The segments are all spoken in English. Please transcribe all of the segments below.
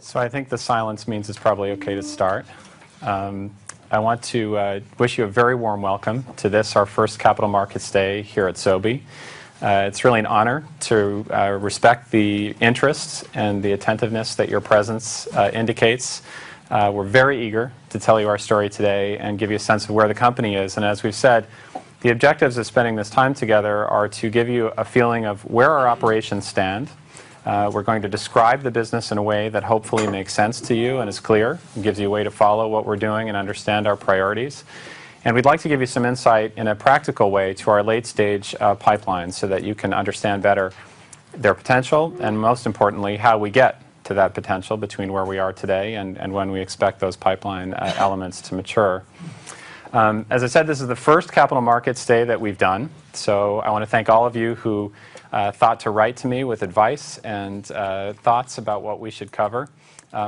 So I think the silence means it's probably okay to start. I want to wish you a very warm welcome to this, our first Capital Markets Day here at Sobi. It's really an honor to respect the interest and the attentiveness that your presence indicates. We're very eager to tell you our story today and give you a sense of where the company is. And as we've said, the objectives of spending this time together are to give you a feeling of where our operations stand. We're going to describe the business in a way that hopefully makes sense to you and is clear, gives you a way to follow what we're doing and understand our priorities. We'd like to give you some insight in a practical way to our late-stage pipeline so that you can understand better their potential and, most importantly, how we get to that potential between where we are today and when we expect those pipeline elements to mature. As I said, this is the first Capital Markets Day that we've done. So I want to thank all of you who thought to write to me with advice and thoughts about what we should cover.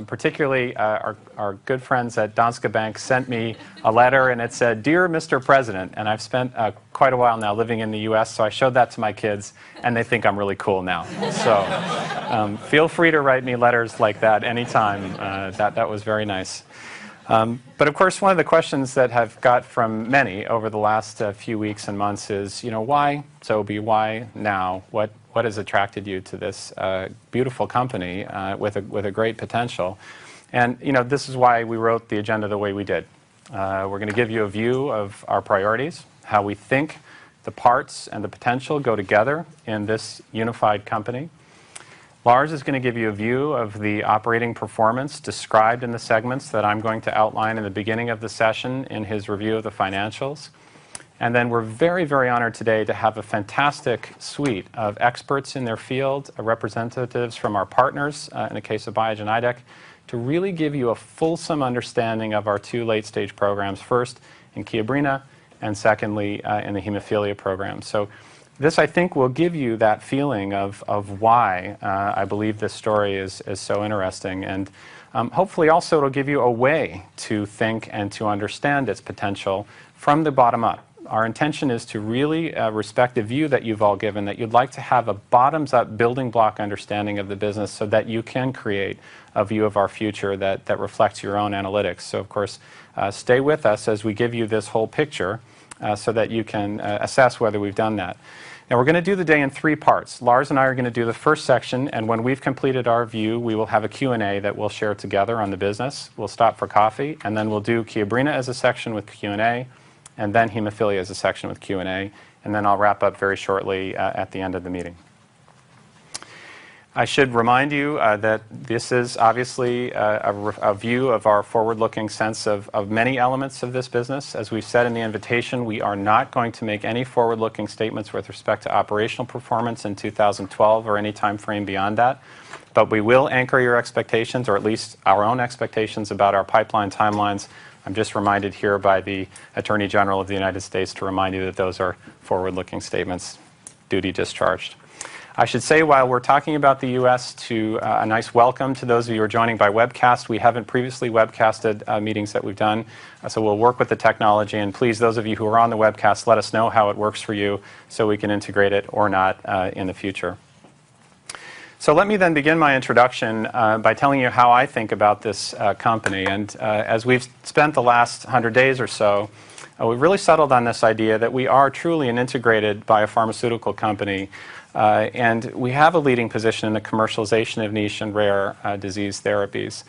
Particularly, our good friends at Danske Bank sent me a letter and it said, "Dear Mr. President," and I've spent quite a while now living in the U.S., so I showed that to my kids and they think I'm really cool now. So feel free to write me letters like that anytime. That was very nice. But of course, one of the questions that I've got from many over the last few weeks and months is, you know, why, Sobi, why now? What has attracted you to this beautiful company with a great potential? And this is why we wrote the agenda the way we did. We're going to give you a view of our priorities, how we think the parts and the potential go together in this unified company. Lars is going to give you a view of the operating performance described in the segments that I'm going to outline in the beginning of the session in his review of the financials. And then we're very, very honored today to have a fantastic suite of experts in their field, representatives from our partners, in the case of Biogen Idec, to really give you a fulsome understanding of our two late-stage programs, first in Kiobrina and secondly in the hemophilia program. So this, I think, will give you that feeling of why I believe this story is so interesting. And hopefully also it'll give you a way to think and to understand its potential from the bottom up. Our intention is to really respect the view that you've all given, that you'd like to have a bottoms-up building block understanding of the business so that you can create a view of our future that reflects your own analytics. So of course, stay with us as we give you this whole picture so that you can assess whether we've done that. Now we're going to do the day in three parts. Lars and I are going to do the first section, and when we've completed our view, we will have a Q&A that we'll share together on the business. We'll stop for coffee, and then we'll do Kiobrina as a section with Q&A, and then hemophilia as a section with Q&A, and then I'll wrap up very shortly at the end of the meeting. I should remind you that this is obviously a view of our forward-looking sense of many elements of this business. As we've said in the invitation, we are not going to make any forward-looking statements with respect to operational performance in 2012 or any time frame beyond that, but we will anchor your expectations, or at least our own expectations, about our pipeline timelines. I'm just reminded here by the Attorney General of the United States to remind you that those are forward-looking statements, duty discharged. I should say, while we're talking about the U.S., a nice welcome to those of you who are joining by webcast. We haven't previously webcasted meetings that we've done. So we'll work with the technology. And please, those of you who are on the webcast, let us know how it works for you so we can integrate it or not in the future. So let me then begin my introduction by telling you how I think about this company. And as we've spent the last hundred days or so, we've really settled on this idea that we are truly an integrated biopharmaceutical company. And we have a leading position in the commercialization of niche and rare disease therapies.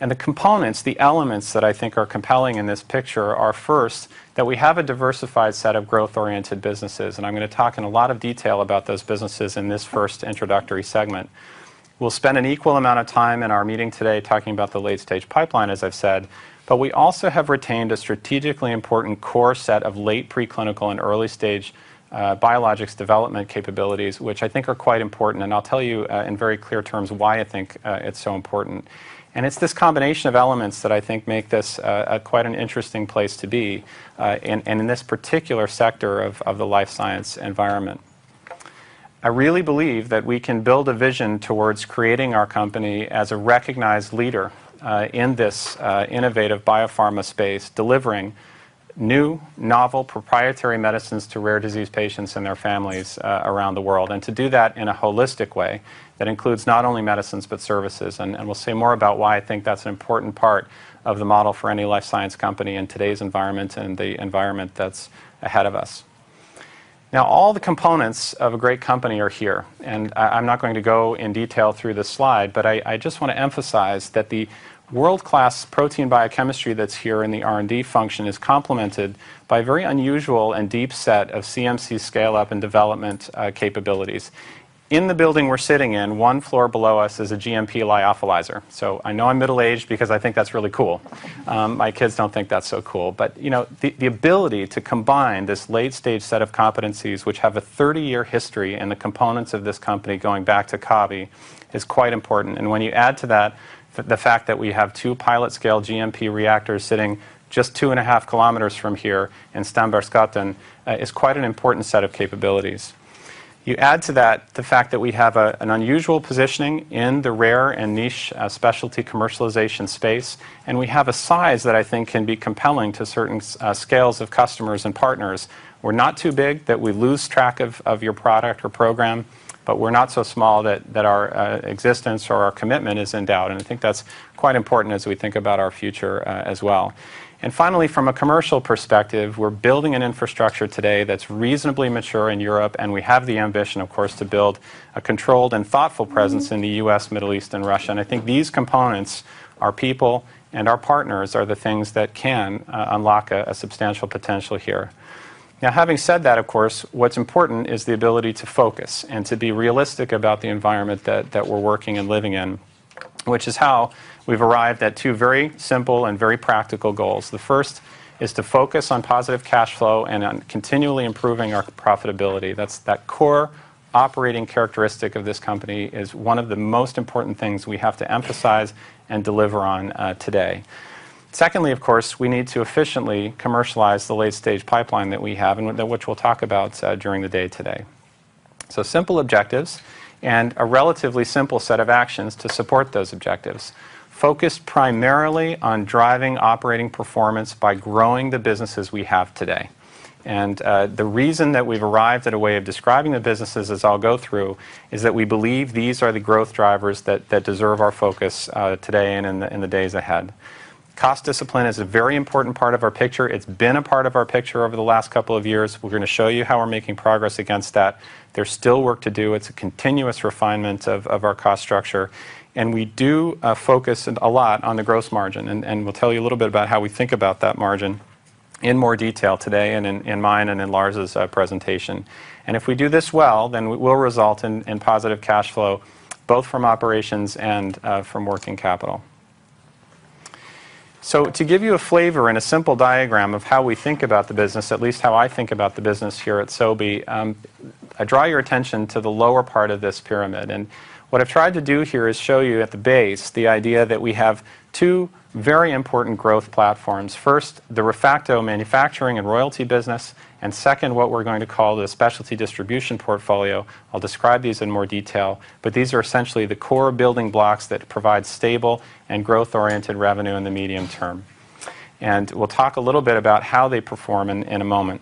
And the components, the elements that I think are compelling in this picture are first that we have a diversified set of growth-oriented businesses. And I'm going to talk in a lot of detail about those businesses in this first introductory segment. We'll spend an equal amount of time in our meeting today talking about the late-stage pipeline, as I've said. But we also have retained a strategically important core set of late preclinical and early-stage biologics development capabilities, which I think are quite important. And I'll tell you in very clear terms why I think it's so important. And it's this combination of elements that I think make this quite an interesting place to be in this particular sector of the life science environment. I really believe that we can build a vision towards creating our company as a recognized leader in this innovative biopharma space, delivering new, novel proprietary medicines to rare disease patients and their families around the world, and to do that in a holistic way that includes not only medicines but services, and we'll say more about why I think that's an important part of the model for any life science company in today's environment and the environment that's ahead of us. Now all the components of a great company are here, and I'm not going to go in detail through this slide, but I just want to emphasize that the world-class protein biochemistry that's here in the R&D function is complemented by a very unusual and deep set of CMC scale-up and development capabilities. In the building we're sitting in, one floor below us is a GMP lyophilizer. I know I'm middle-aged because I think that's really cool. My kids don't think that's so cool. But the ability to combine this late-stage set of competencies, which have a 30-year history in the components of this company going back to Kabi, is quite important. And when you add to that the fact that we have two pilot-scale GMP reactors sitting just 2.5 kilometers from here in Strandbergsgatan, it's quite an important set of capabilities. You add to that the fact that we have an unusual positioning in the rare and niche specialty commercialization space. And we have a size that I think can be compelling to certain scales of customers and partners. We're not too big that we lose track of your product or program, but we're not so small that our existence or our commitment is in doubt. I think that's quite important as we think about our future as well. And finally, from a commercial perspective, we're building an infrastructure today that's reasonably mature in Europe. And we have the ambition, of course, to build a controlled and thoughtful presence in the U.S., Middle East, and Russia. And I think these components, our people, and our partners are the things that can unlock a substantial potential here. Now, having said that, of course, what's important is the ability to focus and to be realistic about the environment that we're working and living in, which is how we've arrived at two very simple and very practical goals. The first is to focus on positive cash flow and on continually improving our profitability. That's the core operating characteristic of this company is one of the most important things we have to emphasize and deliver on today. Secondly, of course, we need to efficiently commercialize the late-stage pipeline that we have, which we'll talk about during the day today. So simple objectives and a relatively simple set of actions to support those objectives. Focus primarily on driving operating performance by growing the businesses we have today. And the reason that we've arrived at a way of describing the businesses as I'll go through is that we believe these are the growth drivers that deserve our focus today and in the days ahead. Cost discipline is a very important part of our picture. It's been a part of our picture over the last couple of years. We're going to show you how we're making progress against that. There's still work to do. It's a continuous refinement of our cost structure. And we do focus a lot on the gross margin. We'll tell you a little bit about how we think about that margin in more detail today and in mine and in Lars's presentation. If we do this well, then it will result in positive cash flow, both from operations and from working capital. To give you a flavor and a simple diagram of how we think about the business, at least how I think about the business here at Sobi, I draw your attention to the lower part of this pyramid. What I've tried to do here is show you at the base the idea that we have two very important growth platforms. First, the ReFacto manufacturing and royalty business. Second, what we're going to call the specialty distribution portfolio. I'll describe these in more detail, but these are essentially the core building blocks that provide stable and growth-oriented revenue in the medium term. And we'll talk a little bit about how they perform in a moment.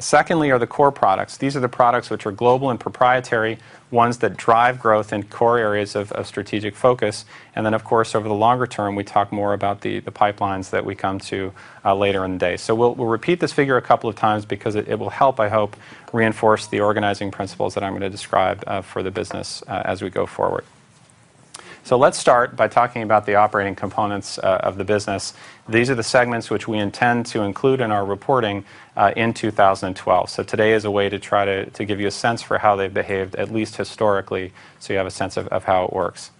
Secondly are the core products. These are the products which are global and proprietary, ones that drive growth in core areas of strategic focus. And then, of course, over the longer term, we talk more about the pipelines that we come to later in the day. So we'll repeat this figure a couple of times because it will help, I hope, reinforce the organizing principles that I'm going to describe for the business as we go forward. So let's start by talking about the operating components of the business. These are the segments which we intend to include in our reporting in 2012. So today is a way to try to give you a sense for how they've behaved, at least historically, so you have a sense of how it works.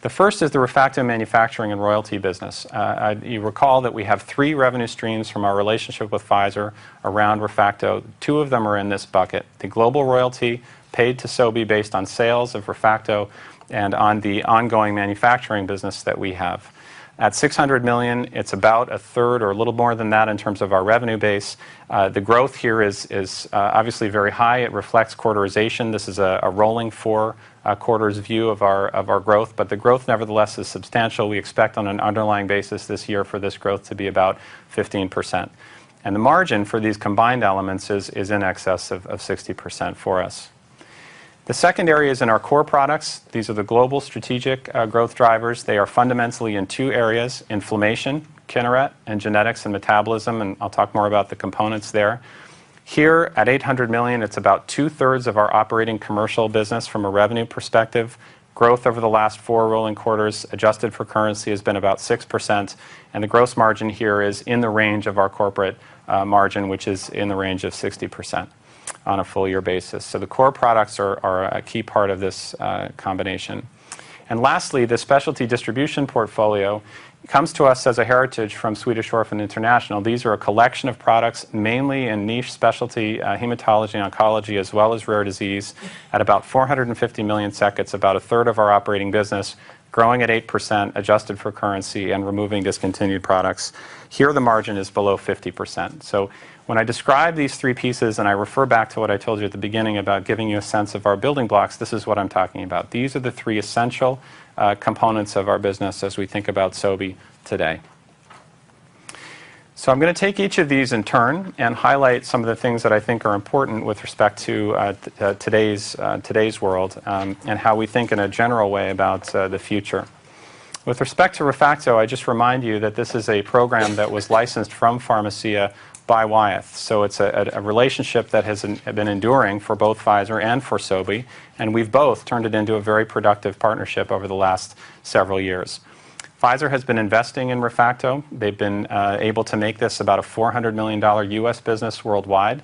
The first is the ReFacto manufacturing and royalty business. You recall that we have three revenue streams from our relationship with Pfizer around ReFacto. Two of them are in this bucket: the global royalty paid to Sobi based on sales of ReFacto and on the ongoing manufacturing business that we have. At 600 million, it's about a third or a little more than that in terms of our revenue base. The growth here is obviously very high. It reflects quarterization. This is a rolling four-quarters view of our growth. But the growth, nevertheless, is substantial. We expect on an underlying basis this year for this growth to be about 15%. And the margin for these combined elements is in excess of 60% for us. The second area is in our core products. These are the global strategic growth drivers. They are fundamentally in two areas: inflammation, Kineret, and genetics and metabolism. And I'll talk more about the components there. Here at 800 million, it's about two-thirds of our operating commercial business from a revenue perspective. Growth over the last four rolling quarters, adjusted for currency, has been about 6%. And the gross margin here is in the range of our corporate margin, which is in the range of 60% on a full-year basis. So the core products are a key part of this combination. And lastly, the specialty distribution portfolio comes to us as a heritage from Swedish Orphan Biovitrum. These are a collection of products mainly in niche specialty hematology-oncology, as well as rare disease, at about 450 million, about a third of our operating business, growing at 8%, adjusted for currency, and removing discontinued products. Here, the margin is below 50%. So when I describe these three pieces and I refer back to what I told you at the beginning about giving you a sense of our building blocks, this is what I'm talking about. These are the three essential components of our business as we think about Sobi today. I'm going to take each of these in turn and highlight some of the things that I think are important with respect to today's world and how we think in a general way about the future. With respect to ReFacto, I just remind you that this is a program that was licensed from Pharmacia by Wyeth. It's a relationship that has been enduring for both Pfizer and for Sobi. We've both turned it into a very productive partnership over the last several years. Pfizer has been investing in ReFacto. They've been able to make this about a $400 million U.S. business worldwide.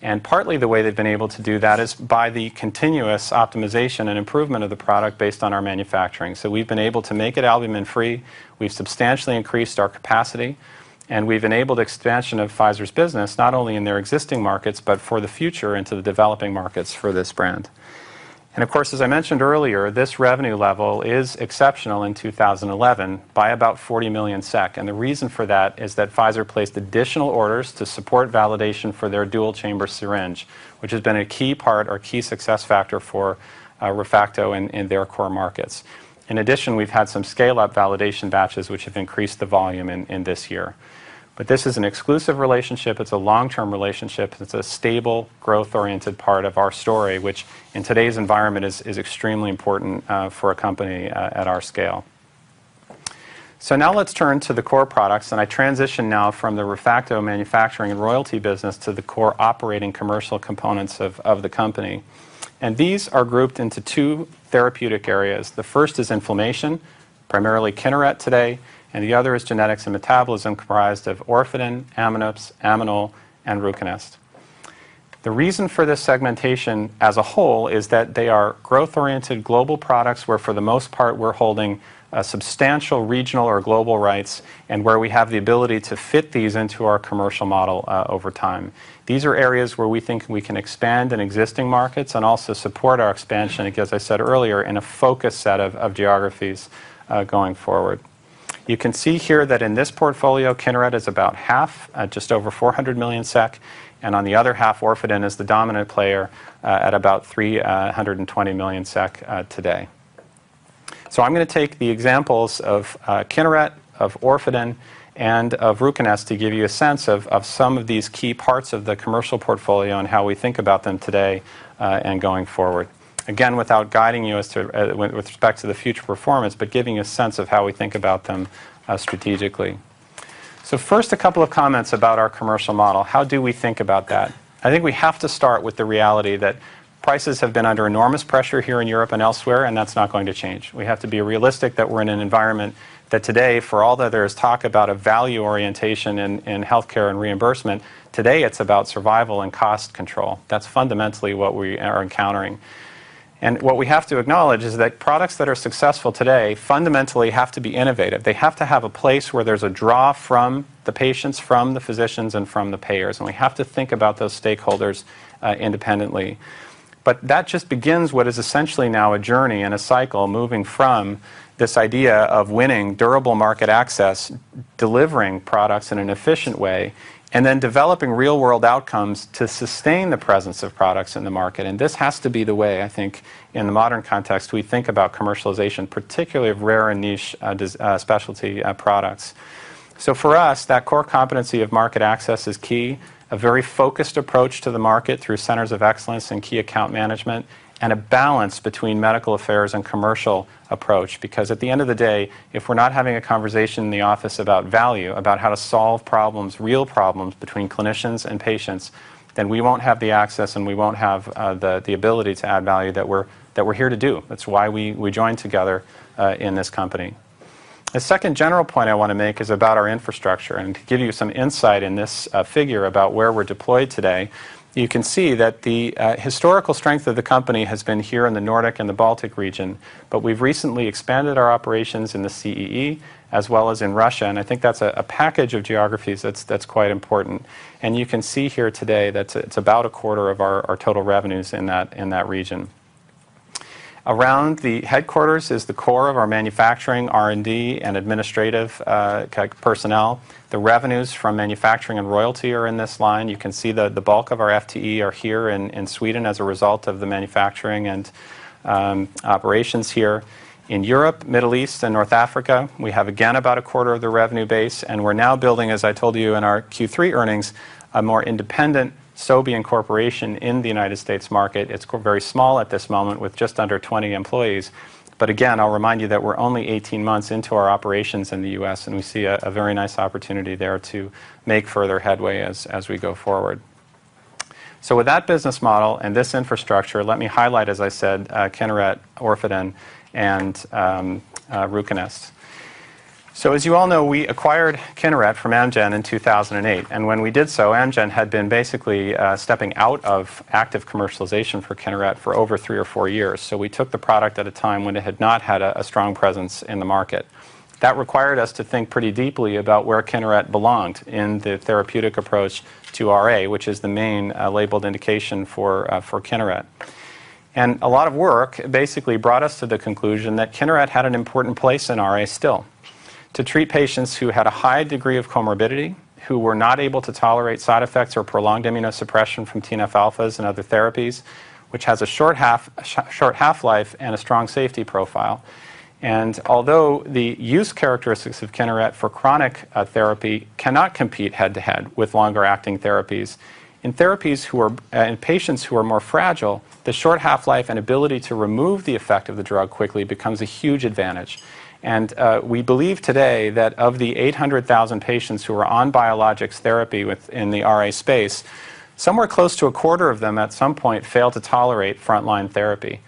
And partly the way they've been able to do that is by the continuous optimization and improvement of the product based on our manufacturing. So we've been able to make it albumin-free. We've substantially increased our capacity. And we've enabled expansion of Pfizer's business not only in their existing markets, but for the future into the developing markets for this brand. And of course, as I mentioned earlier, this revenue level is exceptional in 2011 by about 40 million SEK. And the reason for that is that Pfizer placed additional orders to support validation for their dual-chamber syringe, which has been a key part or key success factor for ReFacto in their core markets. In addition, we've had some scale-up validation batches, which have increased the volume in this year. But this is an exclusive relationship. It's a long-term relationship. It's a stable, growth-oriented part of our story, which in today's environment is extremely important for a company at our scale. So now let's turn to the core products. And I transition now from the ReFacto manufacturing and royalty business to the core operating commercial components of the company. And these are grouped into two therapeutic areas. The first is inflammation, primarily Kineret today. And the other is genetics and metabolism, comprised of Orfadin, Ammonaps, Ammonul, and Ruconest. The reason for this segmentation as a whole is that they are growth-oriented global products where, for the most part, we're holding substantial regional or global rights and where we have the ability to fit these into our commercial model over time. These are areas where we think we can expand in existing markets and also support our expansion, as I said earlier, in a focused set of geographies going forward. You can see here that in this portfolio, Kineret is about half, just over 400 million SEK. And on the other half, Orfadin is the dominant player at about 320 million SEK today. So I'm going to take the examples of Kineret, of Orfadin, and of Ruconest to give you a sense of some of these key parts of the commercial portfolio and how we think about them today and going forward. Again, without guiding you with respect to the future performance, but giving you a sense of how we think about them strategically. So first, a couple of comments about our commercial model. How do we think about that? I think we have to start with the reality that prices have been under enormous pressure here in Europe and elsewhere, and that's not going to change. We have to be realistic that we're in an environment that today, for all that there is talk about a value orientation in healthcare and reimbursement, today it's about survival and cost control. That's fundamentally what we are encountering, and what we have to acknowledge is that products that are successful today fundamentally have to be innovative. They have to have a place where there's a draw from the patients, from the physicians, and from the payers, and we have to think about those stakeholders independently. But that just begins what is essentially now a journey and a cycle moving from this idea of winning durable market access, delivering products in an efficient way, and then developing real-world outcomes to sustain the presence of products in the market. And this has to be the way, I think, in the modern context, we think about commercialization, particularly of rare and niche specialty products. So for us, that core competency of market access is key, a very focused approach to the market through centers of excellence and key account management, and a balance between medical affairs and commercial approach. Because at the end of the day, if we're not having a conversation in the office about value, about how to solve problems, real problems between clinicians and patients, then we won't have the access and we won't have the ability to add value that we're here to do. That's why we joined together in this company. A second general point I want to make is about our infrastructure, and to give you some insight in this figure about where we're deployed today, you can see that the historical strength of the company has been here in the Nordic and the Baltic region, but we've recently expanded our operations in the CEE as well as in Russia. And I think that's a package of geographies that's quite important, and you can see here today that it's about a quarter of our total revenues in that region. Around the headquarters is the core of our manufacturing, R&D, and administrative personnel. The revenues from manufacturing and royalty are in this line. You can see the bulk of our FTE are here in Sweden as a result of the manufacturing and operations here. In Europe, Middle East, and North Africa, we have again about a quarter of the revenue base. We're now building, as I told you in our Q3 earnings, a more independent Sobi incorporation in the United States market. It's very small at this moment with just under 20 employees. I'll remind you that we're only 18 months into our operations in the U.S. We see a very nice opportunity there to make further headway as we go forward. With that business model and this infrastructure, let me highlight, as I said, Kineret, Orfadin, and Ruconest. As you all know, we acquired Kineret from Amgen in 2008. When we did so, Amgen had been basically stepping out of active commercialization for Kineret for over three or four years. We took the product at a time when it had not had a strong presence in the market. That required us to think pretty deeply about where Kineret belonged in the therapeutic approach to RA, which is the main labeled indication for Kineret. A lot of work basically brought us to the conclusion that Kineret had an important place in RA still to treat patients who had a high degree of comorbidity, who were not able to tolerate side effects or prolonged immunosuppression from TNF-alphas and other therapies, which has a short half-life and a strong safety profile. Although the use characteristics of Kineret for chronic therapy cannot compete head-to-head with longer-acting therapies, in patients who are more fragile, the short half-life and ability to remove the effect of the drug quickly becomes a huge advantage. We believe today that of the 800,000 patients who are on biologics therapy in the RA space, somewhere close to a quarter of them at some point failed to tolerate frontline therapy.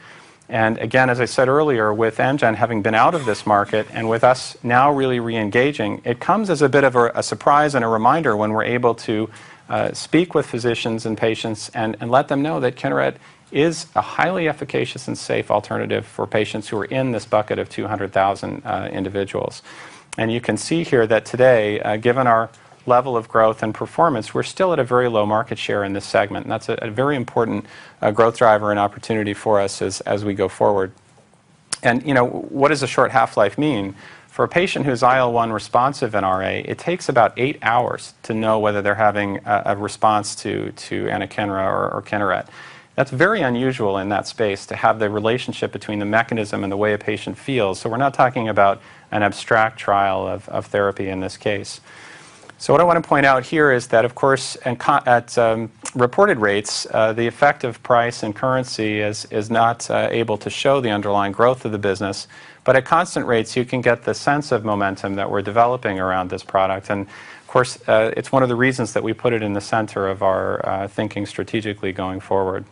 And again, as I said earlier, with Amgen having been out of this market and with us now really re-engaging, it comes as a bit of a surprise and a reminder when we're able to speak with physicians and patients and let them know that Kineret is a highly efficacious and safe alternative for patients who are in this bucket of 200,000 individuals. And you can see here that today, given our level of growth and performance, we're still at a very low market share in this segment. And that's a very important growth driver and opportunity for us as we go forward. And what does a short half-life mean? For a patient who's IL-1 responsive in RA, it takes about eight hours to know whether they're having a response to anakinra or Kineret. That's very unusual in that space to have the relationship between the mechanism and the way a patient feels, so we're not talking about an abstract trial of therapy in this case, so what I want to point out here is that, of course, at reported rates, the effect of price and currency is not able to show the underlying growth of the business, but at constant rates, you can get the sense of momentum that we're developing around this product, and of course, it's one of the reasons that we put it in the center of our thinking strategically going forward.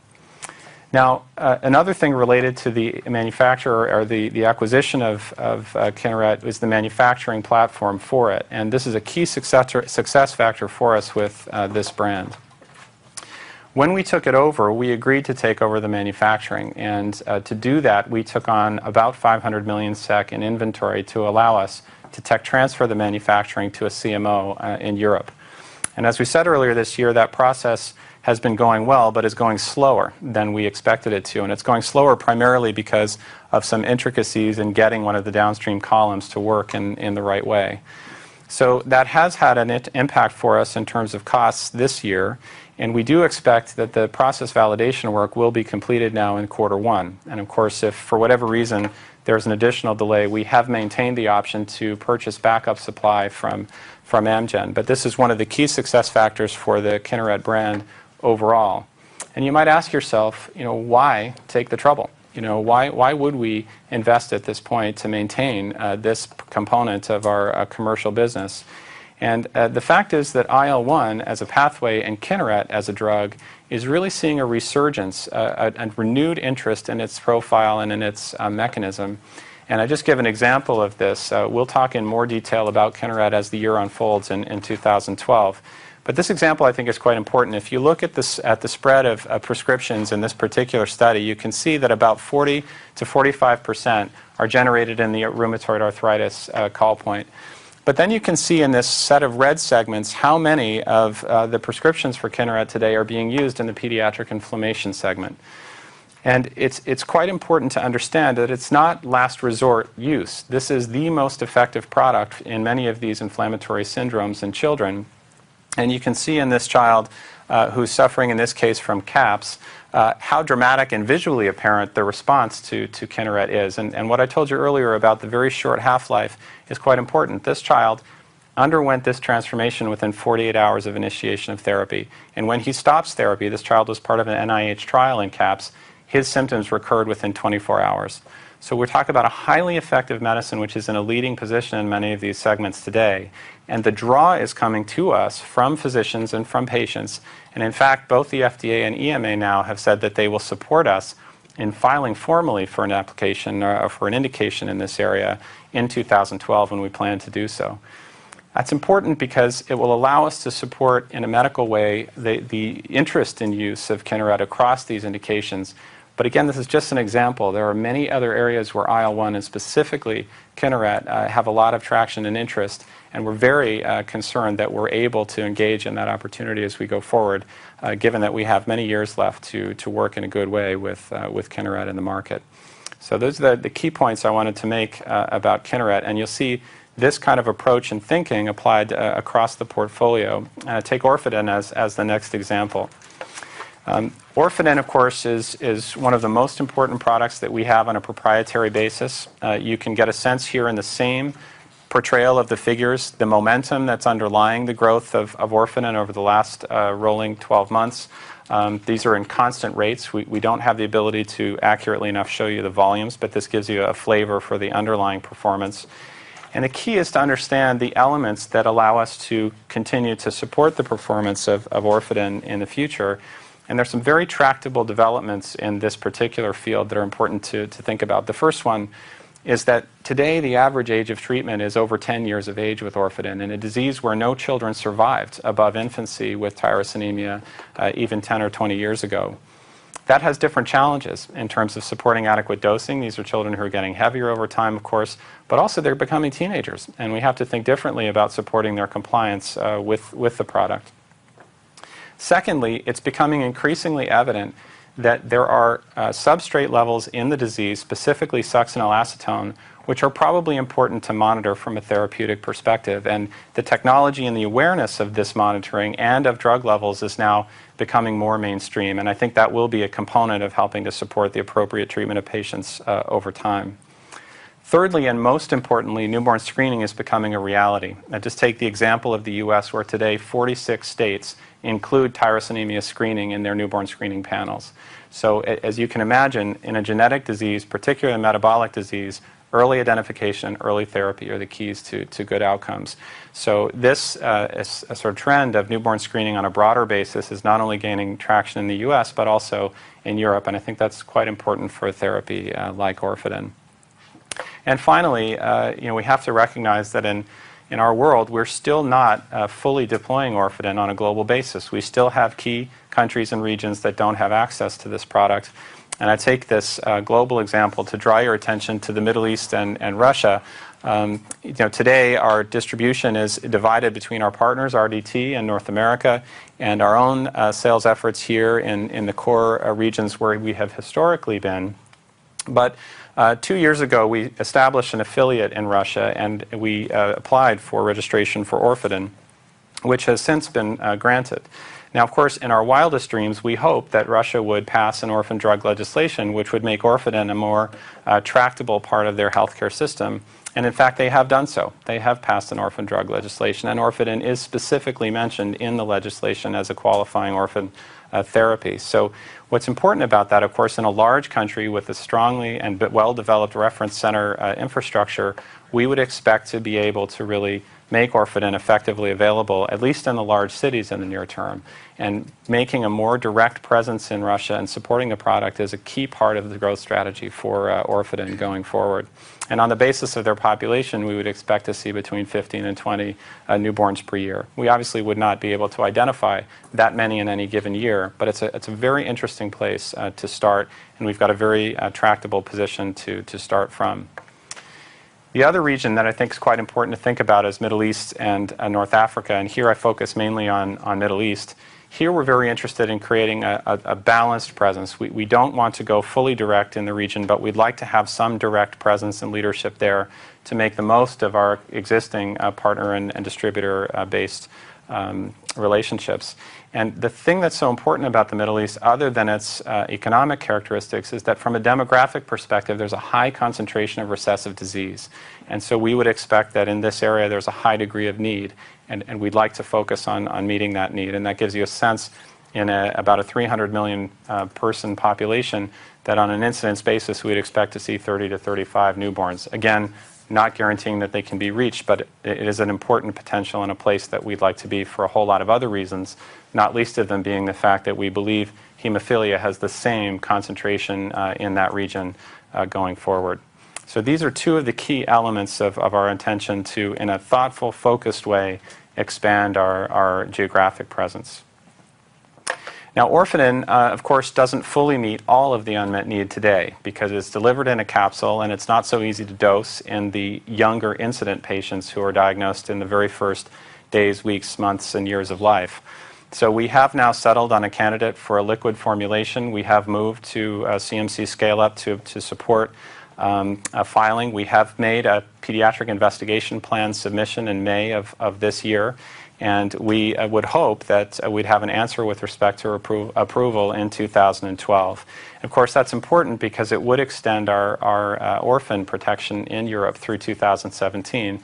Now, another thing related to the manufacturer or the acquisition of Kineret is the manufacturing platform for it. This is a key success factor for us with this brand. When we took it over, we agreed to take over the manufacturing. And to do that, we took on about 500 million SEK in inventory to allow us to tech transfer the manufacturing to a CMO in Europe. And as we said earlier this year, that process has been going well, but it's going slower than we expected it to. And it's going slower primarily because of some intricacies in getting one of the downstream columns to work in the right way. So that has had an impact for us in terms of costs this year. And we do expect that the process validation work will be completed now in quarter one. And of course, if for whatever reason there's an additional delay, we have maintained the option to purchase backup supply from Amgen. This is one of the key success factors for the Kineret brand overall. And you might ask yourself, why take the trouble? Why would we invest at this point to maintain this component of our commercial business? And the fact is that IL-1 as a pathway and Kineret as a drug is really seeing a resurgence and renewed interest in its profile and in its mechanism. And I just give an example of this. We'll talk in more detail about Kineret as the year unfolds in 2012. But this example, I think, is quite important. If you look at the spread of prescriptions in this particular study, you can see that about 40%-45% are generated in the rheumatoid arthritis call point. Then you can see in this set of red segments how many of the prescriptions for Kineret today are being used in the pediatric inflammation segment. And it's quite important to understand that it's not last resort use. This is the most effective product in many of these inflammatory syndromes in children. And you can see in this child who's suffering, in this case, from CAPS, how dramatic and visually apparent the response to Kineret is. And what I told you earlier about the very short half-life is quite important. This child underwent this transformation within 48 hours of initiation of therapy. And when he stops therapy, this child was part of an NIH trial in CAPS. His symptoms recurred within 24 hours. So we're talking about a highly effective medicine, which is in a leading position in many of these segments today. The draw is coming to us from physicians and from patients. In fact, both the FDA and EMA now have said that they will support us in filing formally for an application for an indication in this area in 2012 when we plan to do so. That's important because it will allow us to support in a medical way the interest in use of Kineret across these indications. But again, this is just an example. There are many other areas where IL-1 and specifically Kineret have a lot of traction and interest. We're very concerned that we're able to engage in that opportunity as we go forward, given that we have many years left to work in a good way with Kineret in the market. Those are the key points I wanted to make about Kineret. You'll see this kind of approach and thinking applied across the portfolio. Take Orfadin as the next example. Orfadin, of course, is one of the most important products that we have on a proprietary basis. You can get a sense here in the same portrayal of the figures, the momentum that's underlying the growth of Orfadin over the last rolling 12 months. These are in constant rates. We don't have the ability to accurately enough show you the volumes, but this gives you a flavor for the underlying performance. The key is to understand the elements that allow us to continue to support the performance of Orfadin in the future. There are some very tractable developments in this particular field that are important to think about. The first one is that today the average age of treatment is over 10 years of age with Orfadin, and a disease where no children survived above infancy with tyrosinemia even 10 or 20 years ago. That has different challenges in terms of supporting adequate dosing. These are children who are getting heavier over time, of course, but also they're becoming teenagers, and we have to think differently about supporting their compliance with the product. Secondly, it's becoming increasingly evident that there are substrate levels in the disease, specifically succinylacetone, which are probably important to monitor from a therapeutic perspective, and the technology and the awareness of this monitoring and of drug levels is now becoming more mainstream, and I think that will be a component of helping to support the appropriate treatment of patients over time. Thirdly, and most importantly, newborn screening is becoming a reality. Just take the example of the U.S. where today 46 states include tyrosinemia screening in their newborn screening panels. So as you can imagine, in a genetic disease, particularly a metabolic disease, early identification, early therapy are the keys to good outcomes. So this sort of trend of newborn screening on a broader basis is not only gaining traction in the U.S., but also in Europe. And I think that's quite important for a therapy like Orfadin. And finally, we have to recognize that in our world, we're still not fully deploying Orfadin on a global basis. We still have key countries and regions that don't have access to this product. And I take this global example to draw your attention to the Middle East and Russia. Today, our distribution is divided between our partners, RDT and North America, and our own sales efforts here in the core regions where we have historically been. But two years ago, we established an affiliate in Russia, and we applied for registration for Orfadin, which has since been granted. Now, of course, in our wildest dreams, we hope that Russia would pass an orphan drug legislation, which would make Orfadin a more tractable part of their healthcare system. And in fact, they have done so. They have passed an orphan drug legislation. And Orfadin is specifically mentioned in the legislation as a qualifying orphan therapy. So what's important about that, of course, in a large country with a strongly and well-developed reference center infrastructure, we would expect to be able to really make Orfadin effectively available, at least in the large cities in the near term. Making a more direct presence in Russia and supporting the product is a key part of the growth strategy for Orfadin going forward. On the basis of their population, we would expect to see between 15 and 20 newborns per year. We obviously would not be able to identify that many in any given year, but it's a very interesting place to start. We've got a very tractable position to start from. The other region that I think is quite important to think about is Middle East and North Africa. Here I focus mainly on Middle East. We're very interested in creating a balanced presence. We don't want to go fully direct in the region, but we'd like to have some direct presence and leadership there to make the most of our existing partner and distributor-based relationships. The thing that's so important about the Middle East, other than its economic characteristics, is that from a demographic perspective, there's a high concentration of recessive disease. So we would expect that in this area, there's a high degree of need. We'd like to focus on meeting that need. That gives you a sense in about a 300 million person population that on an incidence basis, we'd expect to see 30-35 newborns. Again, not guaranteeing that they can be reached, but it is an important potential and a place that we'd like to be for a whole lot of other reasons, not least of them being the fact that we believe hemophilia has the same concentration in that region going forward. These are two of the key elements of our intention to, in a thoughtful, focused way, expand our geographic presence. Now, Orfadin, of course, doesn't fully meet all of the unmet need today because it's delivered in a capsule, and it's not so easy to dose in the younger infant patients who are diagnosed in the very first days, weeks, months, and years of life. So we have now settled on a candidate for a liquid formulation. We have moved to CMC scale-up to support filing. We have made a pediatric investigation plan submission in May of this year. And we would hope that we'd have an answer with respect to approval in 2012. And of course, that's important because it would extend our orphan protection in Europe through 2017.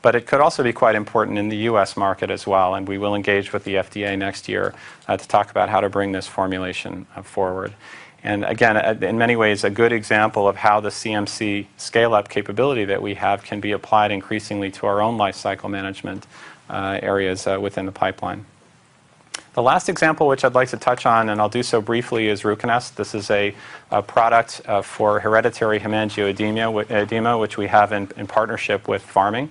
But it could also be quite important in the U.S. market as well. And we will engage with the FDA next year to talk about how to bring this formulation forward. Again, in many ways, a good example of how the CMC scale-up capability that we have can be applied increasingly to our own life cycle management areas within the pipeline. The last example which I'd like to touch on, and I'll do so briefly, is Ruconest. This is a product for hereditary angioedema, which we have in partnership with Pharming.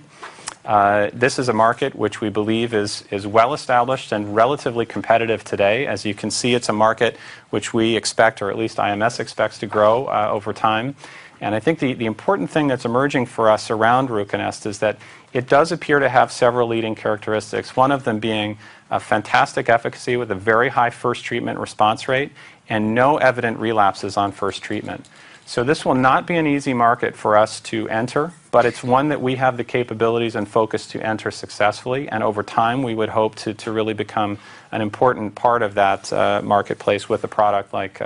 This is a market which we believe is well established and relatively competitive today. As you can see, it's a market which we expect, or at least IMS expects to grow over time. I think the important thing that's emerging for us around Ruconest is that it does appear to have several leading characteristics, one of them being a fantastic efficacy with a very high first treatment response rate and no evident relapses on first treatment. So this will not be an easy market for us to enter, but it's one that we have the capabilities and focus to enter successfully. And over time, we would hope to really become an important part of that marketplace with a product like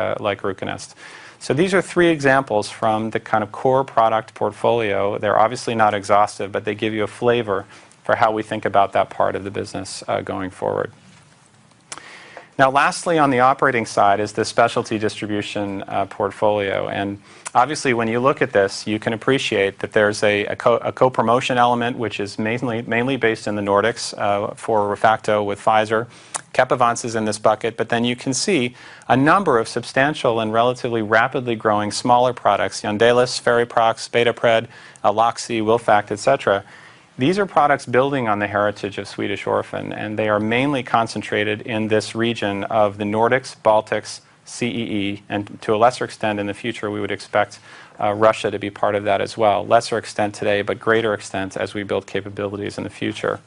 Ruconest. So these are three examples from the kind of core product portfolio. They're obviously not exhaustive, but they give you a flavor for how we think about that part of the business going forward. Now, lastly, on the operating side is the specialty distribution portfolio. And obviously, when you look at this, you can appreciate that there's a co-promotion element, which is mainly based in the Nordics for ReFacto with Pfizer. Kepivance is in this bucket. But then you can see a number of substantial and relatively rapidly growing smaller products: Yondelis, Ferriprox, Betapred, Aloxi, Wilfactin, etc. These are products building on the heritage of Swedish Orphan. And they are mainly concentrated in this region of the Nordics, Baltics, CEE, and to a lesser extent in the future, we would expect Russia to be part of that as well. Lesser extent today, but greater extent as we build capabilities in the future.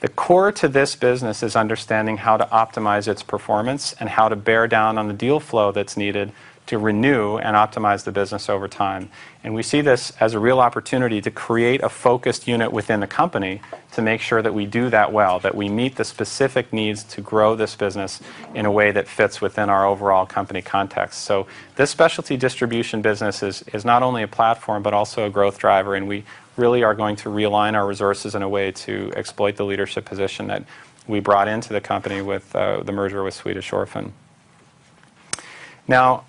The core to this business is understanding how to optimize its performance and how to bear down on the deal flow that's needed to renew and optimize the business over time. And we see this as a real opportunity to create a focused unit within the company to make sure that we do that well, that we meet the specific needs to grow this business in a way that fits within our overall company context. So this specialty distribution business is not only a platform, but also a growth driver. We really are going to realign our resources in a way to exploit the leadership position that we brought into the company with the merger with Swedish Orphan. Now,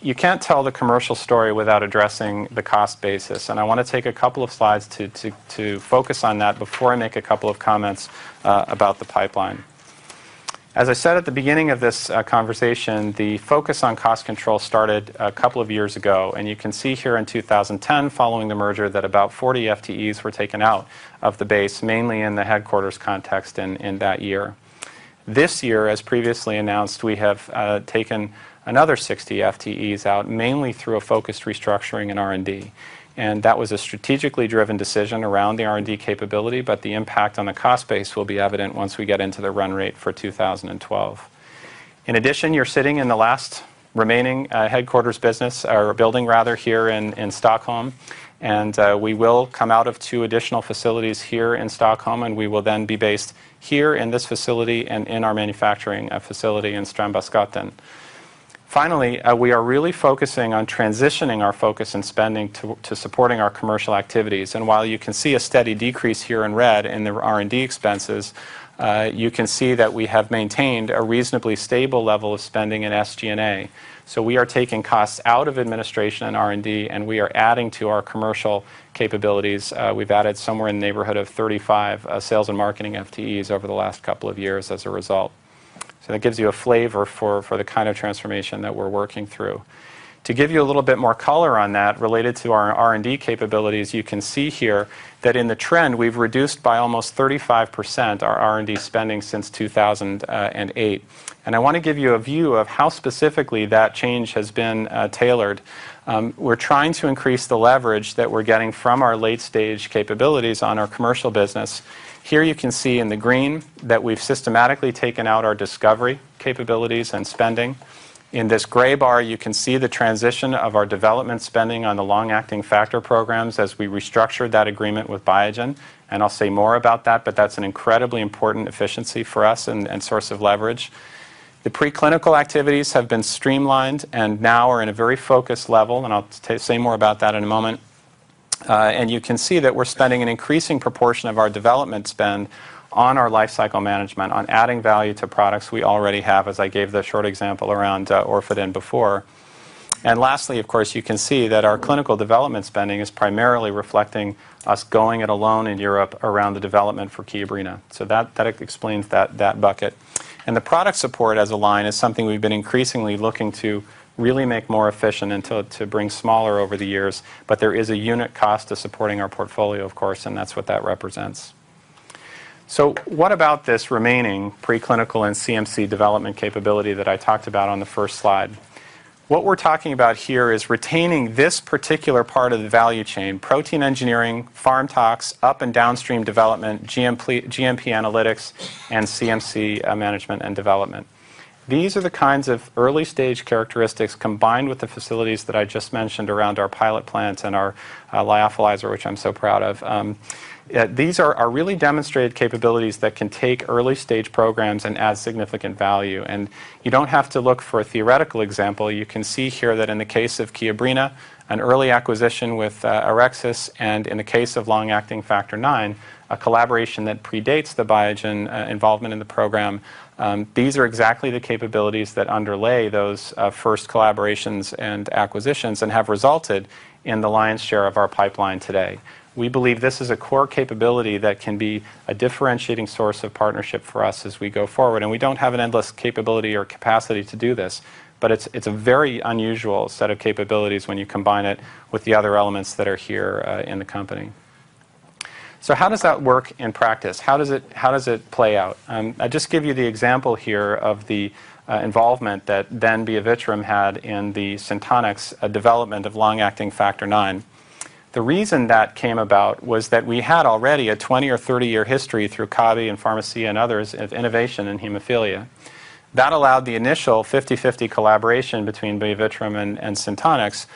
you can't tell the commercial story without addressing the cost basis. And I want to take a couple of slides to focus on that before I make a couple of comments about the pipeline. As I said at the beginning of this conversation, the focus on cost control started a couple of years ago. And you can see here in 2010, following the merger, that about 40 FTEs were taken out of the base, mainly in the headquarters context in that year. This year, as previously announced, we have taken another 60 FTEs out, mainly through a focused restructuring in R&D. That was a strategically driven decision around the R&D capability, but the impact on the cost base will be evident once we get into the run rate for 2012. In addition, you're sitting in the last remaining headquarters business, or building rather, here in Stockholm. We will come out of two additional facilities here in Stockholm, and we will then be based here in this facility and in our manufacturing facility in Strandbergsgatan. Finally, we are really focusing on transitioning our focus and spending to supporting our commercial activities. While you can see a steady decrease here in red in the R&D expenses, you can see that we have maintained a reasonably stable level of spending in SG&A. We are taking costs out of administration and R&D, and we are adding to our commercial capabilities. We've added somewhere in the neighborhood of 35 sales and marketing FTEs over the last couple of years as a result. So that gives you a flavor for the kind of transformation that we're working through. To give you a little bit more color on that, related to our R&D capabilities, you can see here that in the trend, we've reduced by almost 35% our R&D spending since 2008. And I want to give you a view of how specifically that change has been tailored. We're trying to increase the leverage that we're getting from our late-stage capabilities on our commercial business. Here you can see in the green that we've systematically taken out our discovery capabilities and spending. In this gray bar, you can see the transition of our development spending on the long-acting factor programs as we restructured that agreement with Biogen. And I'll say more about that, but that's an incredibly important efficiency for us and source of leverage. The preclinical activities have been streamlined and now are in a very focused level, and I'll say more about that in a moment. And you can see that we're spending an increasing proportion of our development spend on our life cycle management, on adding value to products we already have, as I gave the short example around Orfadin before. And lastly, of course, you can see that our clinical development spending is primarily reflecting us going it alone in Europe around the development for Kiobrina. So that explains that bucket. And the product support as a line is something we've been increasingly looking to really make more efficient and to bring slimmer over the years. But there is a unit cost to supporting our portfolio, of course, and that's what that represents. What about this remaining preclinical and CMC development capability that I talked about on the first slide? What we're talking about here is retaining this particular part of the value chain: protein engineering, Pharm/Tox, upstream and downstream development, GMP analytics, and CMC management and development. These are the kinds of early-stage characteristics combined with the facilities that I just mentioned around our pilot plants and our lyophilizer, which I'm so proud of. These are really demonstrated capabilities that can take early-stage programs and add significant value. You don't have to look for a theoretical example. You can see here that in the case of Kiobrina, an early acquisition with Aurexis, and in the case of long-acting factor IX, a collaboration that predates the Biogen involvement in the program, these are exactly the capabilities that underlay those first collaborations and acquisitions and have resulted in the lion's share of our pipeline today. We believe this is a core capability that can be a differentiating source of partnership for us as we go forward. And we don't have an endless capability or capacity to do this, but it's a very unusual set of capabilities when you combine it with the other elements that are here in the company. So how does that work in practice? How does it play out? I'll just give you the example here of the involvement that then Biovitrum had in the Syntonix development of long-acting factor IX. The reason that came about was that we had already a 20- or 30-year history through Kabi and Pharmacia and others of innovation in hemophilia. That allowed the initial 50/50 collaboration between Biovitrum and Syntonix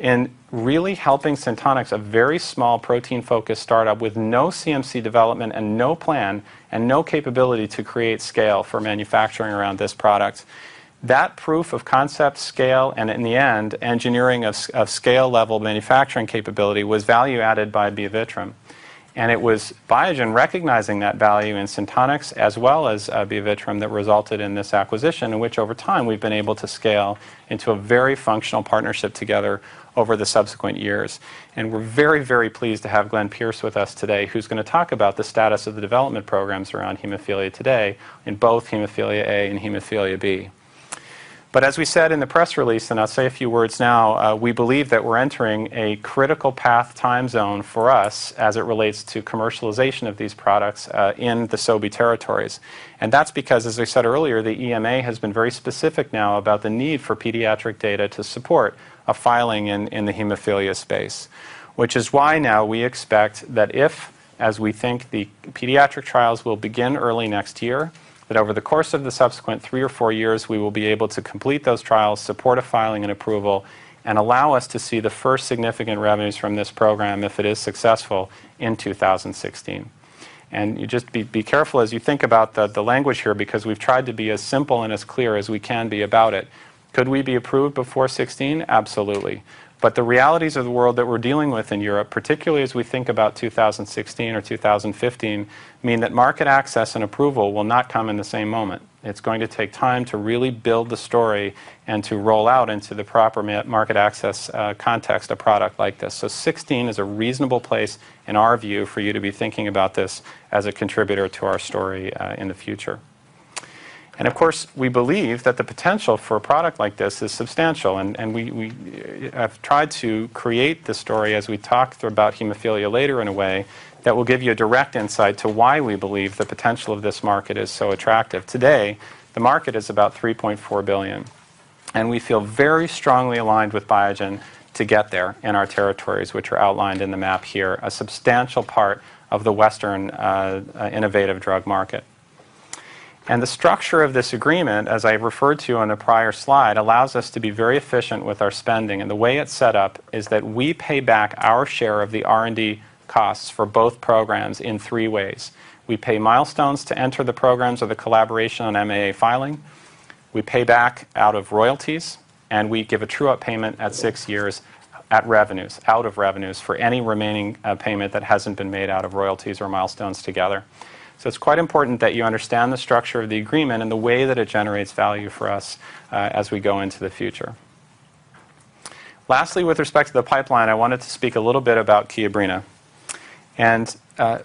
in really helping Syntonix, a very small protein-focused startup with no CMC development and no plan and no capability to create scale for manufacturing around this product. That proof of concept scale and, in the end, engineering of scale-level manufacturing capability was value added by Biovitrum. And it was Biogen recognizing that value in Syntonix as well as Biovitrum that resulted in this acquisition, in which over time we've been able to scale into a very functional partnership together over the subsequent years. And we're very, very pleased to have Glenn Pierce with us today, who's going to talk about the status of the development programs around hemophilia today in both hemophilia A and Hemophilia B. But as we said in the press release, and I'll say a few words now, we believe that we're entering a critical path time zone for us as it relates to commercialization of these products in the SOBI territories. That's because, as I said earlier, the EMA has been very specific now about the need for pediatric data to support a filing in the hemophilia space, which is why now we expect that if, as we think, the pediatric trials will begin early next year, that over the course of the subsequent three or four years, we will be able to complete those trials, support a filing and approval, and allow us to see the first significant revenues from this program if it is successful in 2016. Just be careful as you think bout the language here, because we've tried to be as simple and as clear as we can be about it. Could we be approved before 2016? Absolutely. But the realities of the world that we're dealing with in Europe, particularly as we think about 2016 or 2015, mean that market access and approval will not come in the same moment. It's going to take time to really build the story and to roll out into the proper market access context a product like this. So 2016 is a reasonable place, in our view, for you to be thinking about this as a contributor to our story in the future. And of course, we believe that the potential for a product like this is substantial. And we have tried to create the story, as we talked about hemophilia later in a way, that will give you a direct insight to why we believe the potential of this market is so attractive. Today, the market is about $3.4 billion. And we feel very strongly aligned with Biogen to get there in our territories, which are outlined in the map here, a substantial part of the Western innovative drug market. And the structure of this agreement, as I referred to on the prior slide, allows us to be very efficient with our spending. And the way it's set up is that we pay back our share of the R&D costs for both programs in three ways. We pay milestones to enter the programs of the collaboration on MAA filing. We pay back out of royalties. And we give a true-up payment at six years out of revenues for any remaining payment that hasn't been made out of royalties or milestones together. So it's quite important that you understand the structure of the agreement and the way that it generates value for us as we go into the future. Lastly, with respect to the pipeline, I wanted to speak a little bit about Kiobrina. And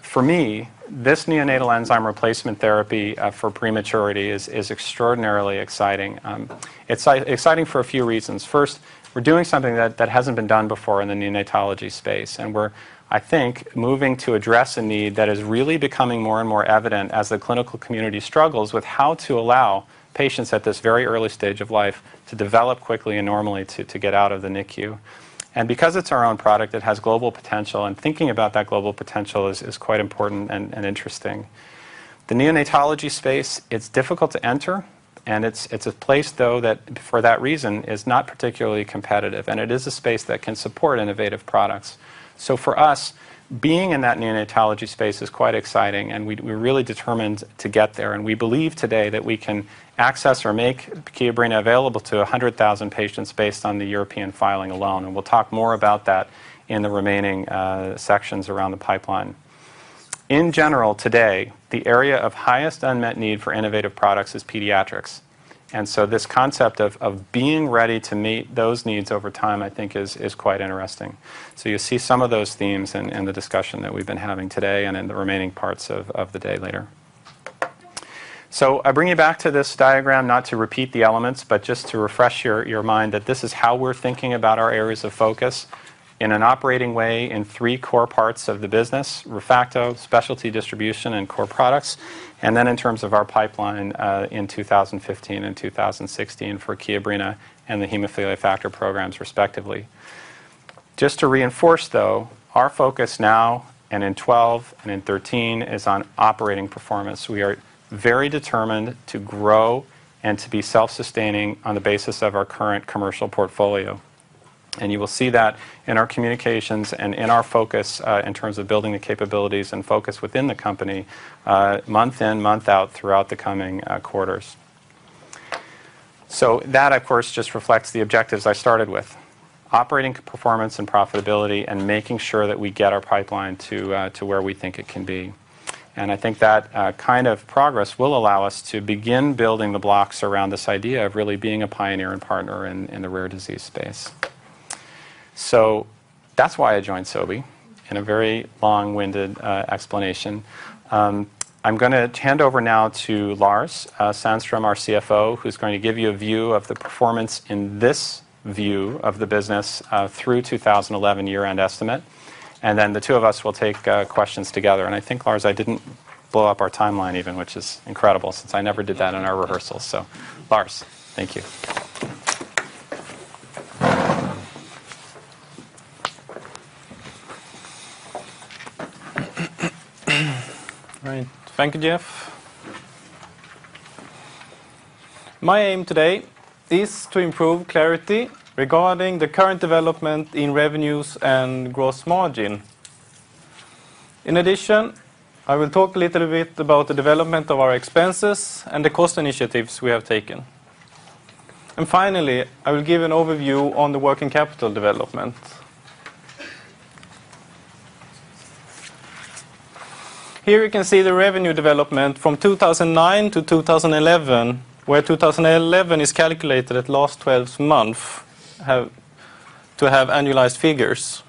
for me, this neonatal enzyme replacement therapy for prematurity is extraordinarily exciting. It's exciting for a few reasons. First, we're doing something that hasn't been done before in the neonatology space. And we're, I think, moving to address a need that is really becoming more and more evident as the clinical community struggles with how to allow patients at this very early stage of life to develop quickly and normally to get out of the NICU. And because it's our own product, it has global potential. And thinking about that global potential is quite important and interesting. The neonatology space, it's difficult to enter. And it's a place, though, that for that reason is not particularly competitive. And it is a space that can support innovative products. So for us, being in that neonatology space is quite exciting. And we're really determined to get there. And we believe today that we can access or make Kiobrina available to 100,000 patients based on the European filing alone. And we'll talk more about that in the remaining sections around the pipeline. In general, today, the area of highest unmet need for innovative products is pediatrics. And so this concept of being ready to meet those needs over time, I think, is quite interesting. So you see some of those themes in the discussion that we've been having today and in the remaining parts of the day later. So I bring you back to this diagram, not to repeat the elements, but just to refresh your mind that this is how we're thinking about our areas of focus in an operating way in three core parts of the business: ReFacto, specialty distribution, and core products. And then in terms of our pipeline in 2015 and 2016 for Kiobrina and the hemophilia factor programs, respectively. Just to reinforce, though, our focus now and in 2012 and in 2013 is on operating performance. We are very determined to grow and to be self-sustaining on the basis of our current commercial portfolio. And you will see that in our communications and in our focus in terms of building the capabilities and focus within the company month in, month out throughout the coming quarters. So that, of course, just reflects the objectives I started with: operating performance and profitability and making sure that we get our pipeline to where we think it can be. And I think that kind of progress will allow us to begin building the blocks around this idea of really being a pioneer and partner in the rare disease space. So that's why I joined SOBI, in a very long-winded explanation. I'm going to hand over now to Lars Sandström, our CFO, who's going to give you a view of the performance in this view of the business through 2011 year-end estimate. And then the two of us will take questions together. And I think, Lars, I didn't blow up our timeline even, which is incredible since I never did that in our rehearsal. So, Lars, thank you. Right. Thank you, Jeff. My aim today is to improve clarity regarding the current development in revenues and gross margin. In addition, I will talk a little bit about the development of our expenses and the cost initiatives we have taken. Finally, I will give an overview on the working capital development. Here you can see the revenue development from 2009 to 2011, where 2011 is calculated at last 12 months to have annualized figures.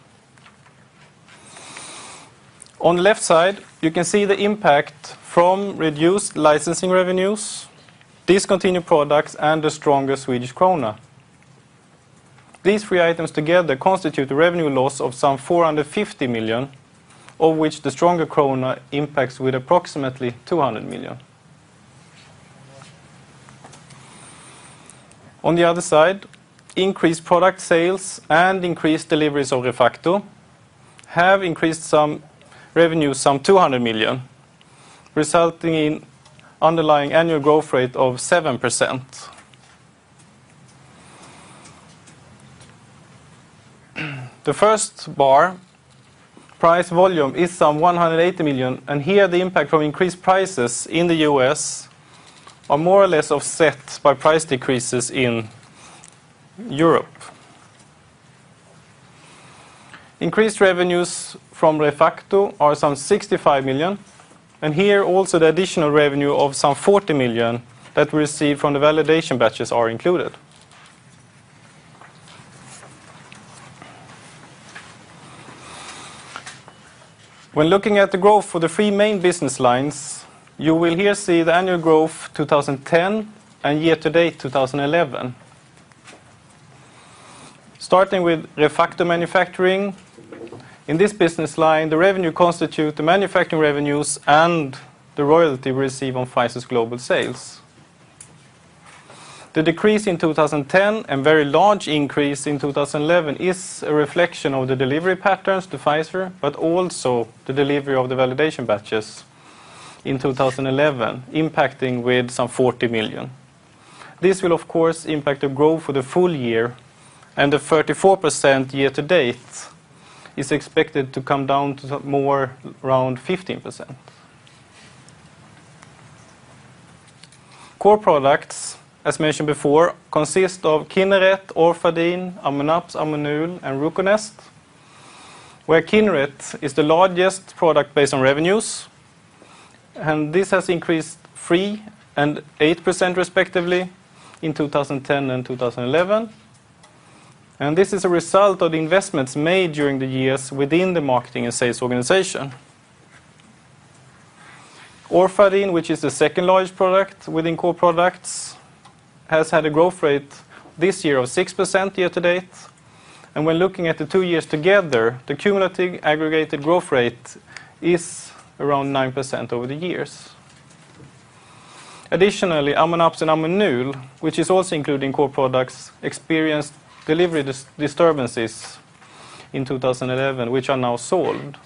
On the left side, you can see the impact from reduced licensing revenues, discontinued products, and the stronger Swedish krona. These three items together constitute a revenue loss of some 450 million, of which the stronger krona impacts with approximately 200 million. On the other side, increased product sales and increased deliveries of ReFacto have increased revenues some 200 million, resulting in underlying annual growth rate of 7%. The first bar, price volume, is some 180 million. Here, the impact from increased prices in the US are more or less offset by price decreases in Europe. Increased revenues from ReFacto are some 65 million. And here, also, the additional revenue of some 40 million that we receive from the validation batches are included. When looking at the growth for the three main business lines, you will here see the annual growth 2010 and year-to-date 2011. Starting with ReFacto manufacturing, in this business line, the revenue constitutes the manufacturing revenues and the royalty we receive on Pfizer's global sales. The decrease in 2010 and very large increase in 2011 is a reflection of the delivery patterns to Pfizer, but also the delivery of the validation batches in 2011, impacting with some 40 million. This will, of course, impact the growth for the full year. The 34% year-to-date is expected to come down to more around 15%. Core products, as mentioned before, consist of Kineret, Orfadin, Ammonaps, Ammonul, and Ruconest, where Kineret is the largest product based on revenues. This has increased 3% and 8%, respectively, in 2010 and 2011. This is a result of the investments made during the years within the marketing and sales organization. Orfadin, which is the second-largest product within core products, has had a growth rate this year of 6% year-to-date. When looking at the two years together, the cumulative aggregated growth rate is around 9% over the years. Additionally, Ammonaps and Ammonul, which is also included in core products, experienced delivery disturbances in 2011, which are now solved.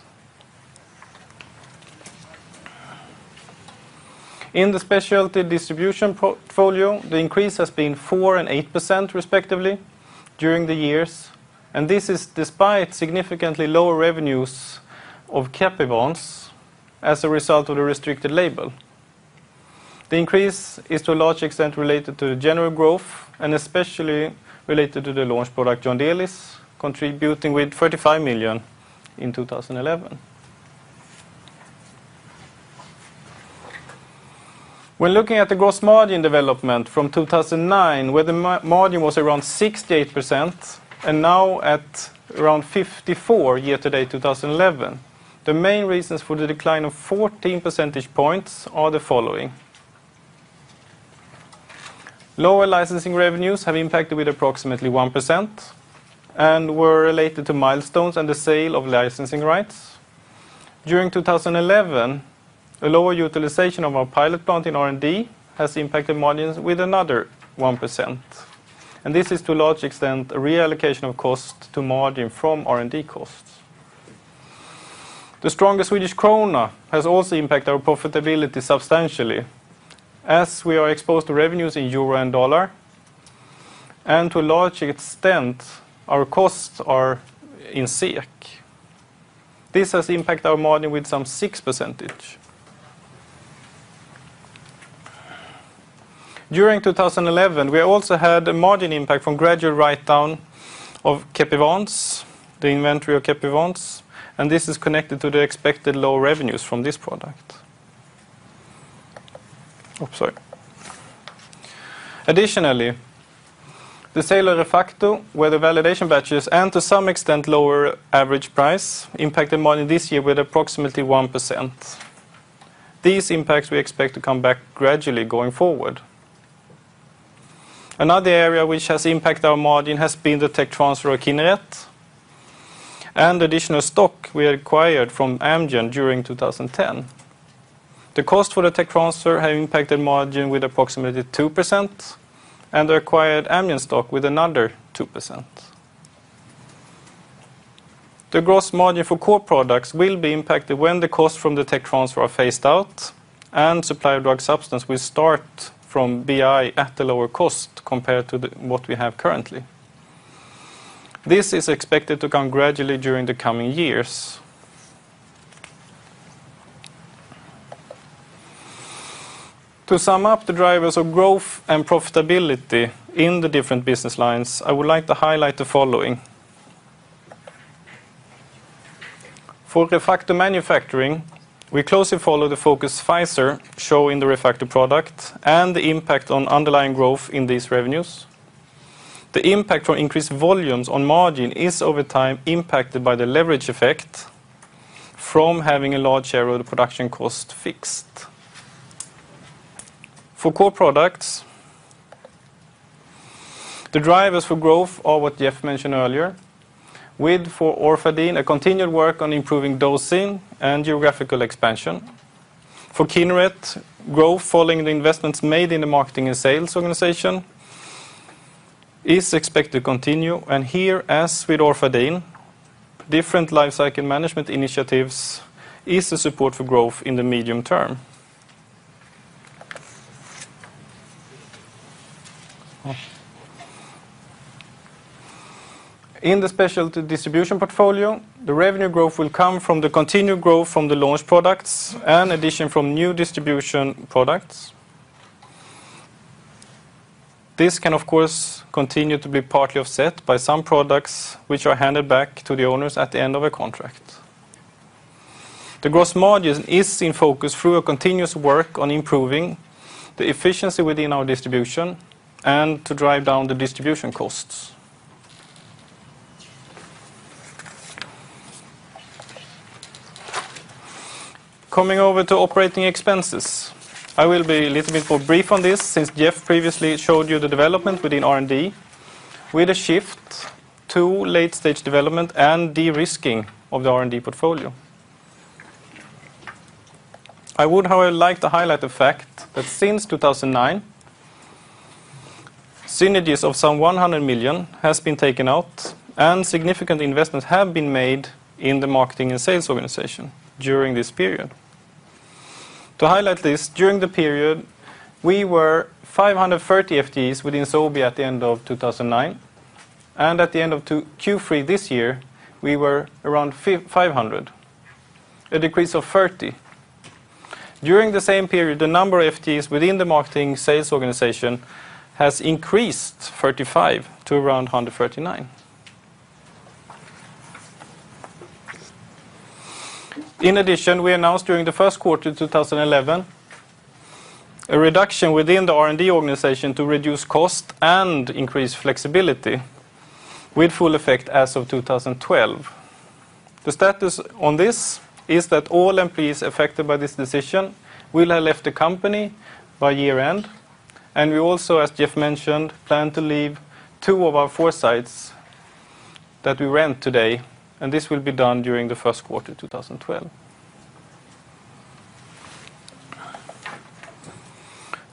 In the specialty distribution portfolio, the increase has been 4% and 8%, respectively, during the years. This is despite significantly lower revenues of Kepivance as a result of the restricted label. The increase is, to a large extent, related to the general growth and especially related to the launch product, Yondelis, contributing with 35 million in 2011. When looking at the gross margin development from 2009, where the margin was around 68% and now at around 54% year-to-date 2011, the main reasons for the decline of 14 percentage points are the following. Lower licensing revenues have impacted with approximately 1% and were related to milestones and the sale of licensing rights. During 2011, a lower utilization of our pilot plant in R&D has impacted margins with another 1%. And this is, to a large extent, a reallocation of cost to margin from R&D costs. The stronger Swedish krona has also impacted our profitability substantially, as we are exposed to revenues in euro and dollar. And to a large extent, our costs are in SEK. This has impacted our margin with some 6%. During 2011, we also had a margin impact from gradual write-down of Kepivance, the inventory of Kepivance. This is connected to the expected low revenues from this product. Additionally, the sale of ReFacto, where the validation batches and, to some extent, lower average price impacted margin this year with approximately 1%. These impacts we expect to come back gradually going forward. Another area which has impacted our margin has been the tech transfer of Kineret and the additional stock we acquired from Amgen during 2010. The cost for the tech transfer has impacted margin with approximately 2% and the acquired Amgen stock with another 2%. The gross margin for core products will be impacted when the cost from the tech transfer are phased out. Supply of drug substance will start from BI at a lower cost compared to what we have currently. This is expected to come gradually during the coming years. To sum up the drivers of growth and profitability in the different business lines, I would like to highlight the following. For ReFacto manufacturing, we closely follow the focus Pfizer shows in the ReFacto product and the impact on underlying growth in these revenues. The impact from increased volumes on margin is, over time, impacted by the leverage effect from having a large share of the production cost fixed. For core products, the drivers for growth are what Jeff mentioned earlier, with, for Orfadin, a continued work on improving dosing and geographical expansion. For Kineret, growth following the investments made in the marketing and sales organization is expected to continue. Here, as with Orfadin, different lifecycle management initiatives is the support for growth in the medium term. In the specialty distribution portfolio, the revenue growth will come from the continued growth from the launch products and addition from new distribution products. This can, of course, continue to be partly offset by some products which are handed back to the owners at the end of a contract. The gross margin is in focus through a continuous work on improving the efficiency within our distribution and to drive down the distribution costs. Coming over to operating expenses, I will be a little bit more brief on this since Jeff previously showed you the development within R&D with a shift to late-stage development and de-risking of the R&D portfolio. I would, however, like to highlight the fact that since 2009, synergies of some 100 million have been taken out and significant investments have been made in the marketing and sales organization during this period. To highlight this, during the period, we were 530 FTEs within Sobi at the end of 2009. And at the end of Q3 this year, we were around 500, a decrease of 30. During the same period, the number of FTEs within the marketing sales organization has increased 35 to around 139. In addition, we announced during the first quarter of 2011 a reduction within the R&D organization to reduce cost and increase flexibility with full effect as of 2012. The status on this is that all employees affected by this decision will have left the company by year-end. We also, as Jeff mentioned, plan to leave two of our four sites that we rent today. This will be done during the first quarter of 2012.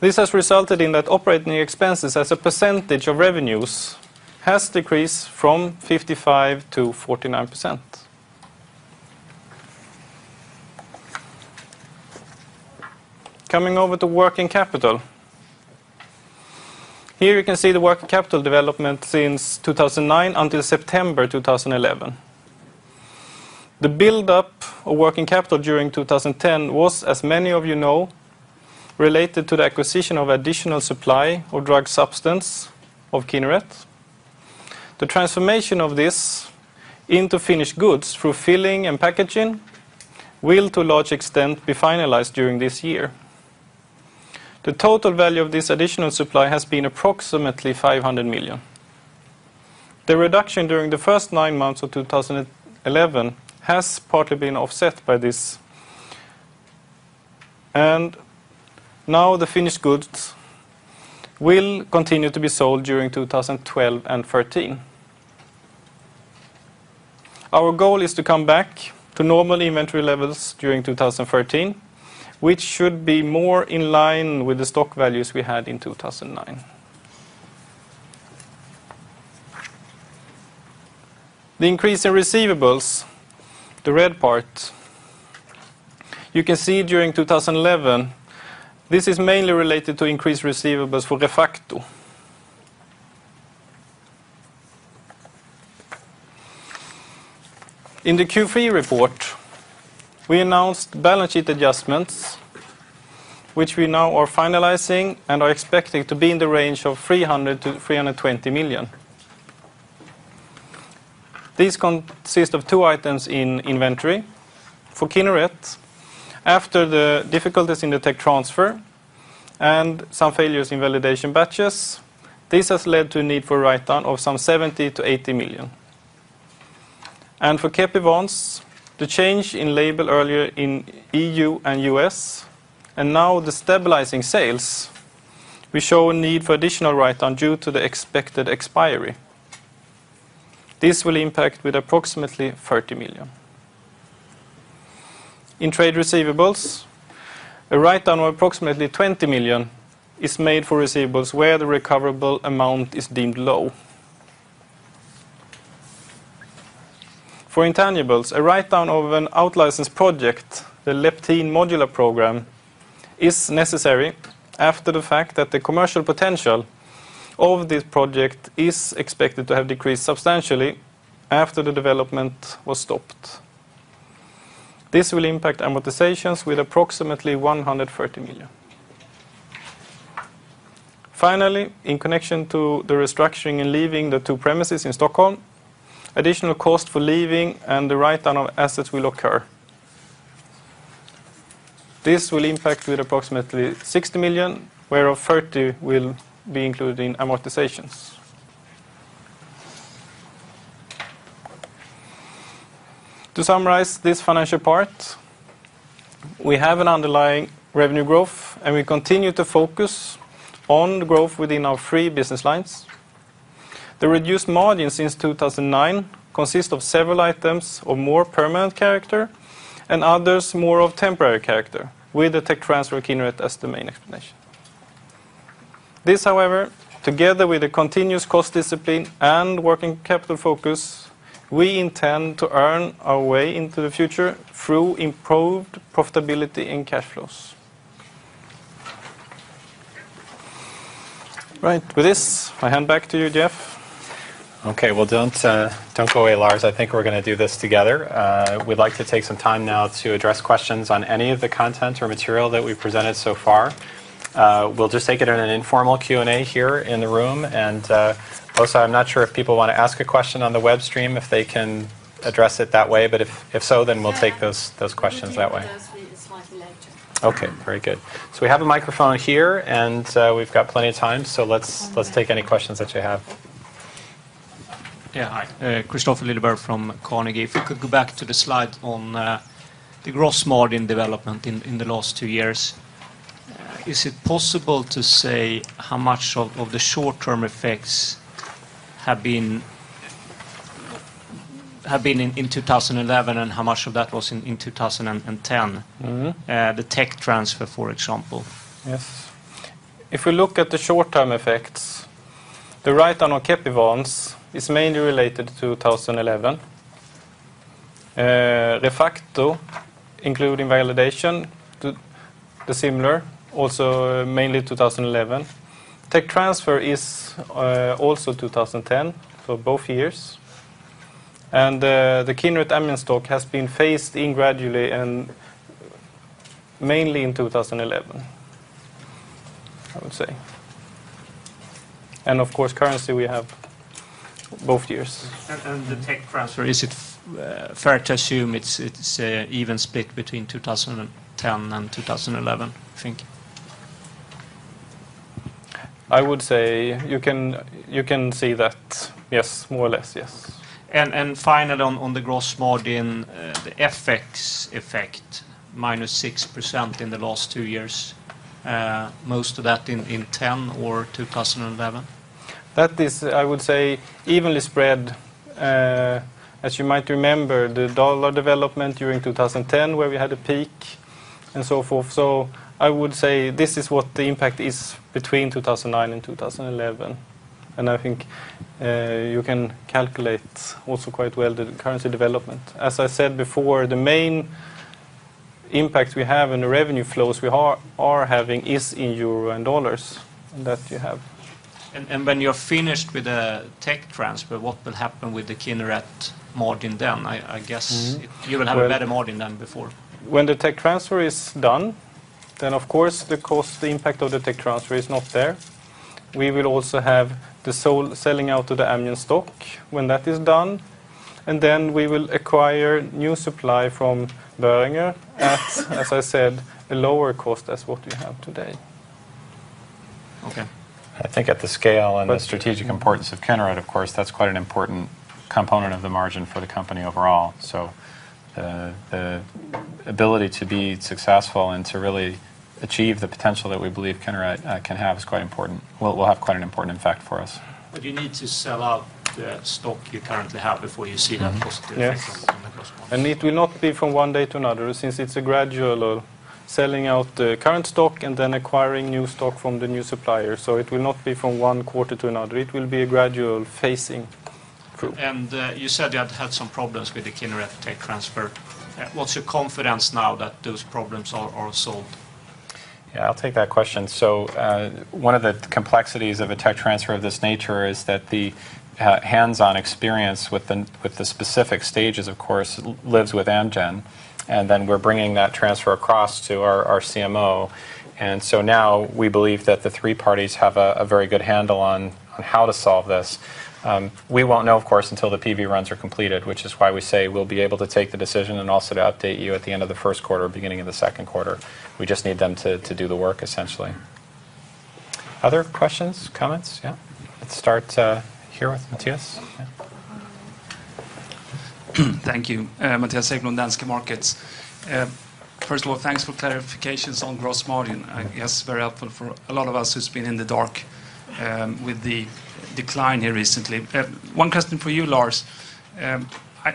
This has resulted in that operating expenses as a percentage of revenues has decreased from 55% to 49%. Coming over to working capital, here you can see the working capital development since 2009 until September 2011. The build-up of working capital during 2010 was, as many of you know, related to the acquisition of additional supply or drug substance of Kineret. The transformation of this into finished goods through filling and packaging will, to a large extent, be finalized during this year. The total value of this additional supply has been approximately 500 million. The reduction during the first nine months of 2011 has partly been offset by this. Now the finished goods will continue to be sold during 2012 and '13. Our goal is to come back to normal inventory levels during 2013, which should be more in line with the stock values we had in 2009. The increase in receivables, the red part, you can see during 2011. This is mainly related to increased receivables for ReFacto. In the Q3 report, we announced balance sheet adjustments, which we now are finalizing and are expecting to be in the range of 300-320 million. These consist of two items in inventory. For Kineret, after the difficulties in the tech transfer and some failures in validation batches, this has led to a need for write-down of some 70-80 million. And for Kepivance, the change in label earlier in EU and US and now the stabilizing sales, we show a need for additional write-down due to the expected expiry. This will impact with approximately 30 million. In trade receivables, a write-down of approximately 20 million is made for receivables where the recoverable amount is deemed low. For intangibles, a write-down of an out-licensed project, the Leptin modular program, is necessary after the fact that the commercial potential of this project is expected to have decreased substantially after the development was stopped. This will impact amortizations with approximately 130 million. Finally, in connection to the restructuring and leaving the two premises in Stockholm, additional cost for leaving and the write-down of assets will occur. This will impact with approximately 60 million, whereof 30 million will be included in amortizations. To summarize this financial part, we have an underlying revenue growth, and we continue to focus on the growth within our three business lines. The reduced margin since 2009 consists of several items of more permanent character and others more of temporary character, with the tech transfer of Kineret as the main explanation. This, however, together with the continuous cost discipline and working capital focus, we intend to earn our way into the future through improved profitability in cash flows. Right. With this, I hand back to you, Jeff. Okay. Don't go away, Lars. I think we're going to do this together. We'd like to take some time now to address questions on any of the content or material that we've presented so far. We'll just take it in an informal Q&A here in the room. Also, I'm not sure if people want to ask a question on the web stream if they can address it that way. If so, then we'll take those questions that way. Okay. Very good. So we have a microphone here, and we've got plenty of time. So let's take any questions that you have. Yeah. Hi. Kristofer Liljeberg from Carnegie. If we could go back to the slide on the gross margin development in the last two years, is it possible to say how much of the short-term effects have been in 2011 and how much of that was in 2010, the tech transfer, for example? Yes. If we look at the short-term effects, the write-down on Kepivance is mainly related to 2011. ReFacto, including validation, similarly, also mainly 2011. Tech transfer is also 2010 for both years. And the Kineret-Amgen stock has been phased in gradually and mainly in 2011, I would say. And of course, currency we have both years. The tech transfer, is it fair to assume it's an even split between 2010 and 2011, I think? I would say you can see that, yes, more or less, yes. And finally, on the gross margin, the FX effect minus 6% in the last two years, most of that in 2010 or 2011? That is, I would say, evenly spread. As you might remember, the dollar development during 2010, where we had a peak and so forth. So I would say this is what the impact is between 2009 and 2011. And I think you can calculate also quite well the currency development. As I said before, the main impact we have in the revenue flows we are having is in euro and dollars that you have. When you're finished with the tech transfer, what will happen with the Kineret margin then? I guess you will have a better margin than before. When the tech transfer is done, then of course the impact of the tech transfer is not there. We will also have the selling out of the Amgen stock when that is done. And then we will acquire new supply from Boehringer, as I said, a lower cost as what we have today. Okay. I think at the scale and the strategic importance of Kineret, of course, that's quite an important component of the margin for the company overall. So the ability to be successful and to really achieve the potential that we believe Kineret can have is quite important. Will have quite an important impact for us. But you need to sell out the stock you currently have before you see that positive effect on the gross margin. And it will not be from one day to another since it's a gradual selling out the current stock and then acquiring new stock from the new supplier. So it will not be from one quarter to another. It will be a gradual phasing through. You said you had had some problems with the Kineret tech transfer. What's your confidence now that those problems are solved? Yeah. I'll take that question. So one of the complexities of a tech transfer of this nature is that the hands-on experience with the specific stages, of course, lives with Amgen. And then we're bringing that transfer across to our CMO. And so now we believe that the three parties have a very good handle on how to solve this. We won't know, of course, until the PV runs are completed, which is why we say we'll be able to take the decision and also to update you at the end of the first quarter or beginning of the second quarter. We just need them to do the work, essentially. Other questions, comments? Yeah. Let's start here with Mattias. Thank you, Mattias Engström, Danske Markets. First of all, thanks for clarifications on gross margin. I guess very helpful for a lot of us who've been in the dark with the decline here recently. One question for you, Lars.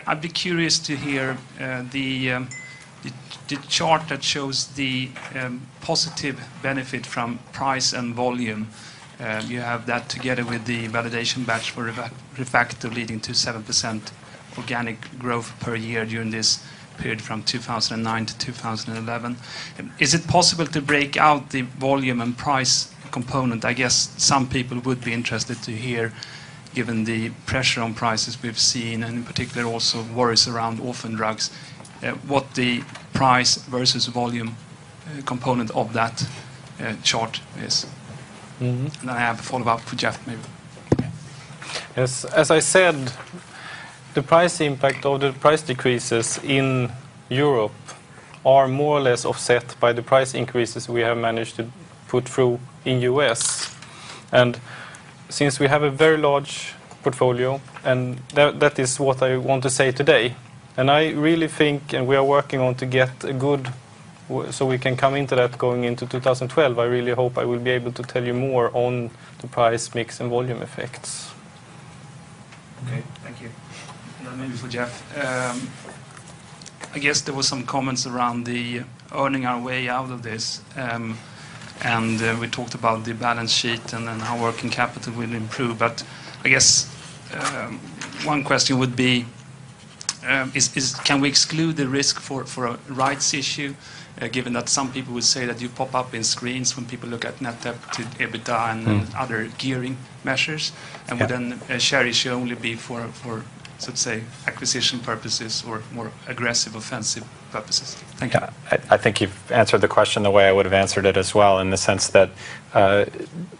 I'd be curious to hear the chart that shows the positive benefit from price and volume. You have that together with the validation batch for ReFacto leading to 7% organic growth per year during this period from 2009 to 2011. Is it possible to break out the volume and price component? I guess some people would be interested to hear, given the pressure on prices we've seen and in particular also worries around orphan drugs, what the price versus volume component of that chart is. And I have a follow-up for Jeff, maybe. Yes. As I said, the price impact of the price decreases in Europe are more or less offset by the price increases we have managed to put through in the US. And since we have a very large portfolio, and that is what I want to say today. And I really think, and we are working on to get a good so we can come into that going into 2012. I really hope I will be able to tell you more on the price mix and volume effects. Okay. Thank you. Maybe for Jeff. I guess there were some comments around the earning our way out of this. And we talked about the balance sheet and how working capital will improve. But I guess one question would be, can we exclude the risk for rights issue, given that some people would say that you pop up in screens when people look at net debt to EBITDA and other gearing measures? And would then a share issue only be for, let's say, acquisition purposes or more aggressive offensive purposes? Thank you. I think you've answered the question the way I would have answered it as well, in the sense that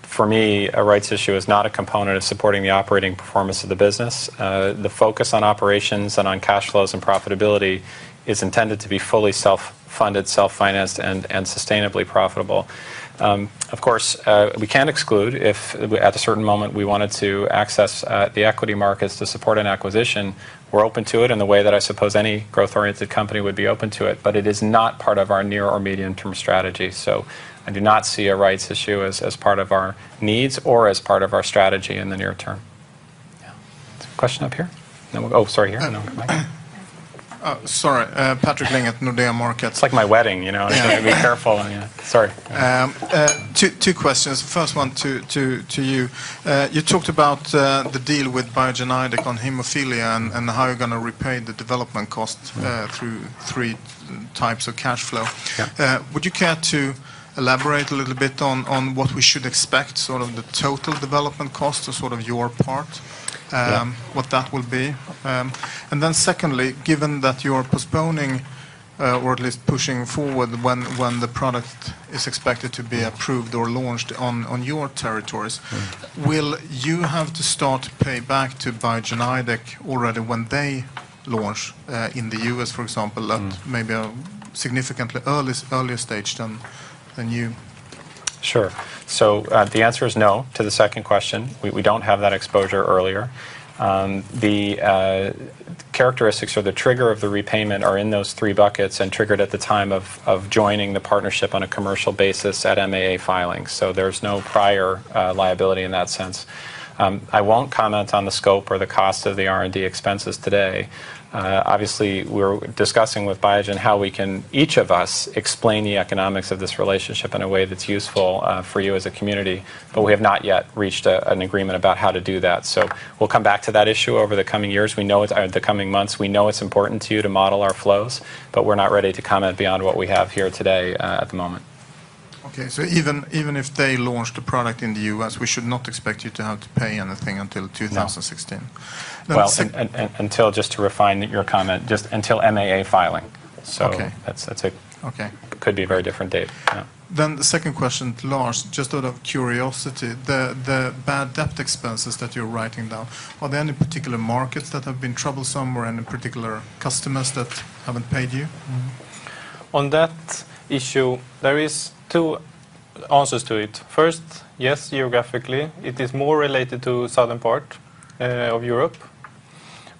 for me, a rights issue is not a component of supporting the operating performance of the business. The focus on operations and on cash flows and profitability is intended to be fully self-funded, self-financed, and sustainably profitable. Of course, we can exclude if at a certain moment we wanted to access the equity markets to support an acquisition. We're open to it in the way that I suppose any growth-oriented company would be open to it. But it is not part of our near or medium-term strategy. So I do not see a rights issue as part of our needs or as part of our strategy in the near term. Yeah. Question up here? Oh, sorry, here. Sorry. Patrik Ling at Nordea Markets. It's like my wedding. You know, I've got to be careful. Sorry. Two questions. First one to you. You talked about the deal with Biogen Idec on hemophilia and how you're going to repay the development cost through three types of cash flow. Would you care to elaborate a little bit on what we should expect, sort of the total development cost or sort of your part, what that will be? And then secondly, given that you're postponing or at least pushing forward when the product is expected to be approved or launched on your territories, will you have to start to pay back to Biogen Idec already when they launch in the U.S., for example, at maybe a significantly earlier stage than you? Sure. So the answer is no to the second question. We don't have that exposure earlier. The characteristics or the trigger of the repayment are in those three buckets and triggered at the time of joining the partnership on a commercial basis at MAA filing. So there's no prior liability in that sense. I won't comment on the scope or the cost of the R&D expenses today. Obviously, we're discussing with Biogen how we can, each of us, explain the economics of this relationship in a way that's useful for you as a community. But we have not yet reached an agreement about how to do that. So we'll come back to that issue over the coming years. We know it's the coming months. We know it's important to you to model our flows. But we're not ready to comment beyond what we have here today at the moment. Okay. So even if they launch the product in the U.S., we should not expect you to have to pay anything until 2016? Well, just to refine your comment, just until MAA filing. So that could be a very different date. Then the second question, Lars, just out of curiosity, the bad debt expenses that you're writing down, are there any particular markets that have been troublesome or any particular customers that haven't paid you? On that issue, there are two answers to it. First, yes, geographically, it is more related to the southern part of Europe,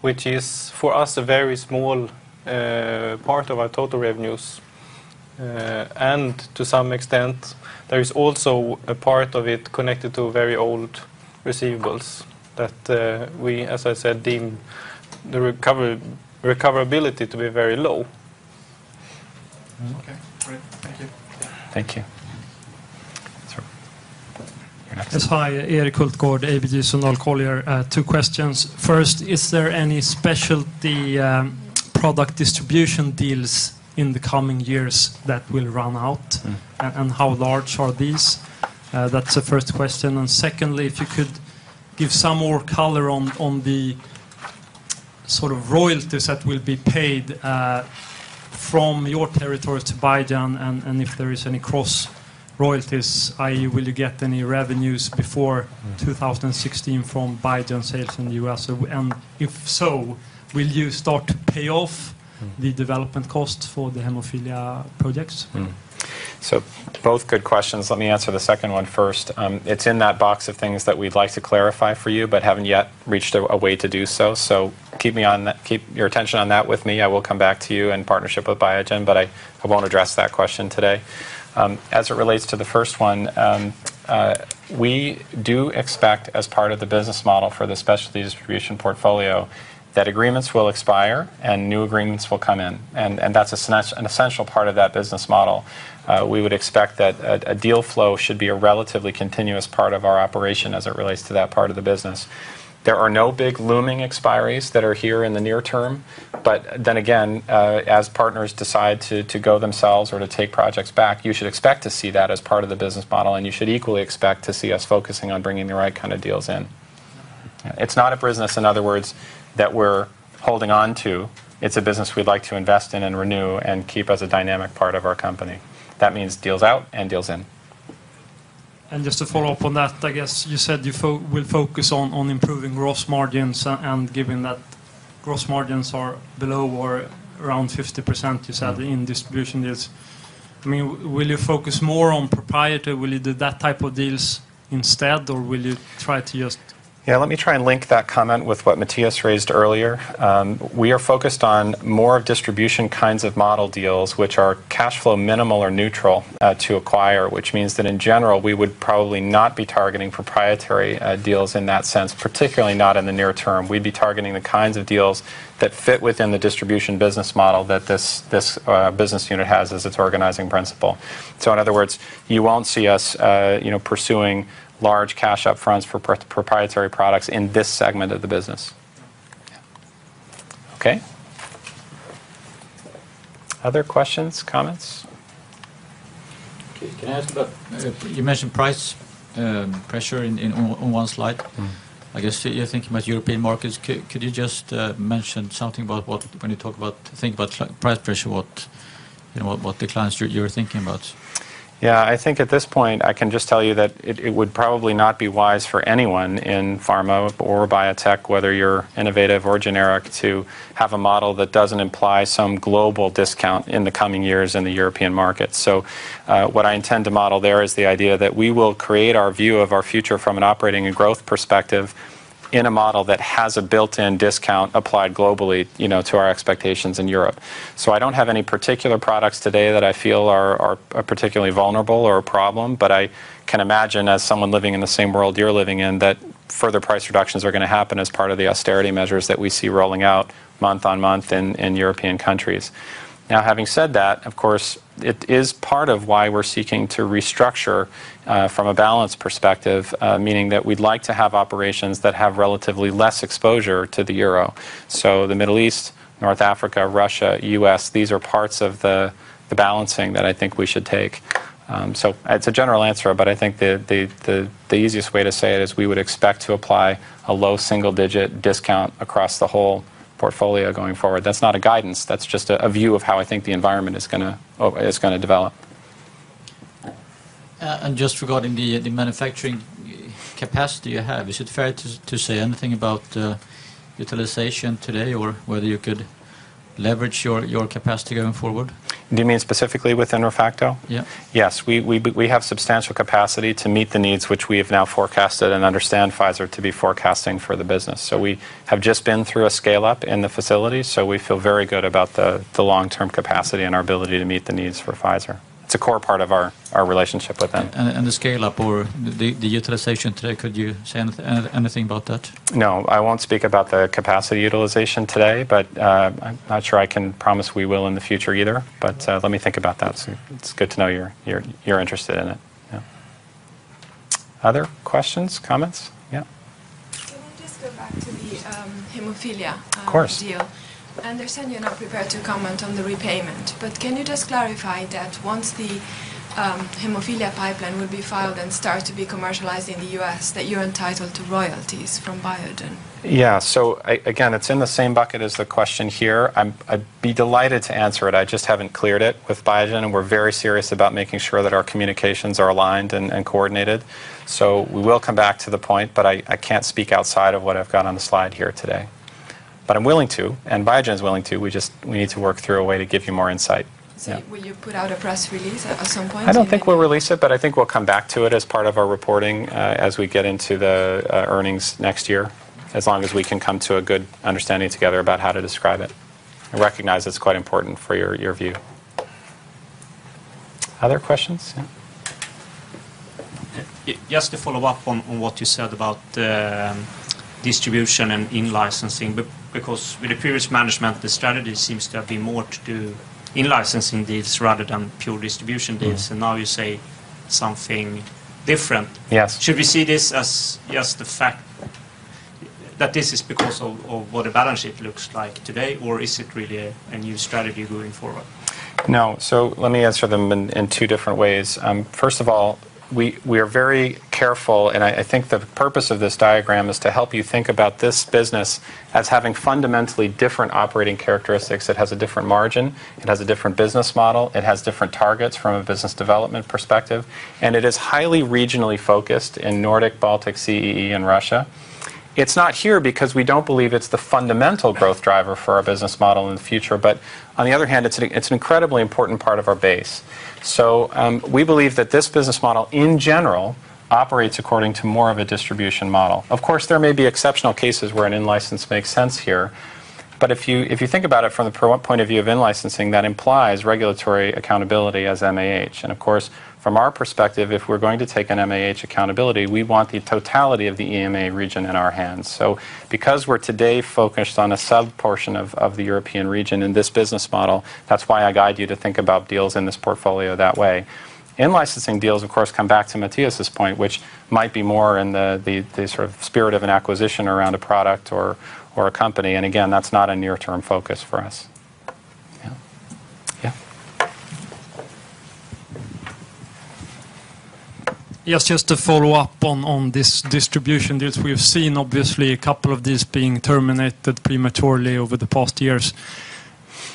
which is for us a very small part of our total revenues. And to some extent, there is also a part of it connected to very old receivables that we, as I said, deem the recoverability to be very low. Okay. Great. Thank you. Thank you. That's fine. Erik Hultgård, ABG Sundal Collier, two questions. First, is there any specialty product distribution deals in the coming years that will run out? And how large are these? That's the first question. And secondly, if you could give some more color on the sort of royalties that will be paid from your territory to Biogen and if there are any cross royalties, i.e., will you get any revenues before 2016 from Biogen sales in the US? And if so, will you start to pay off the development costs for the hemophilia projects? So both good questions. Let me answer the second one first. It's in that box of things that we'd like to clarify for you, but haven't yet reached a way to do so. So keep your attention on that with me. I will come back to you in partnership with Biogen, but I won't address that question today. As it relates to the first one, we do expect, as part of the business model for the specialty distribution portfolio, that agreements will expire and new agreements will come in. And that's an essential part of that business model. We would expect that a deal flow should be a relatively continuous part of our operation as it relates to that part of the business. There are no big looming expiries that are here in the near term. But then again, as partners decide to go themselves or to take projects back, you should expect to see that as part of the business model. And you should equally expect to see us focusing on bringing the right kind of deals in. It's not a business, in other words, that we're holding on to. It's a business we'd like to invest in and renew and keep as a dynamic part of our company. That means deals out and deals in. Just to follow up on that, I guess you said you will focus on improving gross margins, and given that gross margins are below or around 50%, you said in distribution deals. I mean, will you focus more on proprietary? Will you do that type of deals instead, or will you try to just? Yeah. Let me try and link that comment with what Mattias raised earlier. We are focused on more distribution kinds of model deals, which are cash flow minimal or neutral to acquire, which means that in general, we would probably not be targeting proprietary deals in that sense, particularly not in the near term. We'd be targeting the kinds of deals that fit within the distribution business model that this business unit has as its organizing principle. So in other words, you won't see us pursuing large cash upfronts for proprietary products in this segment of the business. Yeah. Okay. Other questions, comments? Okay. Can I ask about you mentioned price pressure on one slide? I guess you're thinking about European markets. Could you just mention something about when you think about price pressure, what declines you're thinking about? Yeah. I think at this point, I can just tell you that it would probably not be wise for anyone in pharma or biotech, whether you're innovative or generic, to have a model that doesn't imply some global discount in the coming years in the European markets. So what I intend to model there is the idea that we will create our view of our future from an operating and growth perspective in a model that has a built-in discount applied globally to our expectations in Europe. So I don't have any particular products today that I feel are particularly vulnerable or a problem. But I can imagine, as someone living in the same world you're living in, that further price reductions are going to happen as part of the austerity measures that we see rolling out month on month in European countries. Now, having said that, of course, it is part of why we're seeking to restructure from a balance perspective, meaning that we'd like to have operations that have relatively less exposure to the euro. So the Middle East, North Africa, Russia, U.S., these are parts of the balancing that I think we should take. So it's a general answer. But I think the easiest way to say it is we would expect to apply a low single-digit discount across the whole portfolio going forward. That's not a guidance. That's just a view of how I think the environment is going to develop. Just regarding the manufacturing capacity you have, is it fair to say anything about utilization today or whether you could leverage your capacity going forward? Do you mean specifically within ReFacto? Yeah. Yes. We have substantial capacity to meet the needs which we have now forecasted and understand Pfizer to be forecasting for the business, so we have just been through a scale-up in the facility, so we feel very good about the long-term capacity and our ability to meet the needs for Pfizer. It's a core part of our relationship with them. The scale-up or the utilization today, could you say anything about that? No. I won't speak about the capacity utilization today. But I'm not sure I can promise we will in the future either. But let me think about that. So it's good to know you're interested in it. Yeah. Other questions, comments? Yeah. Can I just go back to the hemophilia deal? Of course. I understand you're not prepared to comment on the repayment, but can you just clarify that once the hemophilia pipeline will be filed and start to be commercialized in the U.S., that you're entitled to royalties from Biogen? Yeah. So again, it's in the same bucket as the question here. I'd be delighted to answer it. I just haven't cleared it with Biogen. And we're very serious about making sure that our communications are aligned and coordinated. So we will come back to the point. But I can't speak outside of what I've got on the slide here today. But I'm willing to. And Biogen is willing to. We just need to work through a way to give you more insight. Will you put out a press release at some point? I don't think we'll release it. But I think we'll come back to it as part of our reporting as we get into the earnings next year, as long as we can come to a good understanding together about how to describe it. I recognize it's quite important for your view. Other questions? Just to follow up on what you said about distribution and in-licensing, because with the previous management, the strategy seems to have been more to do in-licensing deals rather than pure distribution deals, and now you say something different. Should we see this as just the fact that this is because of what a balance sheet looks like today, or is it really a new strategy going forward? No, so let me answer them in two different ways. First of all, we are very careful, and I think the purpose of this diagram is to help you think about this business as having fundamentally different operating characteristics. It has a different margin. It has a different business model. It has different targets from a business development perspective, and it is highly regionally focused in Nordic, Baltic, CEE, and Russia. It's not here because we don't believe it's the fundamental growth driver for our business model in the future, but on the other hand, it's an incredibly important part of our base, so we believe that this business model, in general, operates according to more of a distribution model. Of course, there may be exceptional cases where an in-license makes sense here. But if you think about it from the point of view of in-licensing, that implies regulatory accountability as MAH. And of course, from our perspective, if we're going to take an MAH accountability, we want the totality of the EMA region in our hands. So because we're today focused on a subportion of the European region in this business model, that's why I guide you to think about deals in this portfolio that way. In-licensing deals, of course, come back to Mattias's point, which might be more in the sort of spirit of an acquisition around a product or a company. And again, that's not a near-term focus for us. Yeah. Yeah. Yes. Just to follow up on these distribution deals, we have seen, obviously, a couple of these being terminated prematurely over the past years.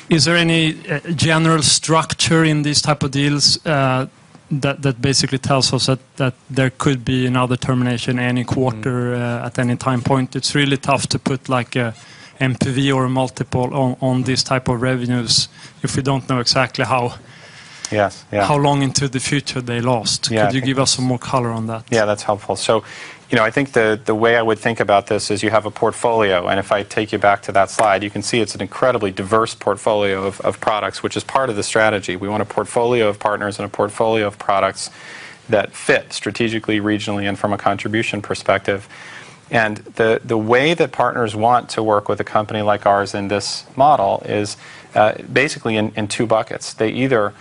Is there any general structure in these types of deals that basically tells us that there could be another termination any quarter at any time point? It's really tough to put an NPV or a multiple on these types of revenues if we don't know exactly how long into the future they last. Could you give us some more color on that? Yeah. That's helpful. So I think the way I would think about this is you have a portfolio. And if I take you back to that slide, you can see it's an incredibly diverse portfolio of products, which is part of the strategy. We want a portfolio of partners and a portfolio of products that fit strategically, regionally, and from a contribution perspective. And the way that partners want to work with a company like ours in this model is basically in two buckets. They either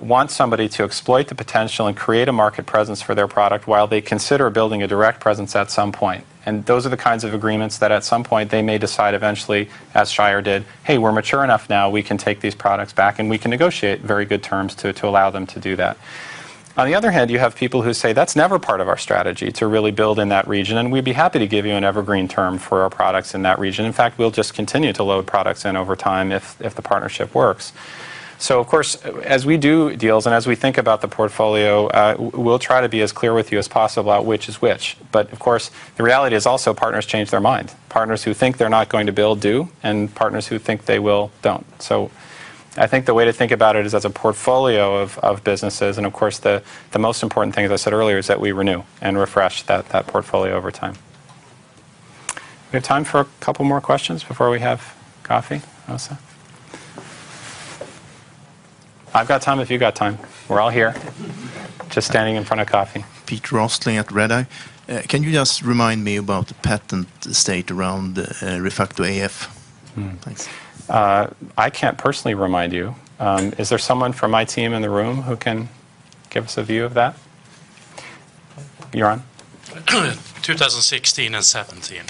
want somebody to exploit the potential and create a market presence for their product while they consider building a direct presence at some point. And those are the kinds of agreements that at some point they may decide eventually, as Shire did, "Hey, we're mature enough now. We can take these products back. And we can negotiate very good terms to allow them to do that." On the other hand, you have people who say, "That's never part of our strategy to really build in that region. And we'd be happy to give you an evergreen term for our products in that region. In fact, we'll just continue to load products in over time if the partnership works." So of course, as we do deals and as we think about the portfolio, we'll try to be as clear with you as possible about which is which. But of course, the reality is also partners change their mind. Partners who think they're not going to build do, and partners who think they will don't. So I think the way to think about it is as a portfolio of businesses. And of course, the most important thing, as I said earlier, is that we renew and refresh that portfolio over time. We have time for a couple more questions before we have coffee, Melissa. I've got time if you've got time. We're all here, just standing in front of coffee. Peter Östling at Red Eye. Can you just remind me about the patent status around ReFacto AF? Thanks. I can't personally remind you. Is there someone from my team in the room who can give us a view of that? You're on. 2016 and 2017.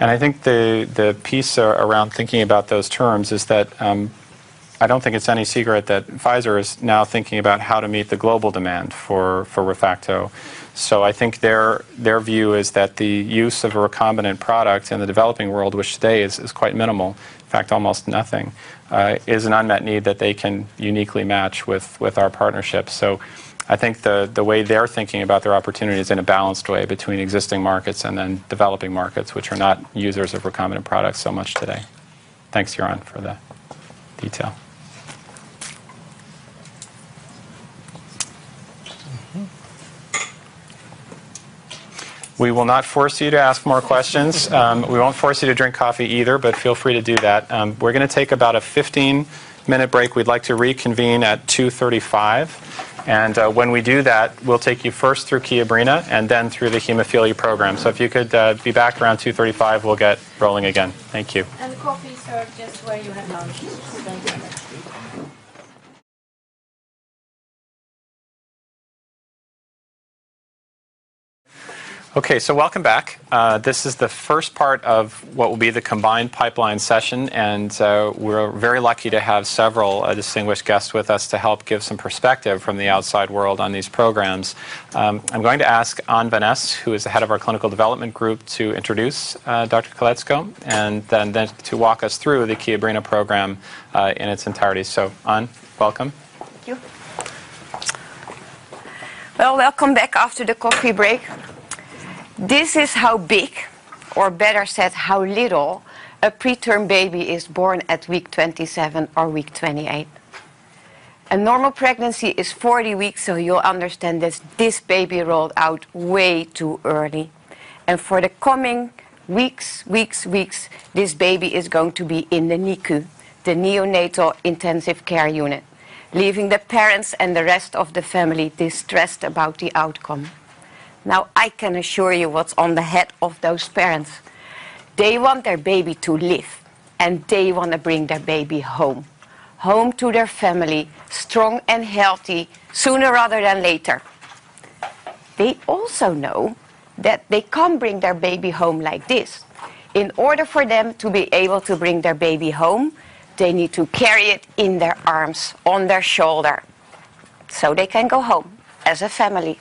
I think the piece around thinking about those terms is that I don't think it's any secret that Pfizer is now thinking about how to meet the global demand for ReFacto. So I think their view is that the use of a recombinant product in the developing world, which today is quite minimal, in fact, almost nothing, is an unmet need that they can uniquely match with our partnership. So I think the way they're thinking about their opportunity is in a balanced way between existing markets and then developing markets, which are not users of recombinant products so much today. Thanks, you're on for the detail. We will not force you to ask more questions. We won't force you to drink coffee either. But feel free to do that. We're going to take about a 15-minute break. We'd like to reconvene at 2:35 P.M. When we do that, we'll take you first through Kiobrina and then through the hemophilia program. So if you could be back around 2:35 P.M., we'll get rolling again. Thank you. The coffee is served just where you have lunch. Okay. So welcome back. This is the first part of what will be the combined pipeline session, and we're very lucky to have several distinguished guests with us to help give some perspective from the outside world on these programs. I'm going to ask An van Es-Johansson, who is the head of our clinical development group, to introduce Dr. Koletzko and then to walk us through the Kiobrina program in its entirety, so An, welcome. Thank you. Welcome back after the coffee break. This is how big, or better said, how little a preterm baby is born at week 27 or week 28. A normal pregnancy is 40 weeks. So you'll understand this. This baby rolled out way too early. For the coming weeks, this baby is going to be in the NICU, the Neonatal Intensive Care Unit, leaving the parents and the rest of the family distressed about the outcome. Now, I can assure you what's on the head of those parents. They want their baby to live. They want to bring their baby home to their family, strong and healthy, sooner rather than later. They also know that they can't bring their baby home like this. In order for them to be able to bring their baby home, they need to carry it in their arms, on their shoulder, so they can go home as a family.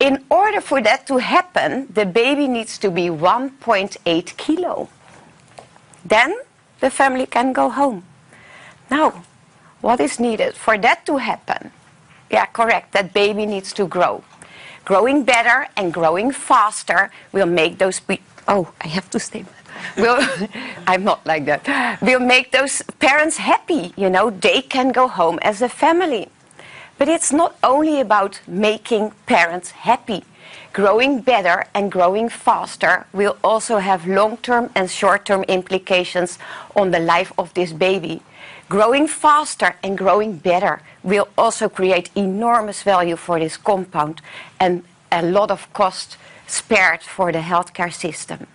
In order for that to happen, the baby needs to be 1.8 kilos. Then the family can go home. Now, what is needed for that to happen? Yeah, correct. That baby needs to grow. Growing better and growing faster will make those parents happy. They can go home as a family. But it's not only about making parents happy. Growing better and growing faster will also have long-term and short-term implications on the life of this baby. Growing faster and growing better will also create enormous value for this compound and a lot of cost spared for the health care system.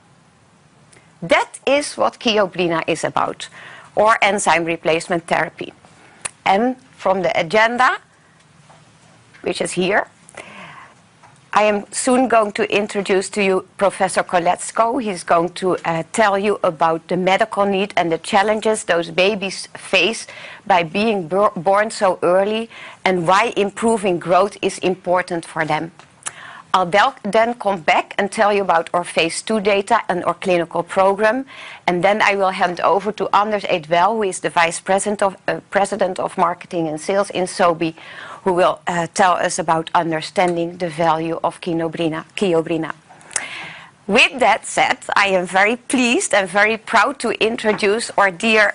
That is what Kiobrina is about, or enzyme replacement therapy. And from the agenda, which is here, I am soon going to introduce to you Professor Koletzko. He's going to tell you about the medical need and the challenges those babies face by being born so early and why improving growth is important for them. I'll then come back and tell you about our phase two data and our clinical program. And then I will hand over to Anders Edvell, who is the Vice President of Marketing and Sales in Sobi, who will tell us about understanding the value of Kiobrina. With that said, I am very pleased and very proud to introduce our dear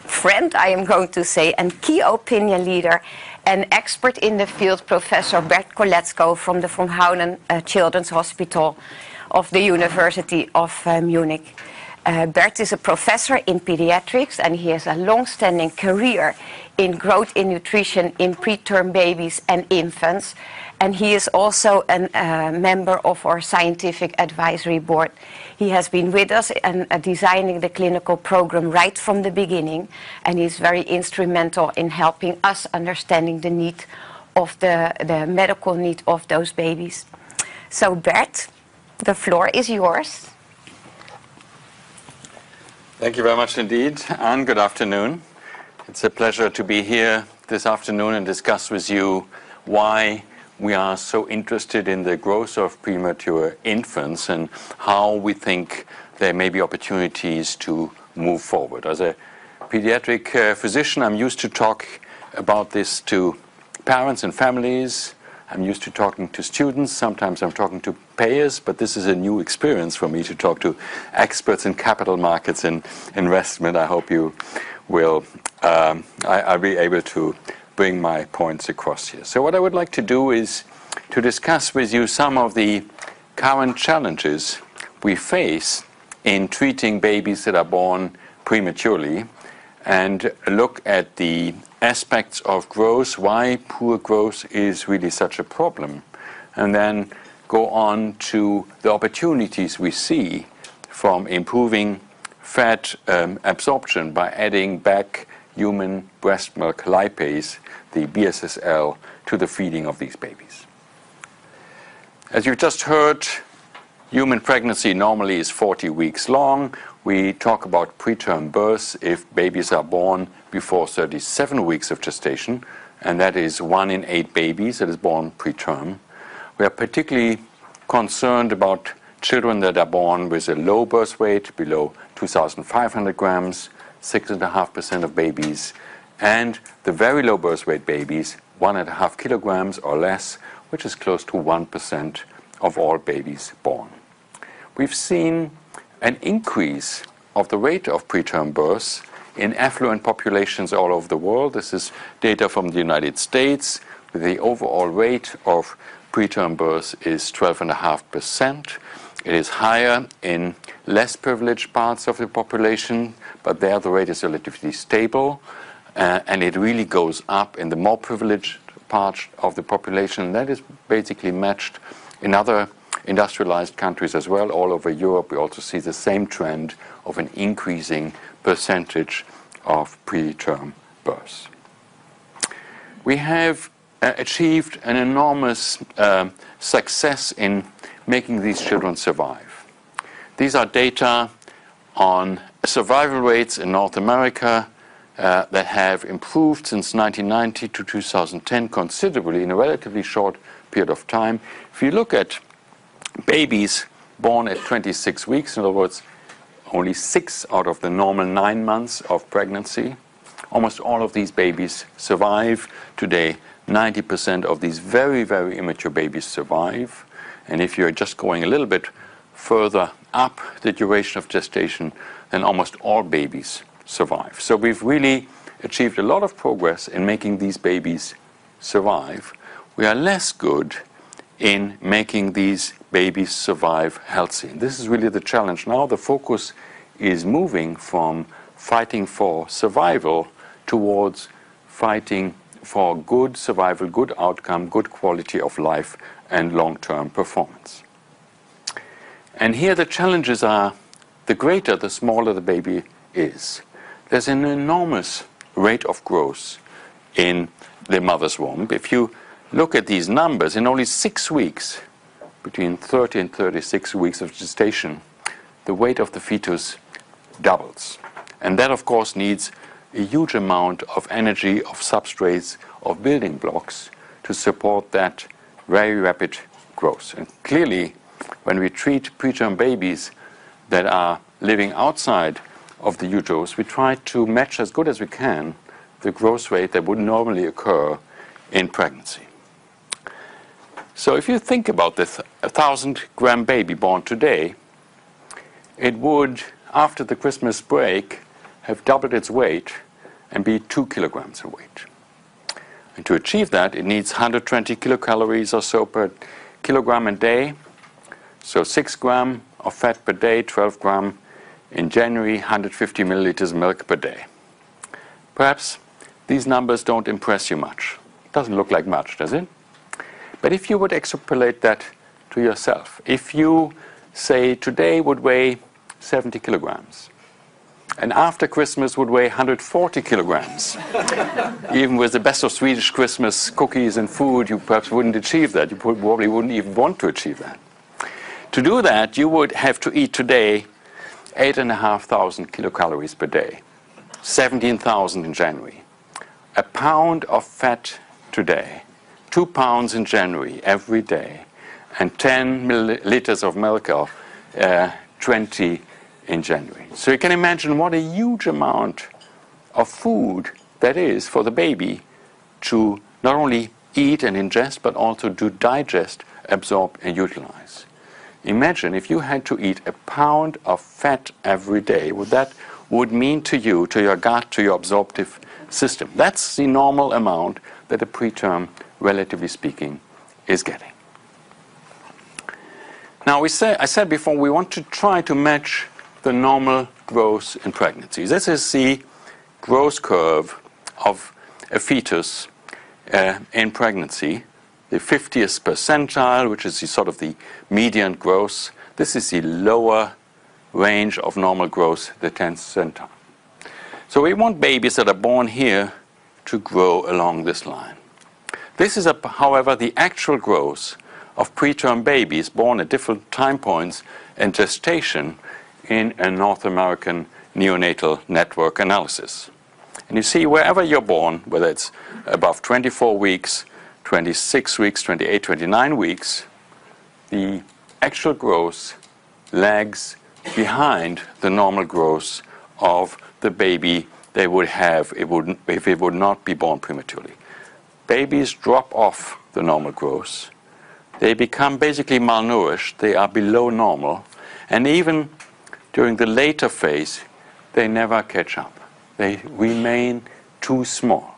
friend, I am going to say, and key opinion leader and expert in the field, Professor Berthold Koletzko from the Dr. von Hauner Children's Hospital of the University of Munich. Bert is a professor in pediatrics. He has a long-standing career in growth in nutrition in preterm babies and infants. He is also a member of our scientific advisory board. He has been with us and designing the clinical program right from the beginning. He's very instrumental in helping us understand the medical need of those babies. Bert, the floor is yours. Thank you very much indeed. An, good afternoon. It's a pleasure to be here this afternoon and discuss with you why we are so interested in the growth of premature infants and how we think there may be opportunities to move forward. As a pediatric physician, I'm used to talking about this to parents and families. I'm used to talking to students. Sometimes I'm talking to payers. But this is a new experience for me to talk to experts in capital markets and investment. I hope you will be able to bring my points across here. What I would like to do is to discuss with you some of the current challenges we face in treating babies that are born prematurely and look at the aspects of growth, why poor growth is really such a problem, and then go on to the opportunities we see from improving fat absorption by adding back human breast milk lipase, the BSSL, to the feeding of these babies. As you've just heard, human pregnancy normally is 40 weeks long. We talk about preterm birth if babies are born before 37 weeks of gestation. That is one in eight babies that is born preterm. We are particularly concerned about children that are born with a low birth weight, below 2,500 grams, 6.5% of babies, and the very low birth weight babies, 1.5 kilograms or less, which is close to 1% of all babies born. We've seen an increase of the rate of preterm birth in affluent populations all over the world. This is data from the United States. The overall rate of preterm birth is 12.5%. It is higher in less privileged parts of the population. But there, the rate is relatively stable. And it really goes up in the more privileged parts of the population. And that is basically matched in other industrialized countries as well. All over Europe, we also see the same trend of an increasing percentage of preterm births. We have achieved an enormous success in making these children survive. These are data on survival rates in North America that have improved since 1990 to 2010 considerably in a relatively short period of time. If you look at babies born at 26 weeks, in other words, only six out of the normal nine months of pregnancy, almost all of these babies survive. Today, 90% of these very, very immature babies survive. And if you're just going a little bit further up the duration of gestation, then almost all babies survive. So we've really achieved a lot of progress in making these babies survive. We are less good in making these babies survive healthy. And this is really the challenge. Now, the focus is moving from fighting for survival towards fighting for good survival, good outcome, good quality of life, and long-term performance. And here, the challenges are the greater, the smaller the baby is. There's an enormous rate of growth in the mother's womb. If you look at these numbers, in only six weeks, between 30 and 36 weeks of gestation, the weight of the fetus doubles. And that, of course, needs a huge amount of energy, of substrates, of building blocks to support that very rapid growth. And clearly, when we treat preterm babies that are living outside of the uterus, we try to match as good as we can the growth rate that would normally occur in pregnancy. So if you think about this, a 1,000-gram baby born today, it would, after the Christmas break, have doubled its weight and be two kilograms in weight. And to achieve that, it needs 120 kilocalories or so per kilogram a day. So six grams of fat per day, 12 grams in January, 150 milliliters of milk per day. Perhaps these numbers don't impress you much. It doesn't look like much, does it? But if you would extrapolate that to yourself, if you say today would weigh 70 kilograms and after Christmas would weigh 140 kilograms, even with the best of Swedish Christmas cookies and food, you perhaps wouldn't achieve that. You probably wouldn't even want to achieve that. To do that, you would have to eat today 8,500 kilocalories per day, 17,000 in January, a pound of fat today, two pounds in January every day, and 10 liters of milk or 20 in January. So you can imagine what a huge amount of food that is for the baby to not only eat and ingest but also to digest, absorb, and utilize. Imagine if you had to eat a pound of fat every day. What that would mean to you, to your gut, to your absorptive system. That's the normal amount that a preterm, relatively speaking, is getting. Now, I said before we want to try to match the normal growth in pregnancy. This is the growth curve of a fetus in pregnancy, the 50th percentile, which is sort of the median growth. This is the lower range of normal growth, the 10th percentile. So we want babies that are born here to grow along this line. This is, however, the actual growth of preterm babies born at different time points in gestation in a North American Neonatal Network analysis. And you see, wherever you're born, whether it's above 24 weeks, 26 weeks, 28, 29 weeks, the actual growth lags behind the normal growth of the baby they would have if it would not be born prematurely. Babies drop off the normal growth. They become basically malnourished. They are below normal. And even during the later phase, they never catch up. They remain too small.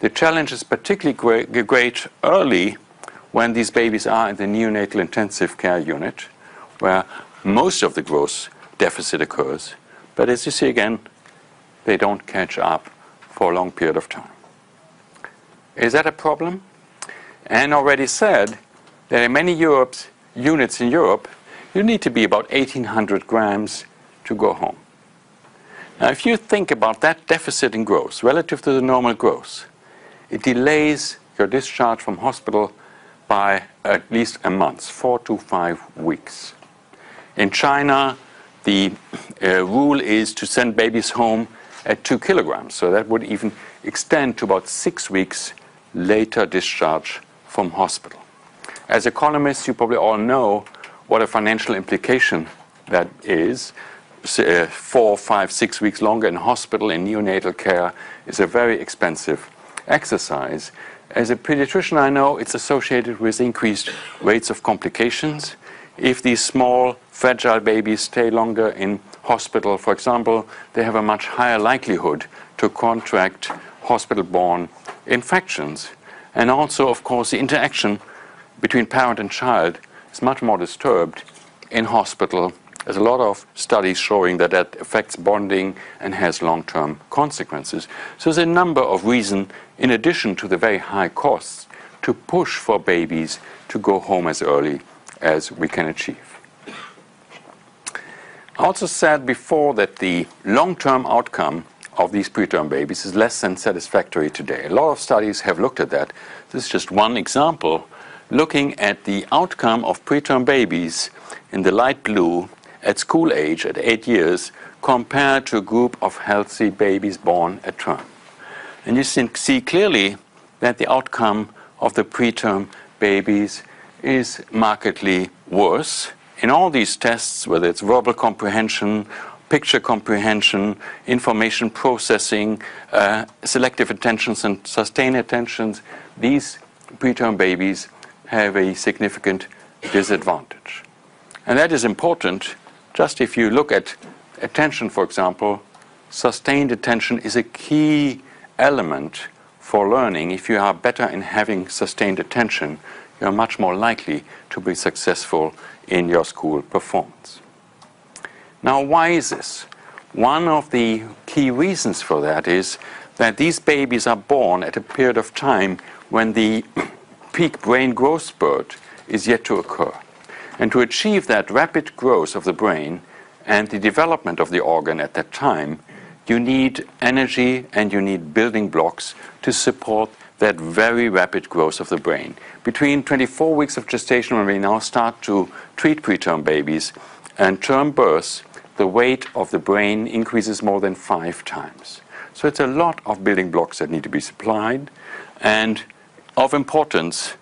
The challenge is particularly great early when these babies are in the Neonatal Intensive Care Unit, where most of the growth deficit occurs. But as you see, again, they don't catch up for a long period of time. Is that a problem? An already said there are many units in Europe. You need to be about 1,800 grams to go home. Now, if you think about that deficit in growth relative to the normal growth, it delays your discharge from hospital by at least a month, four to five weeks. In China, the rule is to send babies home at two kilograms. So that would even extend to about six weeks later discharge from hospital. As economists, you probably all know what a financial implication that is. Four, five, six weeks longer in hospital in neonatal care is a very expensive exercise. As a pediatrician, I know it's associated with increased rates of complications. If these small, fragile babies stay longer in hospital, for example, they have a much higher likelihood to contract hospital-borne infections. And also, of course, the interaction between parent and child is much more disturbed in hospital, as a lot of studies showing that that affects bonding and has long-term consequences. So there's a number of reasons, in addition to the very high costs, to push for babies to go home as early as we can achieve. I also said before that the long-term outcome of these preterm babies is less than satisfactory today. A lot of studies have looked at that. This is just one example, looking at the outcome of preterm babies in the light blue at school age at eight years compared to a group of healthy babies born at term. You can see clearly that the outcome of the preterm babies is markedly worse. In all these tests, whether it's verbal comprehension, picture comprehension, information processing, selective attention, and sustained attention, these preterm babies have a significant disadvantage. That is important. Just if you look at attention, for example, sustained attention is a key element for learning. If you are better in having sustained attention, you're much more likely to be successful in your school performance. Now, why is this? One of the key reasons for that is that these babies are born at a period of time when the peak brain growth spurt is yet to occur. To achieve that rapid growth of the brain and the development of the organ at that time, you need energy and you need building blocks to support that very rapid growth of the brain. Between 24 weeks of gestation, when we now start to treat preterm babies and term births, the weight of the brain increases more than five times. So it's a lot of building blocks that need to be supplied. And of importance,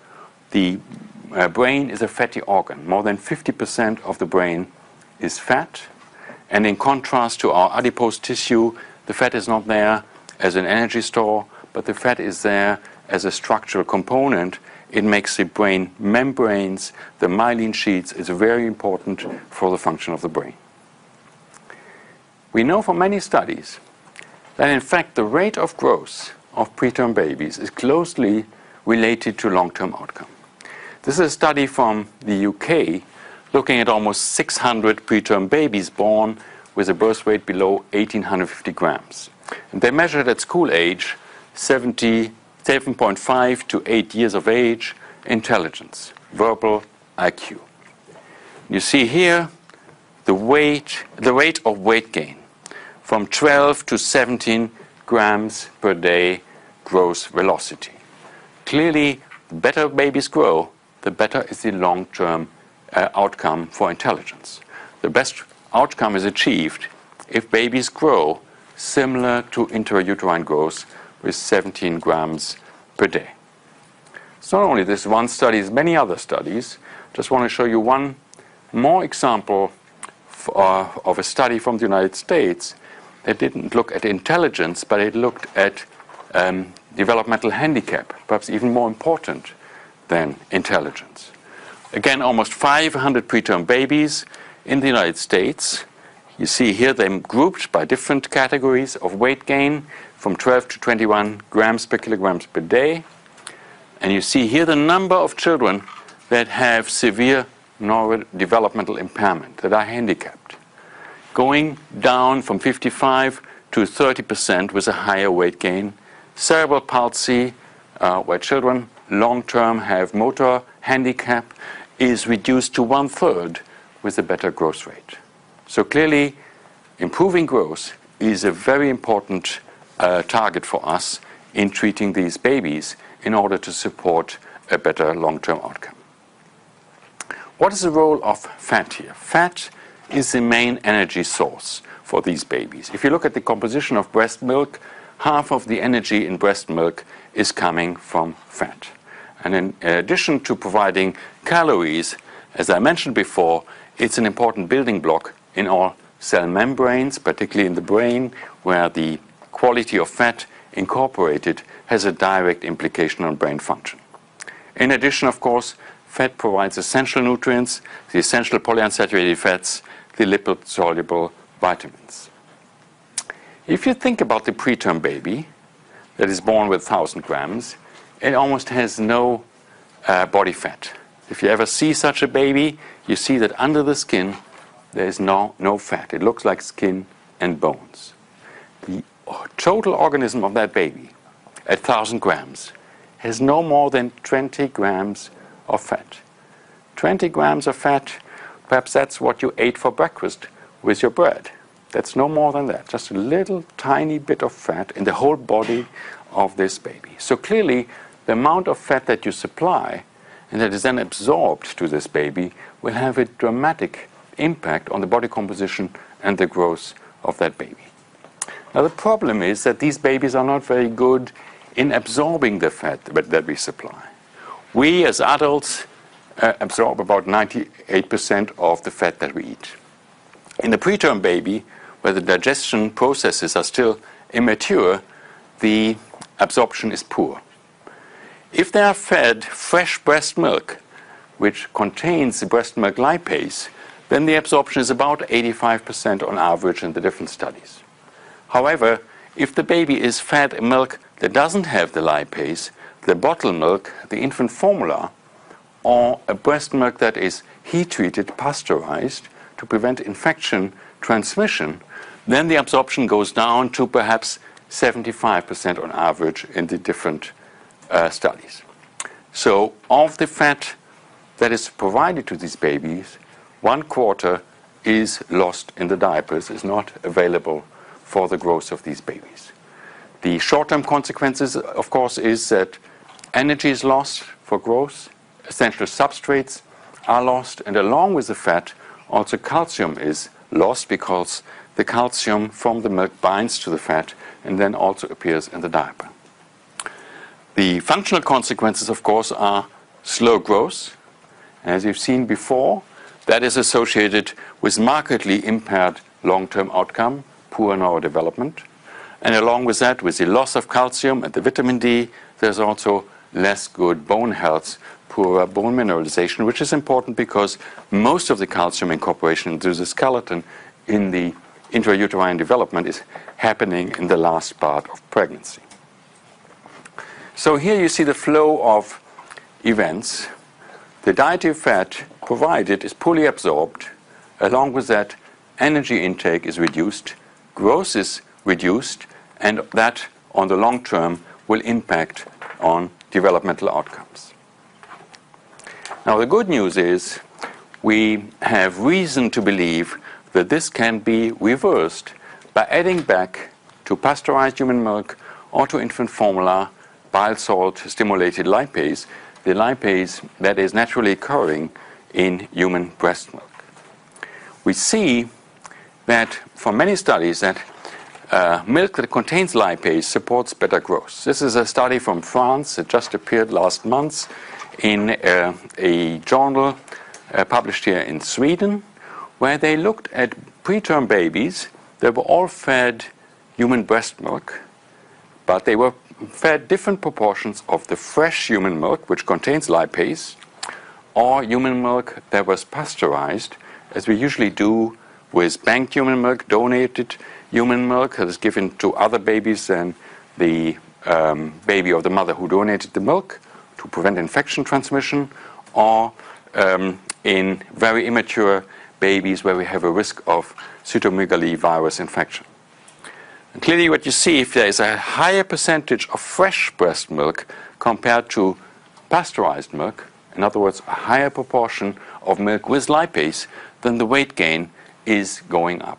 the brain is a fatty organ. More than 50% of the brain is fat. And in contrast to our adipose tissue, the fat is not there as an energy store. But the fat is there as a structural component. It makes the brain membranes. The myelin sheath is very important for the function of the brain. We know from many studies that, in fact, the rate of growth of preterm babies is closely related to long-term outcome. This is a study from the U.K. looking at almost 600 preterm babies born with a birth weight below 1,850 grams. They measured at school age, 7.5-8 years of age, intelligence, verbal IQ. You see here the rate of weight gain from 12-17 grams per day growth velocity. Clearly, the better babies grow, the better is the long-term outcome for intelligence. The best outcome is achieved if babies grow similar to intrauterine growth with 17 grams per day. It's not only this one study. There's many other studies. I just want to show you one more example of a study from the United States that didn't look at intelligence, but it looked at developmental handicap, perhaps even more important than intelligence. Again, almost 500 preterm babies in the United States. You see here they're grouped by different categories of weight gain from 12-21 grams per kilogram per day. You see here the number of children that have severe neurodevelopmental impairment, that are handicapped. Going down from 55%-30% with a higher weight gain. Cerebral palsy, where children long-term have motor handicap, is reduced to one-third with a better growth rate. So clearly, improving growth is a very important target for us in treating these babies in order to support a better long-term outcome. What is the role of fat here? Fat is the main energy source for these babies. If you look at the composition of breast milk, half of the energy in breast milk is coming from fat. And in addition to providing calories, as I mentioned before, it's an important building block in all cell membranes, particularly in the brain, where the quality of fat incorporated has a direct implication on brain function. In addition, of course, fat provides essential nutrients, the essential polyunsaturated fats, the lipid-soluble vitamins. If you think about the preterm baby that is born with 1,000 grams, it almost has no body fat. If you ever see such a baby, you see that under the skin, there is no fat. It looks like skin and bones. The total organism of that baby at 1,000 grams has no more than 20 grams of fat. 20 grams of fat, perhaps that's what you ate for breakfast with your bread. That's no more than that, just a little tiny bit of fat in the whole body of this baby. So clearly, the amount of fat that you supply and that is then absorbed to this baby will have a dramatic impact on the body composition and the growth of that baby. Now, the problem is that these babies are not very good in absorbing the fat that we supply. We, as adults, absorb about 98% of the fat that we eat. In a preterm baby, where the digestion processes are still immature, the absorption is poor. If they are fed fresh breast milk, which contains the breast milk lipase, then the absorption is about 85% on average in the different studies. However, if the baby is fed a milk that doesn't have the lipase, the bottled milk, the infant formula, or a breast milk that is heat-treated, pasteurized to prevent infection transmission, then the absorption goes down to perhaps 75% on average in the different studies. So of the fat that is provided to these babies, one quarter is lost in the diapers. It's not available for the growth of these babies. The short-term consequences, of course, is that energy is lost for growth. Essential substrates are lost. Along with the fat, also calcium is lost because the calcium from the milk binds to the fat and then also appears in the diaper. The functional consequences, of course, are slow growth. As you've seen before, that is associated with markedly impaired long-term outcome, poor neurodevelopment. Along with that, with the loss of calcium and the vitamin D, there's also less good bone health, poorer bone mineralization, which is important because most of the calcium incorporation into the skeleton in the intrauterine development is happening in the last part of pregnancy. Here you see the flow of events. The dietary fat provided is poorly absorbed. Along with that, energy intake is reduced, growth is reduced, and that, on the long term, will impact on developmental outcomes. Now, the good news is we have reason to believe that this can be reversed by adding back to pasteurized human milk or to infant formula bile salt-stimulated lipase, the lipase that is naturally occurring in human breast milk. We see that from many studies that milk that contains lipase supports better growth. This is a study from France that just appeared last month in a journal published here in Sweden, where they looked at preterm babies that were all fed human breast milk, but they were fed different proportions of the fresh human milk, which contains lipase, or human milk that was pasteurized, as we usually do with banked human milk, donated human milk that is given to other babies than the baby or the mother who donated the milk to prevent infection transmission, or in very immature babies where we have a risk of cytomegalovirus infection. Clearly, what you see, if there is a higher percentage of fresh breast milk compared to pasteurized milk, in other words, a higher proportion of milk with lipase, then the weight gain is going up.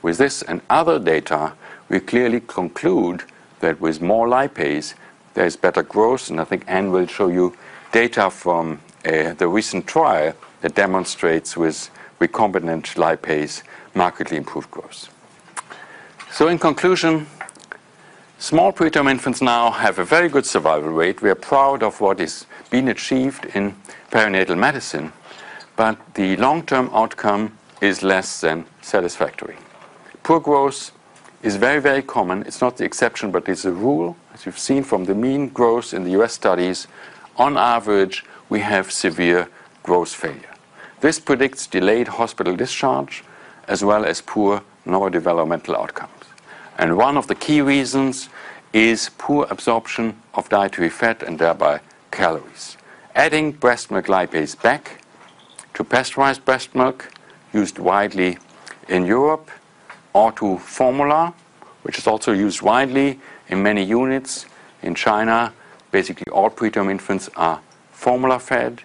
With this and other data, we clearly conclude that with more lipase, there is better growth. I think An will show you data from the recent trial that demonstrates with recombinant lipase markedly improved growth. In conclusion, small preterm infants now have a very good survival rate. We are proud of what has been achieved in perinatal medicine. The long-term outcome is less than satisfactory. Poor growth is very, very common. It's not the exception, but it's a rule. As you've seen from the mean growth in the U.S. studies, on average, we have severe growth failure. This predicts delayed hospital discharge as well as poor neurodevelopmental outcomes. One of the key reasons is poor absorption of dietary fat and thereby calories. Adding breast milk lipase back to pasteurized breast milk used widely in Europe or to formula, which is also used widely in many units in China, basically all preterm infants are formula-fed,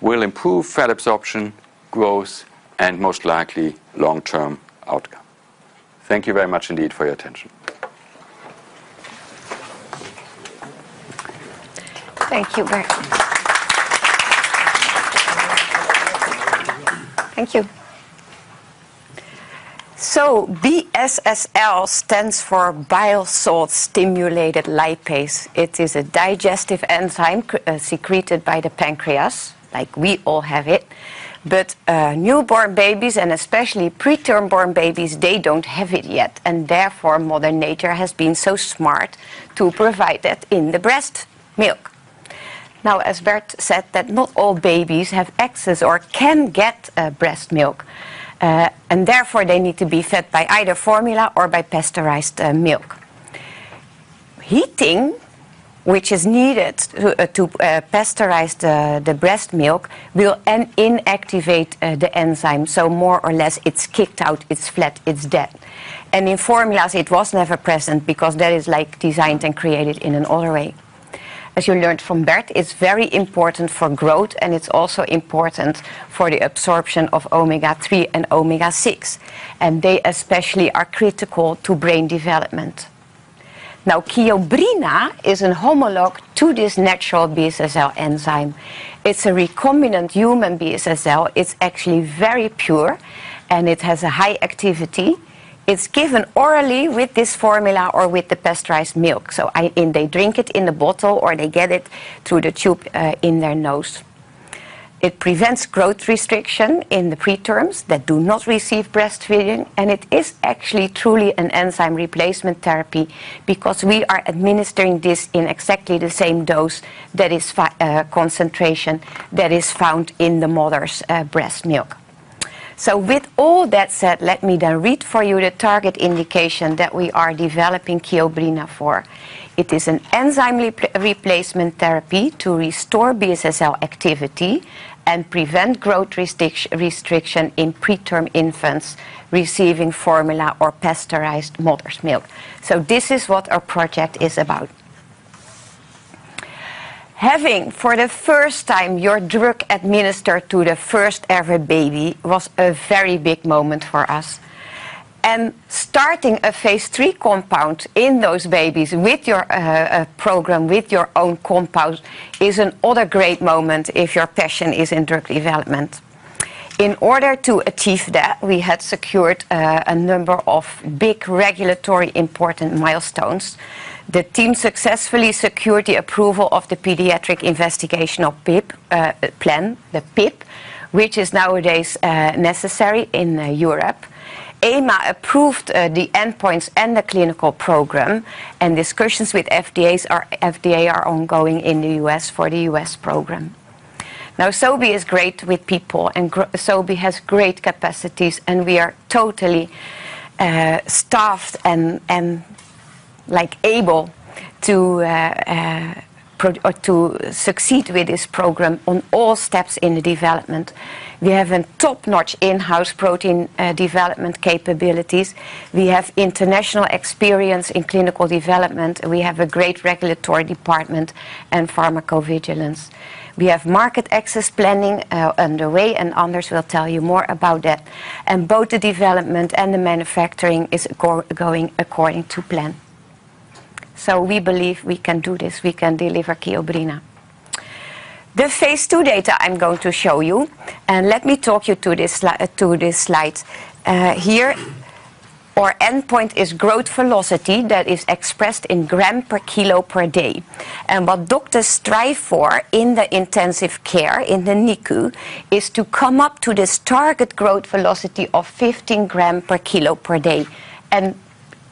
will improve fat absorption, growth, and most likely long-term outcome. Thank you very much indeed for your attention. Thank you very much. Thank you. BSSL stands for bile salt-stimulated lipase. It is a digestive enzyme secreted by the pancreas, like we all have it. But newborn babies, and especially preterm-born babies, they don't have it yet. And therefore, Mother Nature has been so smart to provide that in the breast milk. Now, as Bert said, that not all babies have access or can get breast milk. And therefore, they need to be fed by either formula or by pasteurized milk. Heating, which is needed to pasteurize the breast milk, will inactivate the enzyme. So more or less, it's kicked out, it's flat, it's dead. In formulas, it was never present because that is like designed and created in another way. As you learned from Bert, it's very important for growth, and it's also important for the absorption of omega-3 and omega-6. They especially are critical to brain development. Now, Kiobrina is a homolog to this natural BSSL enzyme. It's a recombinant human BSSL. It's actually very pure, and it has a high activity. It's given orally with this formula or with the pasteurized milk. So they drink it in the bottle or they get it through the tube in their nose. It prevents growth restriction in the preterms that do not receive breastfeeding. It is actually truly an enzyme replacement therapy because we are administering this in exactly the same dose that is concentration that is found in the mother's breast milk. With all that said, let me then read for you the target indication that we are developing Kiobrina for. It is an enzyme replacement therapy to restore BSSL activity and prevent growth restriction in preterm infants receiving formula or pasteurized mother's milk. This is what our project is about. Having for the first time your drug administered to the first ever baby was a very big moment for us. Starting a phase 3 compound in those babies with your program, with your own compound, is another great moment if your passion is in drug development. In order to achieve that, we had secured a number of big regulatory important milestones. The team successfully secured the approval of the Pediatric Investigational Plan, the PIP, which is nowadays necessary in Europe. EMA approved the endpoints and the clinical program. Discussions with FDA are ongoing in the US for the US program. Now, Sobi is great with people, and Sobi has great capacities. We are totally staffed and able to succeed with this program on all steps in the development. We have top-notch in-house protein development capabilities. We have international experience in clinical development. We have a great regulatory department and pharmacovigilance. We have market access planning underway, and Anders will tell you more about that. Both the development and the manufacturing is going according to plan. So we believe we can do this. We can deliver Kiobrina. The phase two data I'm going to show you. Let me talk you to this slide here. Our endpoint is growth velocity that is expressed in gram per kilo per day. And what doctors strive for in the intensive care in the NICU is to come up to this target growth velocity of 15 gram per kilo per day,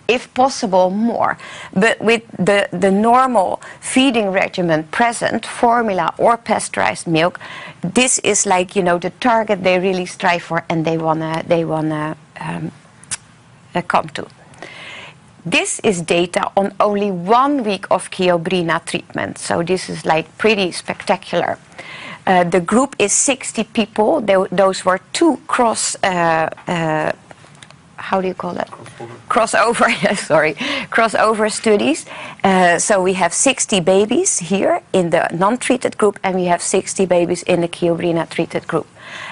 and if possible, more. But with the normal feeding regimen present, formula or pasteurized milk, this is like the target they really strive for and they want to come to. This is data on only one week of Kiobrina treatment. So this is like pretty spectacular. The group is 60 people. Those were two cross, how do you call it? Crossover. Crossover, sorry. Crossover studies. So we have 60 babies here in the non-treated group, and we have 60 babies in the Kiobrina-treated group.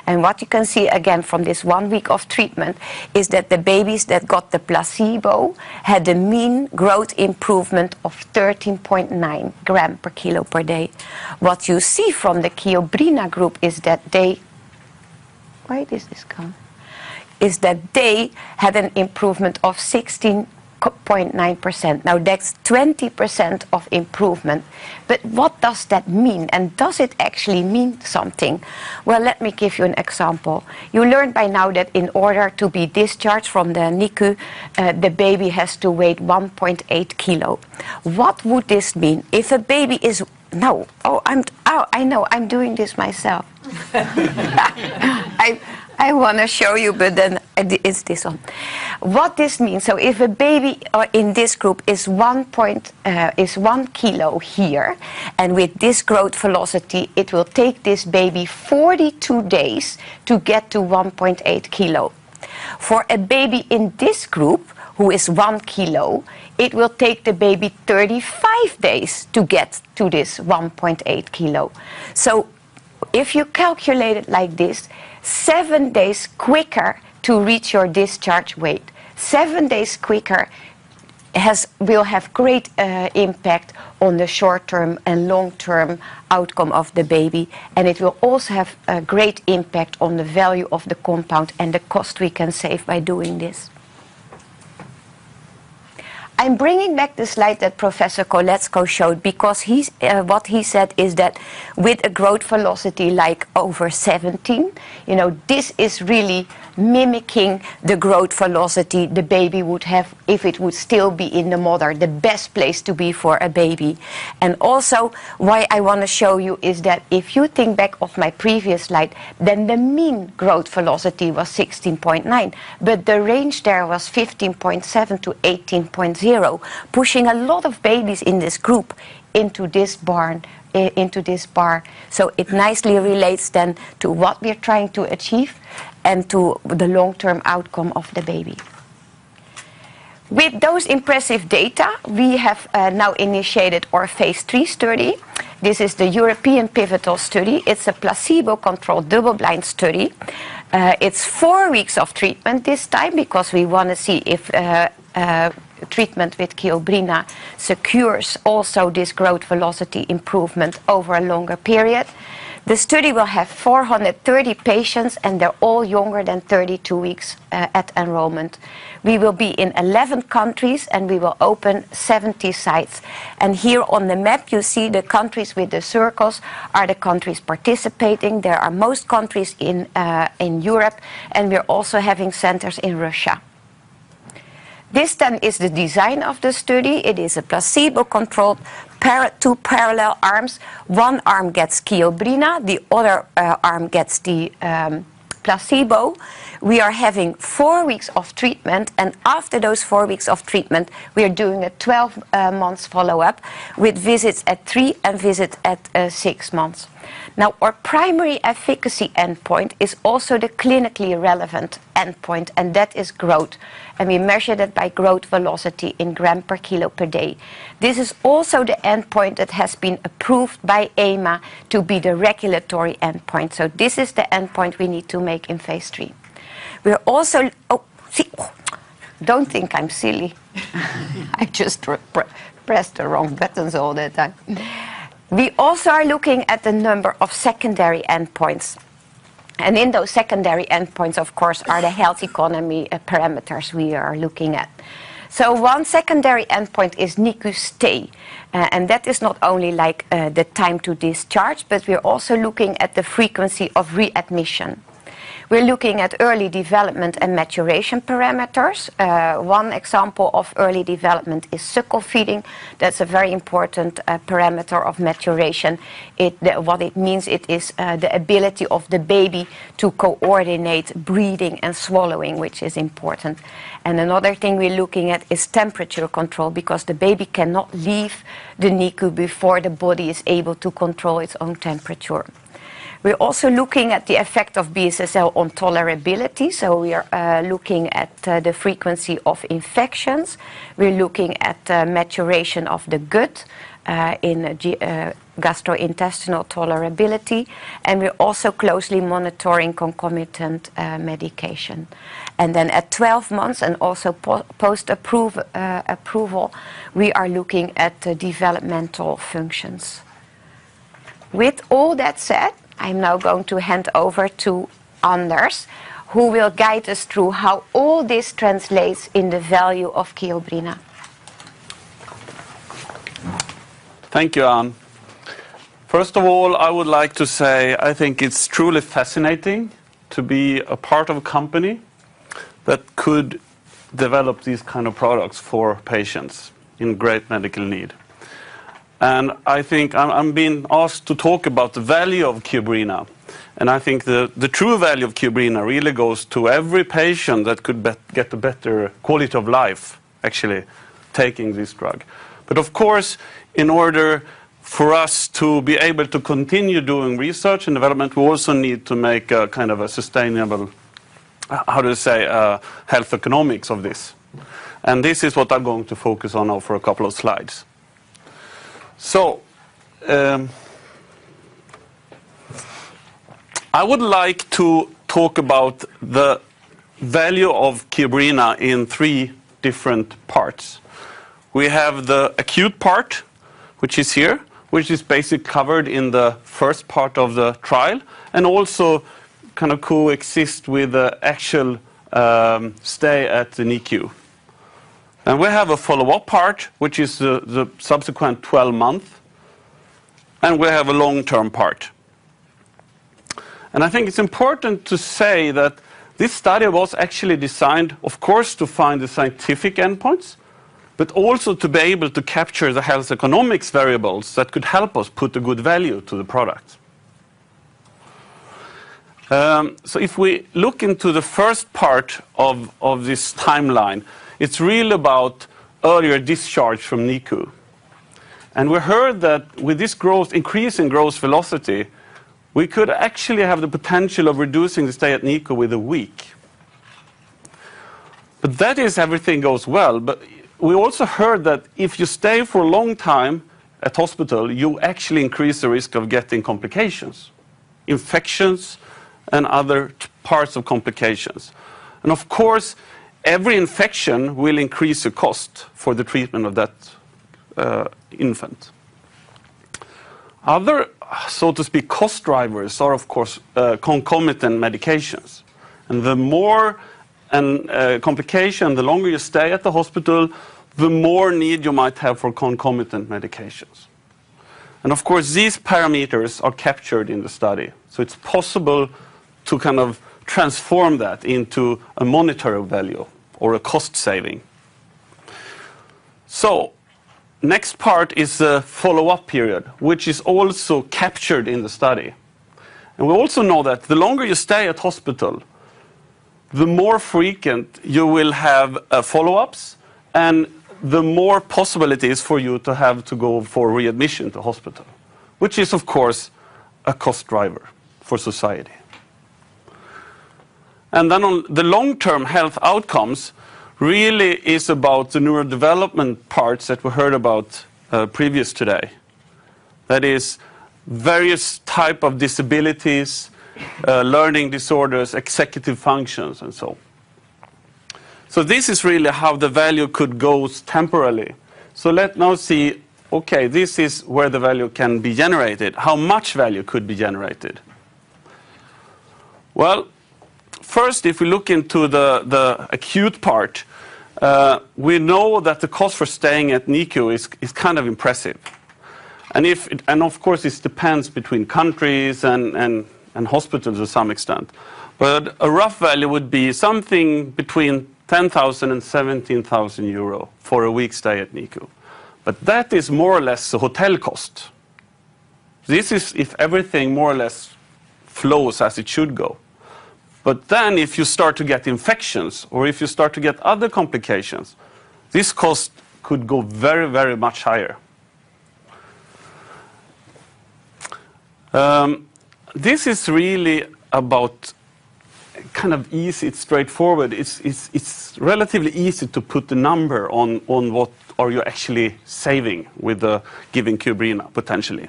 What you can see again from this one week of treatment is that the babies that got the placebo had a mean growth improvement of 13.9 grams per kilogram per day. What you see from the Kiobrina group is that they had an improvement of 16.9%. Now, that's 20% improvement. But what does that mean? And does it actually mean something? Well, let me give you an example. You learned by now that in order to be discharged from the NICU, the baby has to weigh 1.8 kilo. What would this mean? If a baby is, no, oh, I know I'm doing this myself. I want to show you, but then it's this one. What this means, so if a baby in this group is one kilo here, and with this growth velocity, it will take this baby 42 days to get to 1.8 kilo. For a baby in this group who is 1 kilo, it will take the baby 35 days to get to this 1.8 kilo. So if you calculate it like this, seven days quicker to reach your discharge weight, seven days quicker will have great impact on the short-term and long-term outcome of the baby. And it will also have a great impact on the value of the compound and the cost we can save by doing this. I'm bringing back the slide that Professor Koletzko showed because what he said is that with a growth velocity like over 17, this is really mimicking the growth velocity the baby would have if it would still be in the mother, the best place to be for a baby. Also, why I want to show you is that if you think back of my previous slide, then the mean growth velocity was 16.9, but the range there was 15.7 to 18.0, pushing a lot of babies in this group into this bar. So it nicely relates then to what we are trying to achieve and to the long-term outcome of the baby. With those impressive data, we have now initiated our phase 3 study. This is the European Pivotal Study. It's a placebo-controlled double-blind study. It's four weeks of treatment this time because we want to see if treatment with Kiobrina secures also this growth velocity improvement over a longer period. The study will have 430 patients, and they're all younger than 32 weeks at enrollment. We will be in 11 countries, and we will open 70 sites. And here on the map, you see the countries with the circles are the countries participating. There are most countries in Europe, and we're also having centers in Russia. This then is the design of the study. It is a placebo-controlled two parallel arms. One arm gets Kiobrina. The other arm gets the placebo. We are having four weeks of treatment. And after those four weeks of treatment, we are doing a 12-month follow-up with visits at three and visits at six months. Now, our primary efficacy endpoint is also the clinically relevant endpoint, and that is growth. And we measure that by growth velocity in gram per kilo per day. This is also the endpoint that has been approved by EMA to be the regulatory endpoint. So this is the endpoint we need to make in phase three. We're also. Oh, don't think I'm silly. I just pressed the wrong buttons all the time. We also are looking at the number of secondary endpoints. And in those secondary endpoints, of course, are the health economy parameters we are looking at. So one secondary endpoint is NICU stay. And that is not only like the time to discharge, but we're also looking at the frequency of readmission. We're looking at early development and maturation parameters. One example of early development is suckle feeding. That's a very important parameter of maturation. What it means is the ability of the baby to coordinate breathing and swallowing, which is important. And another thing we're looking at is temperature control because the baby cannot leave the NICU before the body is able to control its own temperature. We're also looking at the effect of BSSL on tolerability. So we are looking at the frequency of infections. We're looking at maturation of the gut in gastrointestinal tolerability. And we're also closely monitoring concomitant medication. And then at 12 months and also post-approval, we are looking at developmental functions. With all that said, I'm now going to hand over to Anders, who will guide us through how all this translates in the value of Kiobrina. Thank you, An. First of all, I would like to say I think it's truly fascinating to be a part of a company that could develop these kinds of products for patients in great medical need. And I think I'm being asked to talk about the value of Kiobrina. And I think the true value of Kiobrina really goes to every patient that could get a better quality of life, actually taking this drug. But of course, in order for us to be able to continue doing research and development, we also need to make a kind of a sustainable, how do you say, health economics of this. And this is what I'm going to focus on now for a couple of slides. So I would like to talk about the value of Kiobrina in three different parts. We have the acute part, which is here, which is basically covered in the first part of the trial, and also kind of coexist with the actual stay at the NICU. And we have a follow-up part, which is the subsequent 12 months. And we have a long-term part. I think it's important to say that this study was actually designed, of course, to find the scientific endpoints, but also to be able to capture the health economics variables that could help us put a good value to the product. So if we look into the first part of this timeline, it's really about earlier discharge from NICU. We heard that with this increase in growth velocity, we could actually have the potential of reducing the stay at NICU with a week. But that is if everything goes well. We also heard that if you stay for a long time at hospital, you actually increase the risk of getting complications, infections, and other parts of complications. Of course, every infection will increase the cost for the treatment of that infant. Other, so to speak, cost drivers are, of course, concomitant medications. And the more complications, the longer you stay at the hospital, the more need you might have for concomitant medications. And of course, these parameters are captured in the study. So it's possible to kind of transform that into a monetary value or a cost saving. So next part is the follow-up period, which is also captured in the study. And we also know that the longer you stay at hospital, the more frequent you will have follow-ups, and the more possibilities for you to have to go for readmission to hospital, which is, of course, a cost driver for society. And then on the long-term health outcomes, really it's about the neurodevelopment parts that we heard about previous today. That is various types of disabilities, learning disorders, executive functions, and so on. So this is really how the value could go temporarily. Let's now see. Okay, this is where the value can be generated. How much value could be generated? First, if we look into the acute part, we know that the cost for staying at NICU is kind of impressive. And of course, this depends between countries and hospitals to some extent. But a rough value would be something between 10,000 and 17,000 euro for a week's stay at NICU. But that is more or less the hotel cost. This is if everything more or less flows as it should go. But then if you start to get infections or if you start to get other complications, this cost could go very, very much higher. This is really about kind of easy. It's straightforward. It's relatively easy to put the number on what are you actually saving with giving Kiobrina potentially.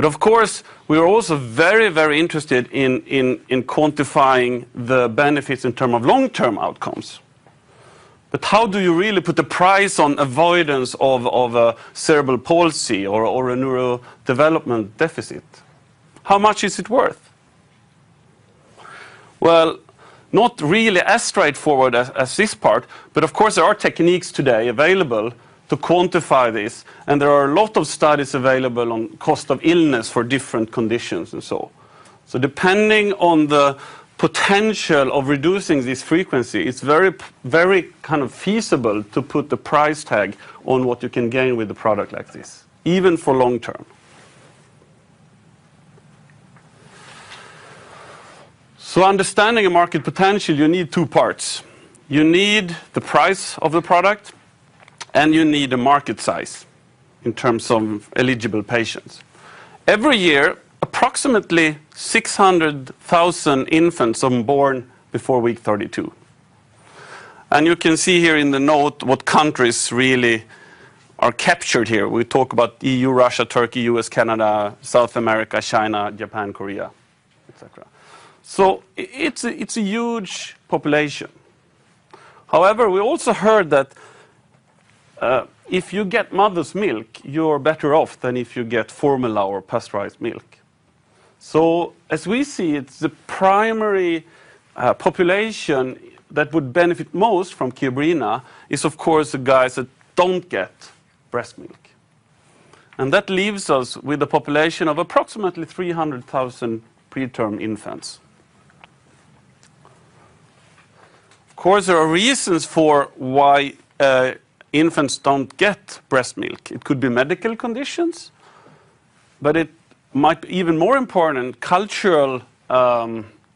But of course, we are also very, very interested in quantifying the benefits in terms of long-term outcomes. But how do you really put the price on avoidance of a cerebral palsy or a neurodevelopment deficit? How much is it worth? Well, not really as straightforward as this part, but of course, there are techniques today available to quantify this. And there are a lot of studies available on cost of illness for different conditions and so on. So depending on the potential of reducing this frequency, it's very kind of feasible to put the price tag on what you can gain with a product like this, even for long-term. So understanding a market potential, you need two parts. You need the price of the product, and you need the market size in terms of eligible patients. Every year, approximately 600,000 infants are born before week 32. You can see here in the note what countries really are captured here. We talk about EU, Russia, Turkey, U.S., Canada, South America, China, Japan, Korea, etc. So it's a huge population. However, we also heard that if you get mother's milk, you're better off than if you get formula or pasteurized milk. So as we see, it's the primary population that would benefit most from Kiobrina is, of course, the guys that don't get breast milk. And that leaves us with a population of approximately 300,000 preterm infants. Of course, there are reasons for why infants don't get breast milk. It could be medical conditions, but it might be even more important, cultural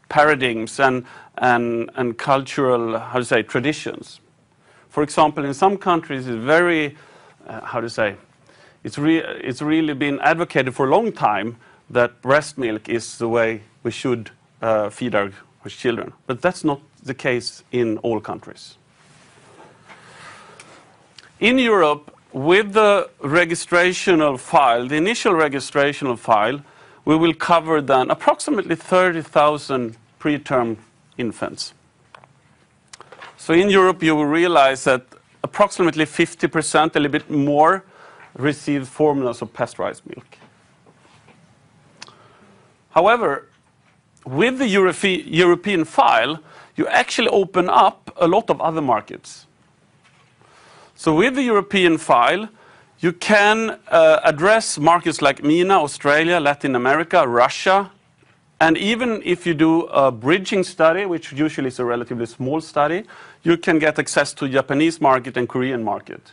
paradigms and cultural, how to say, traditions. For example, in some countries, it's very, how to say, it's really been advocated for a long time that breast milk is the way we should feed our children. But that's not the case in all countries. In Europe, with the registration of Kiobrina, the initial registration of Kiobrina, we will cover then approximately 30,000 preterm infants. So in Europe, you will realize that approximately 50%, a little bit more, receive formulas or pasteurized milk. However, with the European Kiobrina, you actually open up a lot of other markets. So with the European Kiobrina, you can address markets like MENA, Australia, Latin America, Russia. And even if you do a bridging study, which usually is a relatively small study, you can get access to the Japanese market and Korean market.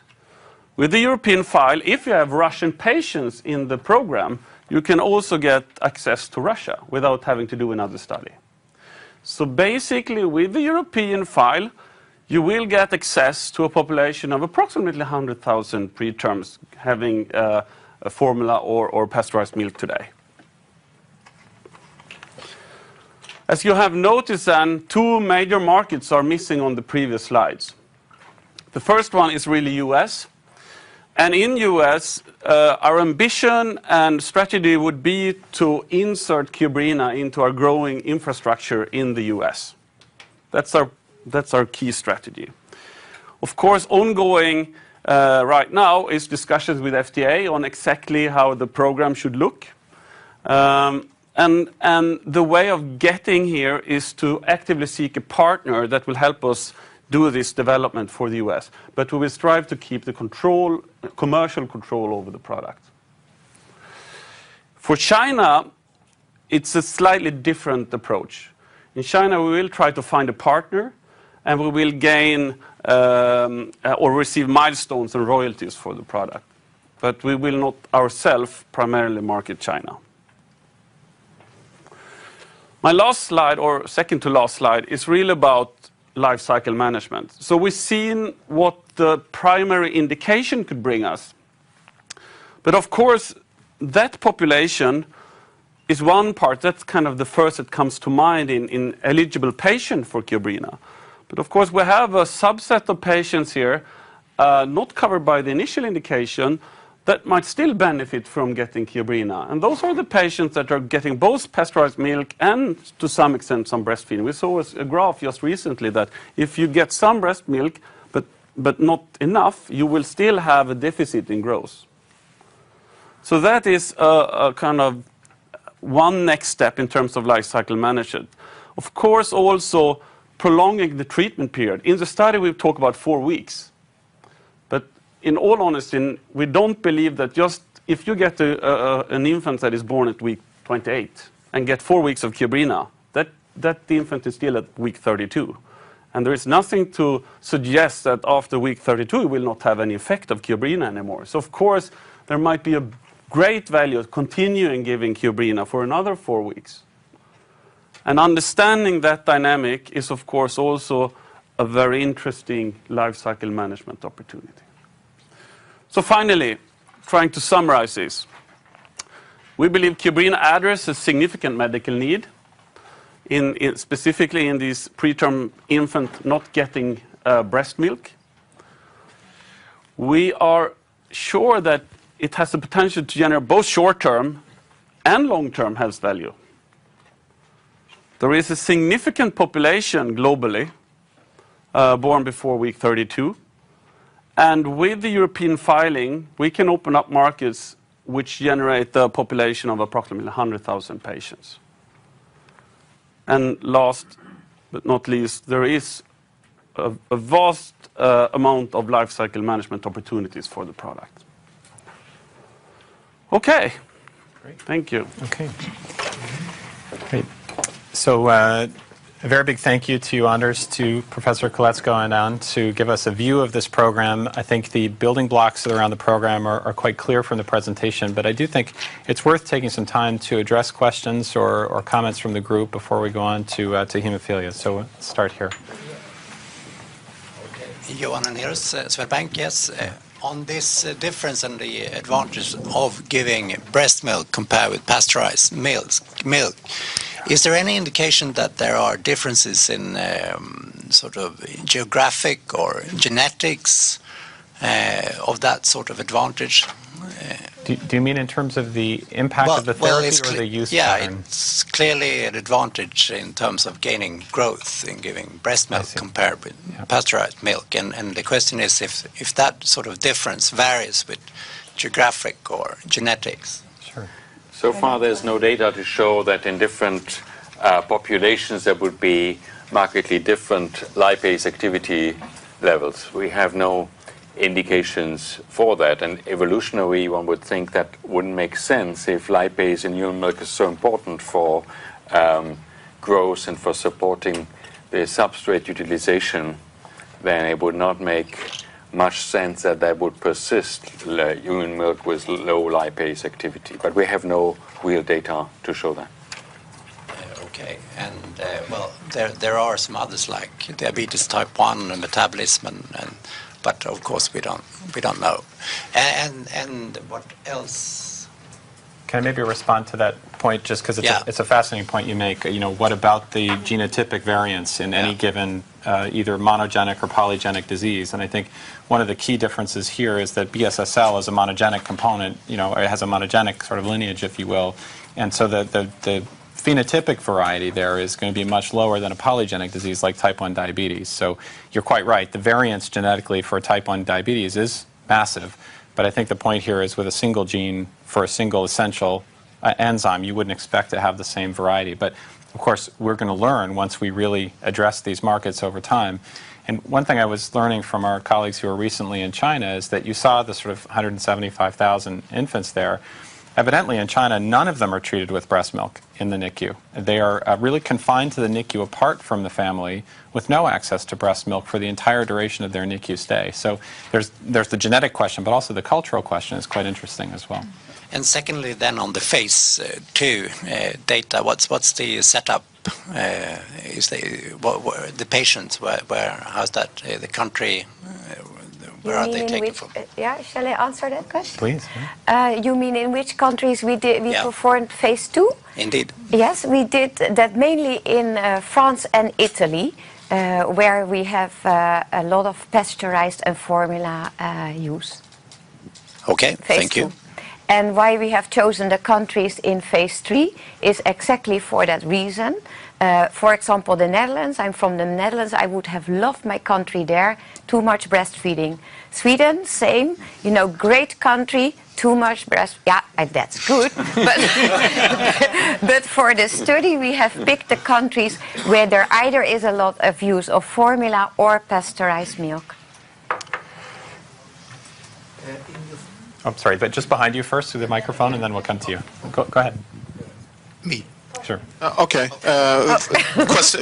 With the European file, if you have Russian patients in the program, you can also get access to Russia without having to do another study. So basically, with the European file, you will get access to a population of approximately 100,000 preterms having a formula or pasteurized milk today. As you have noticed, then two major markets are missing on the previous slides. The first one is really US. And in US, our ambition and strategy would be to insert Kiobrina into our growing infrastructure in the US. That's our key strategy. Of course, ongoing right now is discussions with FDA on exactly how the program should look. And the way of getting here is to actively seek a partner that will help us do this development for the US. But we will strive to keep the commercial control over the product. For China, it's a slightly different approach. In China, we will try to find a partner, and we will gain or receive milestones and royalties for the product. But we will not ourselves primarily market China. My last slide, or second to last slide, is really about lifecycle management. So we've seen what the primary indication could bring us. But of course, that population is one part that's kind of the first that comes to mind in eligible patients for Kiobrina. But of course, we have a subset of patients here not covered by the initial indication that might still benefit from getting Kiobrina. And those are the patients that are getting both pasteurized milk and, to some extent, some breastfeeding. We saw a graph just recently that if you get some breast milk, but not enough, you will still have a deficit in growth. That is kind of one next step in terms of lifecycle management. Of course, also prolonging the treatment period. In the study, we talk about four weeks. But in all honesty, we don't believe that just if you get an infant that is born at week 28 and get four weeks of Kiobrina, that the infant is still at week 32. And there is nothing to suggest that after week 32, you will not have any effect of Kiobrina anymore. So of course, there might be a great value of continuing giving Kiobrina for another four weeks. And understanding that dynamic is, of course, also a very interesting lifecycle management opportunity. So finally, trying to summarize this, we believe Kiobrina addresses significant medical need, specifically in these preterm infants not getting breast milk. We are sure that it has the potential to generate both short-term and long-term health value. There is a significant population globally born before week 32. And with the European filing, we can open up markets which generate the population of approximately 100,000 patients. And last but not least, there is a vast amount of lifecycle management opportunities for the product. Okay. Thank you. Okay. Great. So a very big thank you to you, Anders, to Professor Koletzko, and An to give us a view of this program. I think the building blocks around the program are quite clear from the presentation. But I do think it's worth taking some time to address questions or comments from the group before we go on to hemophilia. So let's start here. Johan Unnerus, Swedbank, yes. On this difference in the advantage of giving breast milk compared with pasteurized milk, is there any indication that there are differences in sort of geographic or genetics of that sort of advantage? Do you mean in terms of the impact of the therapy or the use time? Yeah. It's clearly an advantage in terms of gaining growth in giving breast milk compared with pasteurized milk. And the question is if that sort of difference varies with geographic or genetics. Sure. So far, there's no data to show that in different populations there would be markedly different lipase activity levels. We have no indications for that. And evolutionary, one would think that wouldn't make sense if lipase in human milk is so important for growth and for supporting the substrate utilization, then it would not make much sense that that would persist, human milk with low lipase activity. But we have no real data to show that. Okay. And well, there are some others like diabetes type 1 and metabolism, but of course, we don't know. And what else? Can I maybe respond to that point just because it's a fascinating point you make? What about the genotypic variance in any given either monogenic or polygenic disease? And I think one of the key differences here is that BSSL is a monogenic component. It has a monogenic sort of lineage, if you will. And so the phenotypic variety there is going to be much lower than a polygenic disease like type 1 diabetes. So you're quite right. The variance genetically for type 1 diabetes is massive. But I think the point here is with a single gene for a single essential enzyme, you wouldn't expect to have the same variety. But of course, we're going to learn once we really address these markets over time. And one thing I was learning from our colleagues who are recently in China is that you saw the sort of 175,000 infants there. Evidently, in China, none of them are treated with breast milk in the NICU. They are really confined to the NICU apart from the family with no access to breast milk for the entire duration of their NICU stay. So there's the genetic question, but also the cultural question is quite interesting as well. Secondly, then on the phase two data, what's the setup? The patients, how's that? The country, where are they taken from? Yeah. Shall I answer that question? Please. You mean in which countries we performed phase two? Indeed. Yes. We did that mainly in France and Italy, where we have a lot of pasteurized and formula use. Okay. Thank you. Why we have chosen the countries in phase three is exactly for that reason. For example, the Netherlands. I'm from the Netherlands. I would have loved my country there. Too much breastfeeding. Sweden, same. Great country. Too much breast. Yeah, that's good. But for the study, we have picked the countries where there either is a lot of use of formula or pasteurized milk. I'm sorry, but just behind you first to the microphone, and then we'll come to you. Go ahead. Me. Sure. Okay.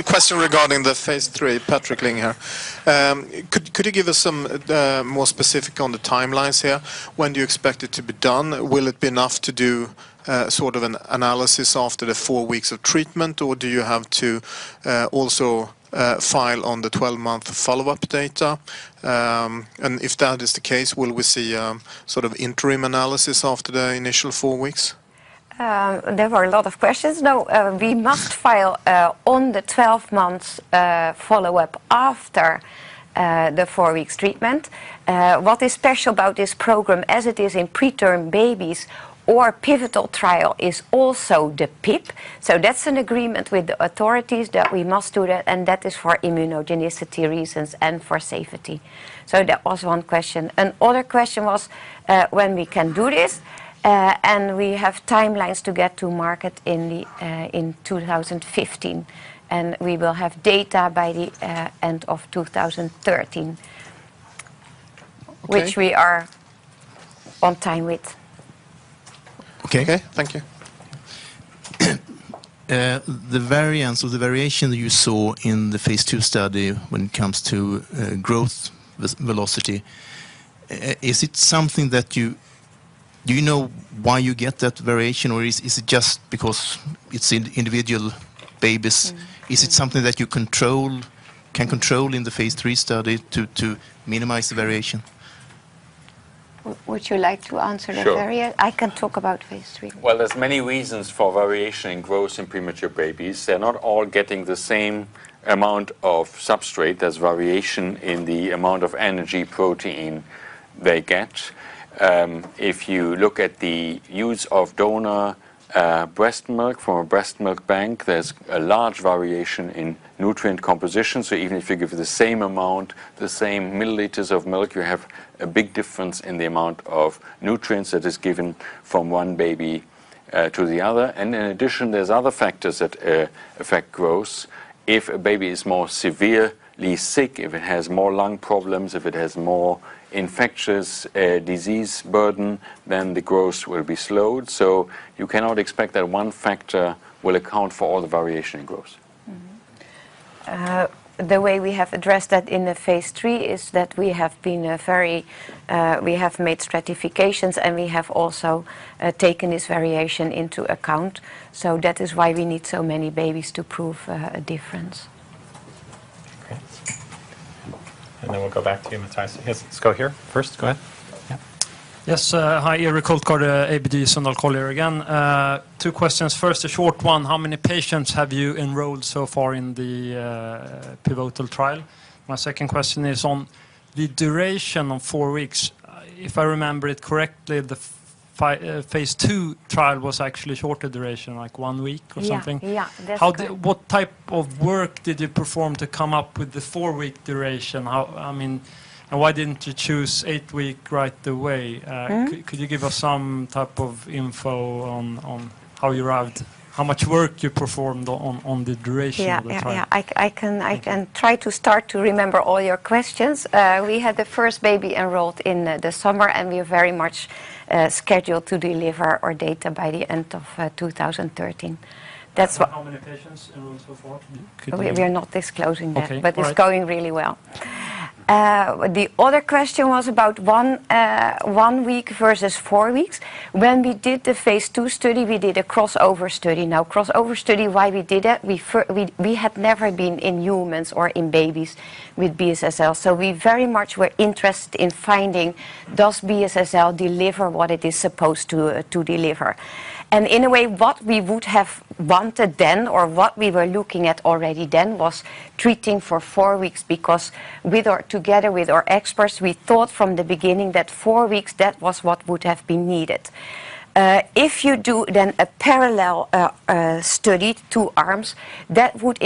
Question regarding the phase 3. Patrik Ling here. Could you give us some more specifics on the timelines here? When do you expect it to be done? Will it be enough to do sort of an analysis after the four weeks of treatment, or do you have to also file on the 12-month follow-up data? And if that is the case, will we see sort of interim analysis after the initial four weeks? There were a lot of questions. No, we must file on the 12-month follow-up after the four-week treatment. What is special about this program as it is in preterm babies or pivotal trial is also the PIP. So that's an agreement with the authorities that we must do that, and that is for immunogenicity reasons and for safety. So that was one question. Another question was when we can do this. And we have timelines to get to market in 2015, and we will have data by the end of 2013, which we are on time with. Okay. Thank you. The variance of the variation that you saw in the phase 2 study when it comes to growth velocity, is it something that you know why you get that variation, or is it just because it's individual babies? Is it something that you can control in the phase 3 study to minimize the variation? Would you like to answer that area? Sure. I can talk about phase three. There's many reasons for variation in growth in premature babies. They're not all getting the same amount of substrate. There's variation in the amount of energy protein they get. If you look at the use of donor breast milk from a breast milk bank, there's a large variation in nutrient composition. So even if you give the same amount, the same milliliters of milk, you have a big difference in the amount of nutrients that is given from one baby to the other. And in addition, there's other factors that affect growth. If a baby is more severely sick, if it has more lung problems, if it has more infectious disease burden, then the growth will be slowed. So you cannot expect that one factor will account for all the variation in growth. The way we have addressed that in the phase 3 is that we have made stratifications, and we have also taken this variation into account. So that is why we need so many babies to prove a difference. Okay. And then we'll go back to you, Matthijs. Let's go here first. Go ahead. Yes. Hi. Erik Hultgård, ABG Sundal Collier again. Two questions. First, a short one. How many patients have you enrolled so far in the pivotal trial? My second question is on the duration of four weeks. If I remember it correctly, the phase 2 trial was actually shorter duration, like one week or something. Yeah. What type of work did you perform to come up with the four-week duration? I mean, why didn't you choose eight weeks right away? Could you give us some type of info on how you arrived, how much work you performed on the duration of the trial? Yeah. I can try to start to remember all your questions. We had the first baby enrolled in the summer, and we are very much scheduled to deliver our data by the end of 2013. That's what. How many patients enrolled so far? We are not disclosing that, but it's going really well. The other question was about one week versus four weeks. When we did the phase two study, we did a crossover study. Now, crossover study, why we did that? We had never been in humans or in babies with BSSL. So we very much were interested in finding, does BSSL deliver what it is supposed to deliver? In a way, what we would have wanted then, or what we were looking at already then, was treating for four weeks because together with our experts, we thought from the beginning that four weeks, that was what would have been needed. If you do then a parallel study, two arms, that would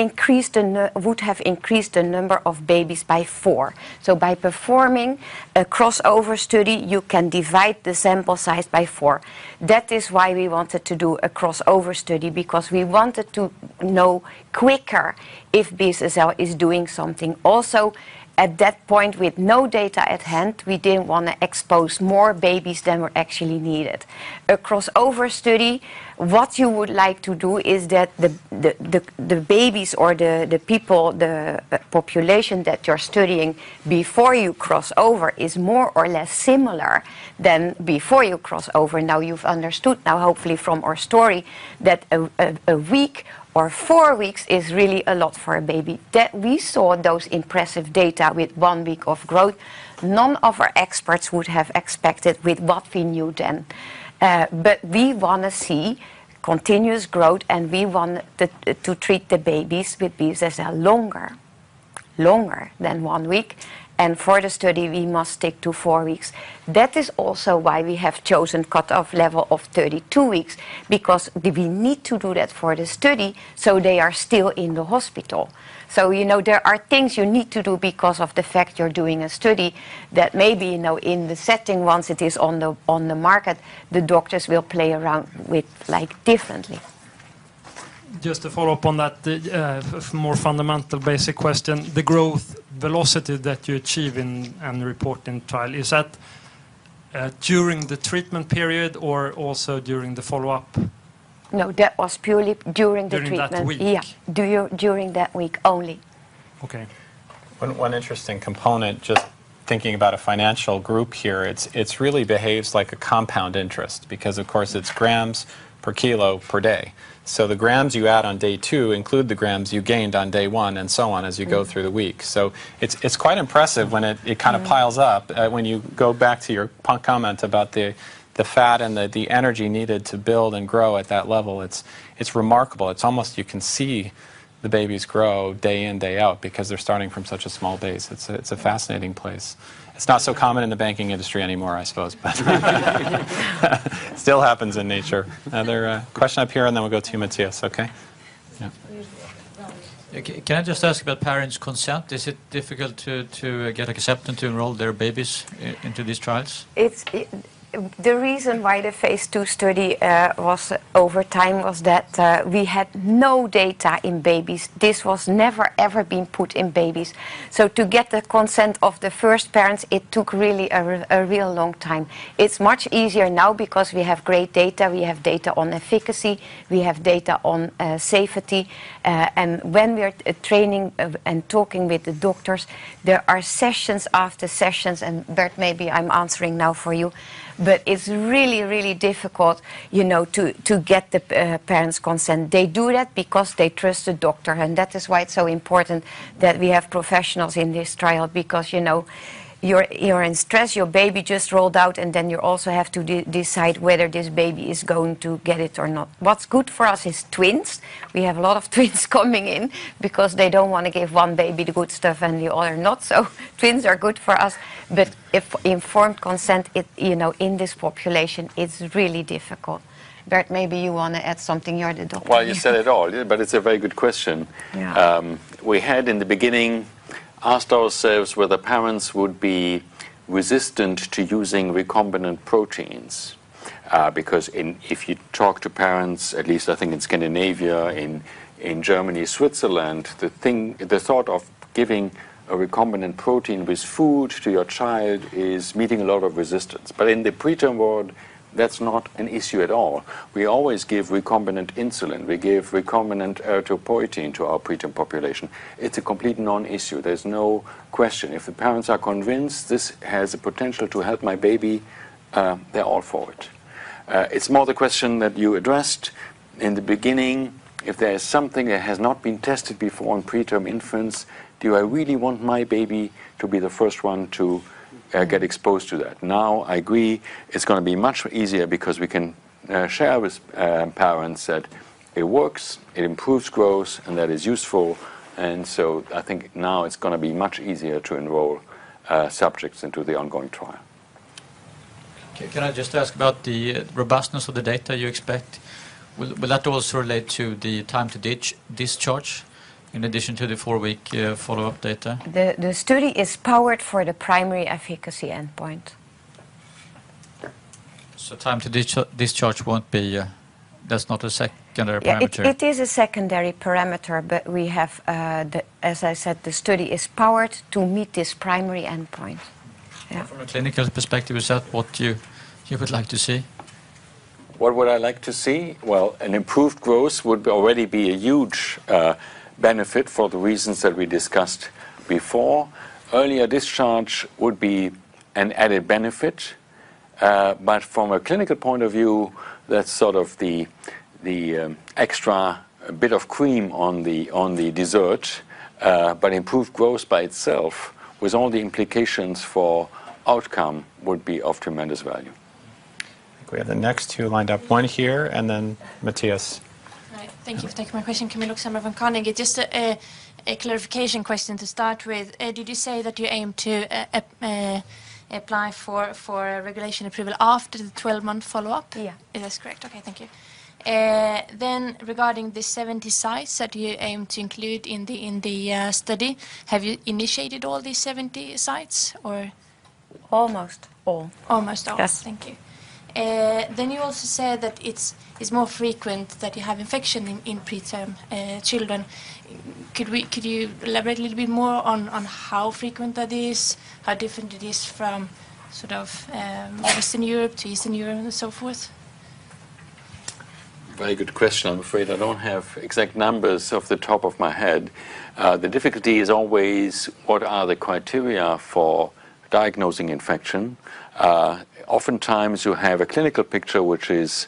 have increased the number of babies by four. So by performing a crossover study, you can divide the sample size by four. That is why we wanted to do a crossover study because we wanted to know quicker if BSSL is doing something. Also, at that point, with no data at hand, we didn't want to expose more babies than were actually needed. A crossover study, what you would like to do is that the babies or the people, the population that you're studying before you crossover is more or less similar than before you crossover. Now, you've understood. Now hopefully from our story, that a week or four weeks is really a lot for a baby. We saw those impressive data with one week of growth. None of our experts would have expected with what we knew then. But we want to see continuous growth, and we want to treat the babies with BSSL longer, longer than one week. And for the study, we must stick to four weeks. That is also why we have chosen a cut-off level of 32 weeks, because we need to do that for the study so they are still in the hospital. So there are things you need to do because of the fact you're doing a study that maybe in the setting, once it is on the market, the doctors will play around with differently. Just to follow up on that more fundamental basic question, the growth velocity that you achieve in reporting trial, is that during the treatment period or also during the follow-up? No, that was purely during the treatment. During that week. Yeah. During that week only. Okay. One interesting component, just thinking about a financial group here, it really behaves like a compound interest because, of course, it's grams per kilo per day. So the grams you add on day two include the grams you gained on day one and so on as you go through the week. So it's quite impressive when it kind of piles up. When you go back to your comment about the fat and the energy needed to build and grow at that level, it's remarkable. It's almost you can see the babies grow day in, day out because they're starting from such a small base. It's a fascinating place. It's not so common in the banking industry anymore, I suppose, but still happens in nature. Another question up here, and then we'll go to you, Mattias. Okay. Can I just ask about parents' consent? Is it difficult to get acceptance to enroll their babies into these trials? The reason why the phase 2 study was over time was that we had no data in babies. This was never, ever been put in babies. So to get the consent of the first parents, it took really a real long time. It's much easier now because we have great data. We have data on efficacy. We have data on safety. And when we're training and talking with the doctors, there are sessions after sessions, and Bert, maybe I'm answering now for you, but it's really, really difficult to get the parents' consent. They do that because they trust the doctor. And that is why it's so important that we have professionals in this trial because you're in stress, your baby just rolled out, and then you also have to decide whether this baby is going to get it or not. What's good for us is twins. We have a lot of twins coming in because they don't want to give one baby the good stuff and the other not. So twins are good for us. But informed consent in this population, it's really difficult. Bert, maybe you want to add something here at the top. Well, you said it all, but it's a very good question. We had in the beginning asked ourselves whether parents would be resistant to using recombinant proteins because if you talk to parents, at least I think in Scandinavia, in Germany, Switzerland, the thought of giving a recombinant protein with food to your child is meeting a lot of resistance. But in the preterm world, that's not an issue at all. We always give recombinant insulin. We give recombinant erythropoietin to our preterm population. It's a complete non-issue. There's no question. If the parents are convinced this has the potential to help my baby, they're all for it. It's more the question that you addressed in the beginning. If there is something that has not been tested before in preterm infants, do I really want my baby to be the first one to get exposed to that? Now, I agree. It's going to be much easier because we can share with parents that it works, it improves growth, and that is useful. And so I think now it's going to be much easier to enroll subjects into the ongoing trial. Can I just ask about the robustness of the data you expect? Will that also relate to the time to discharge in addition to the four-week follow-up data? The study is powered for the primary efficacy endpoint. So time to discharge won't be. That's not a secondary parameter. It is a secondary parameter, but we have, as I said, the study is powered to meet this primary endpoint. From a clinical perspective, is that what you would like to see? What would I like to see? Well, an improved growth would already be a huge benefit for the reasons that we discussed before. Earlier discharge would be an added benefit. But from a clinical point of view, that's sort of the extra bit of cream on the dessert. But improved growth by itself, with all the implications for outcome, would be of tremendous value. We have the next two lined up. One here, and then Matthijs. Thank you for taking my question. Can we look some of them? Just a clarification question to start with. Did you say that you aim to apply for regulatory approval after the 12-month follow-up? Yeah. That's correct. Okay. Thank you. Then regarding the 70 sites that you aim to include in the study, have you initiated all these 70 sites, or? Almost all. Almost all. Yes. Thank you. Then you also said that it's more frequent that you have infection in preterm children. Could you elaborate a little bit more on how frequent that is, how different it is from sort of Western Europe to Eastern Europe and so forth? Very good question. I'm afraid I don't have exact numbers off the top of my head. The difficulty is always what are the criteria for diagnosing infection. Oftentimes, you have a clinical picture which is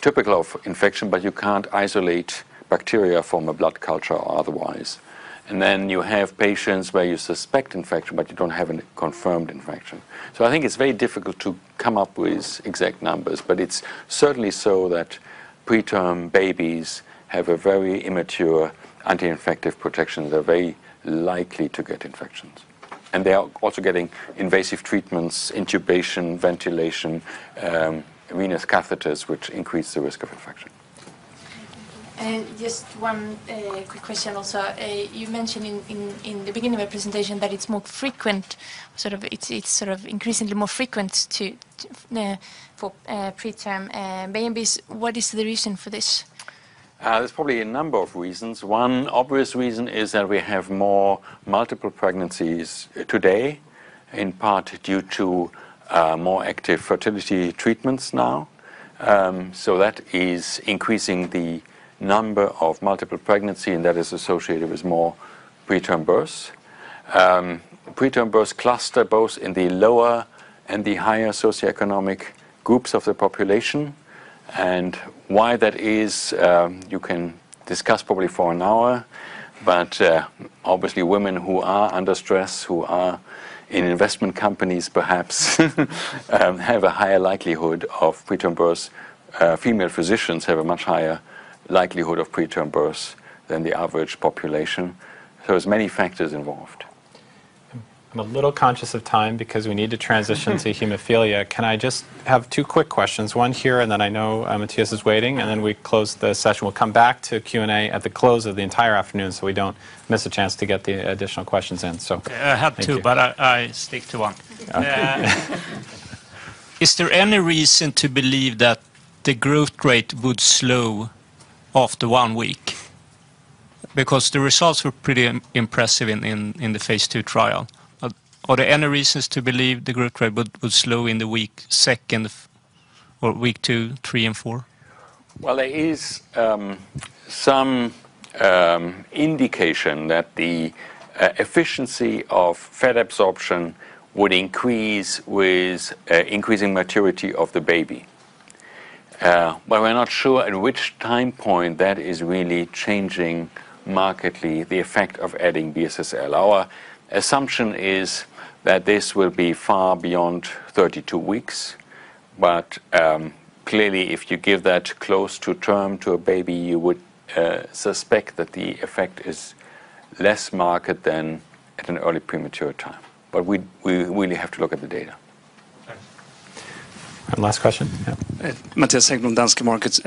typical of infection, but you can't isolate bacteria from a blood culture or otherwise. And then you have patients where you suspect infection, but you don't have a confirmed infection. So I think it's very difficult to come up with exact numbers, but it's certainly so that preterm babies have a very immature anti-infective protection. They're very likely to get infections. And they are also getting invasive treatments, intubation, ventilation, venous catheters, which increase the risk of infection. And just one quick question also. You mentioned in the beginning of the presentation that it's more frequent, sort of it's sort of increasingly more frequent for preterm babies. What is the reason for this? There's probably a number of reasons. One obvious reason is that we have more multiple pregnancies today, in part due to more active fertility treatments now. So that is increasing the number of multiple pregnancies, and that is associated with more preterm births. Preterm births cluster both in the lower and the higher socioeconomic groups of the population, and why that is, you can discuss probably for an hour, but obviously, women who are under stress, who are in investment companies perhaps, have a higher likelihood of preterm births. Female physicians have a much higher likelihood of preterm births than the average population, so there's many factors involved. I'm a little conscious of time because we need to transition to hemophilia. Can I just have two quick questions? One here, and then I know Matthijs is waiting, and then we close the session. We'll come back to Q&A at the close of the entire afternoon so we don't miss a chance to get the additional questions in. I have two, but I stick to one. Is there any reason to believe that the growth rate would slow after one week? Because the results were pretty impressive in the phase two trial. Are there any reasons to believe the growth rate would slow in the week second or week two, three, and four? Well, there is some indication that the efficiency of fat absorption would increase with increasing maturity of the baby. But we're not sure at which time point that is really changing markedly the effect of adding BSSL. Our assumption is that this will be far beyond 32 weeks. But clearly, if you give that close to term to a baby, you would suspect that the effect is less marked than at an early premature time. But we really have to look at the data. Thanks. Last question. Mattias, Häggblom from Danske Markets.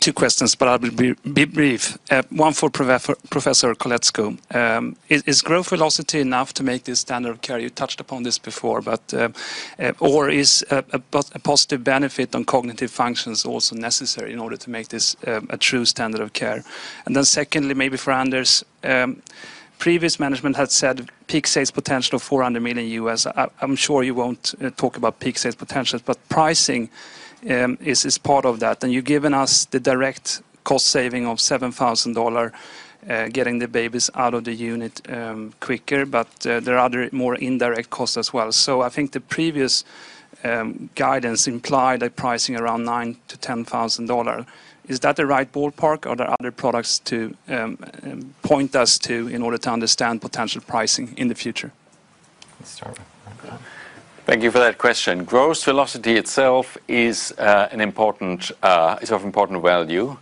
Two questions, but I'll be brief. One for Professor Koletzko. Is growth velocity enough to make this standard of care? You touched upon this before, but or is a positive benefit on cognitive functions also necessary in order to make this a true standard of care? And then secondly, maybe for others, previous management had said peak sales potential of $400 million. I'm sure you won't talk about peak sales potential, but pricing is part of that. And you've given us the direct cost saving of $7,000, getting the babies out of the unit quicker, but there are other more indirect costs as well. I think the previous guidance implied that pricing around $9,000-$10,000. Is that the right ballpark, or are there other products to point us to in order to understand potential pricing in the future? Thank you for that question. Growth velocity itself is an important value.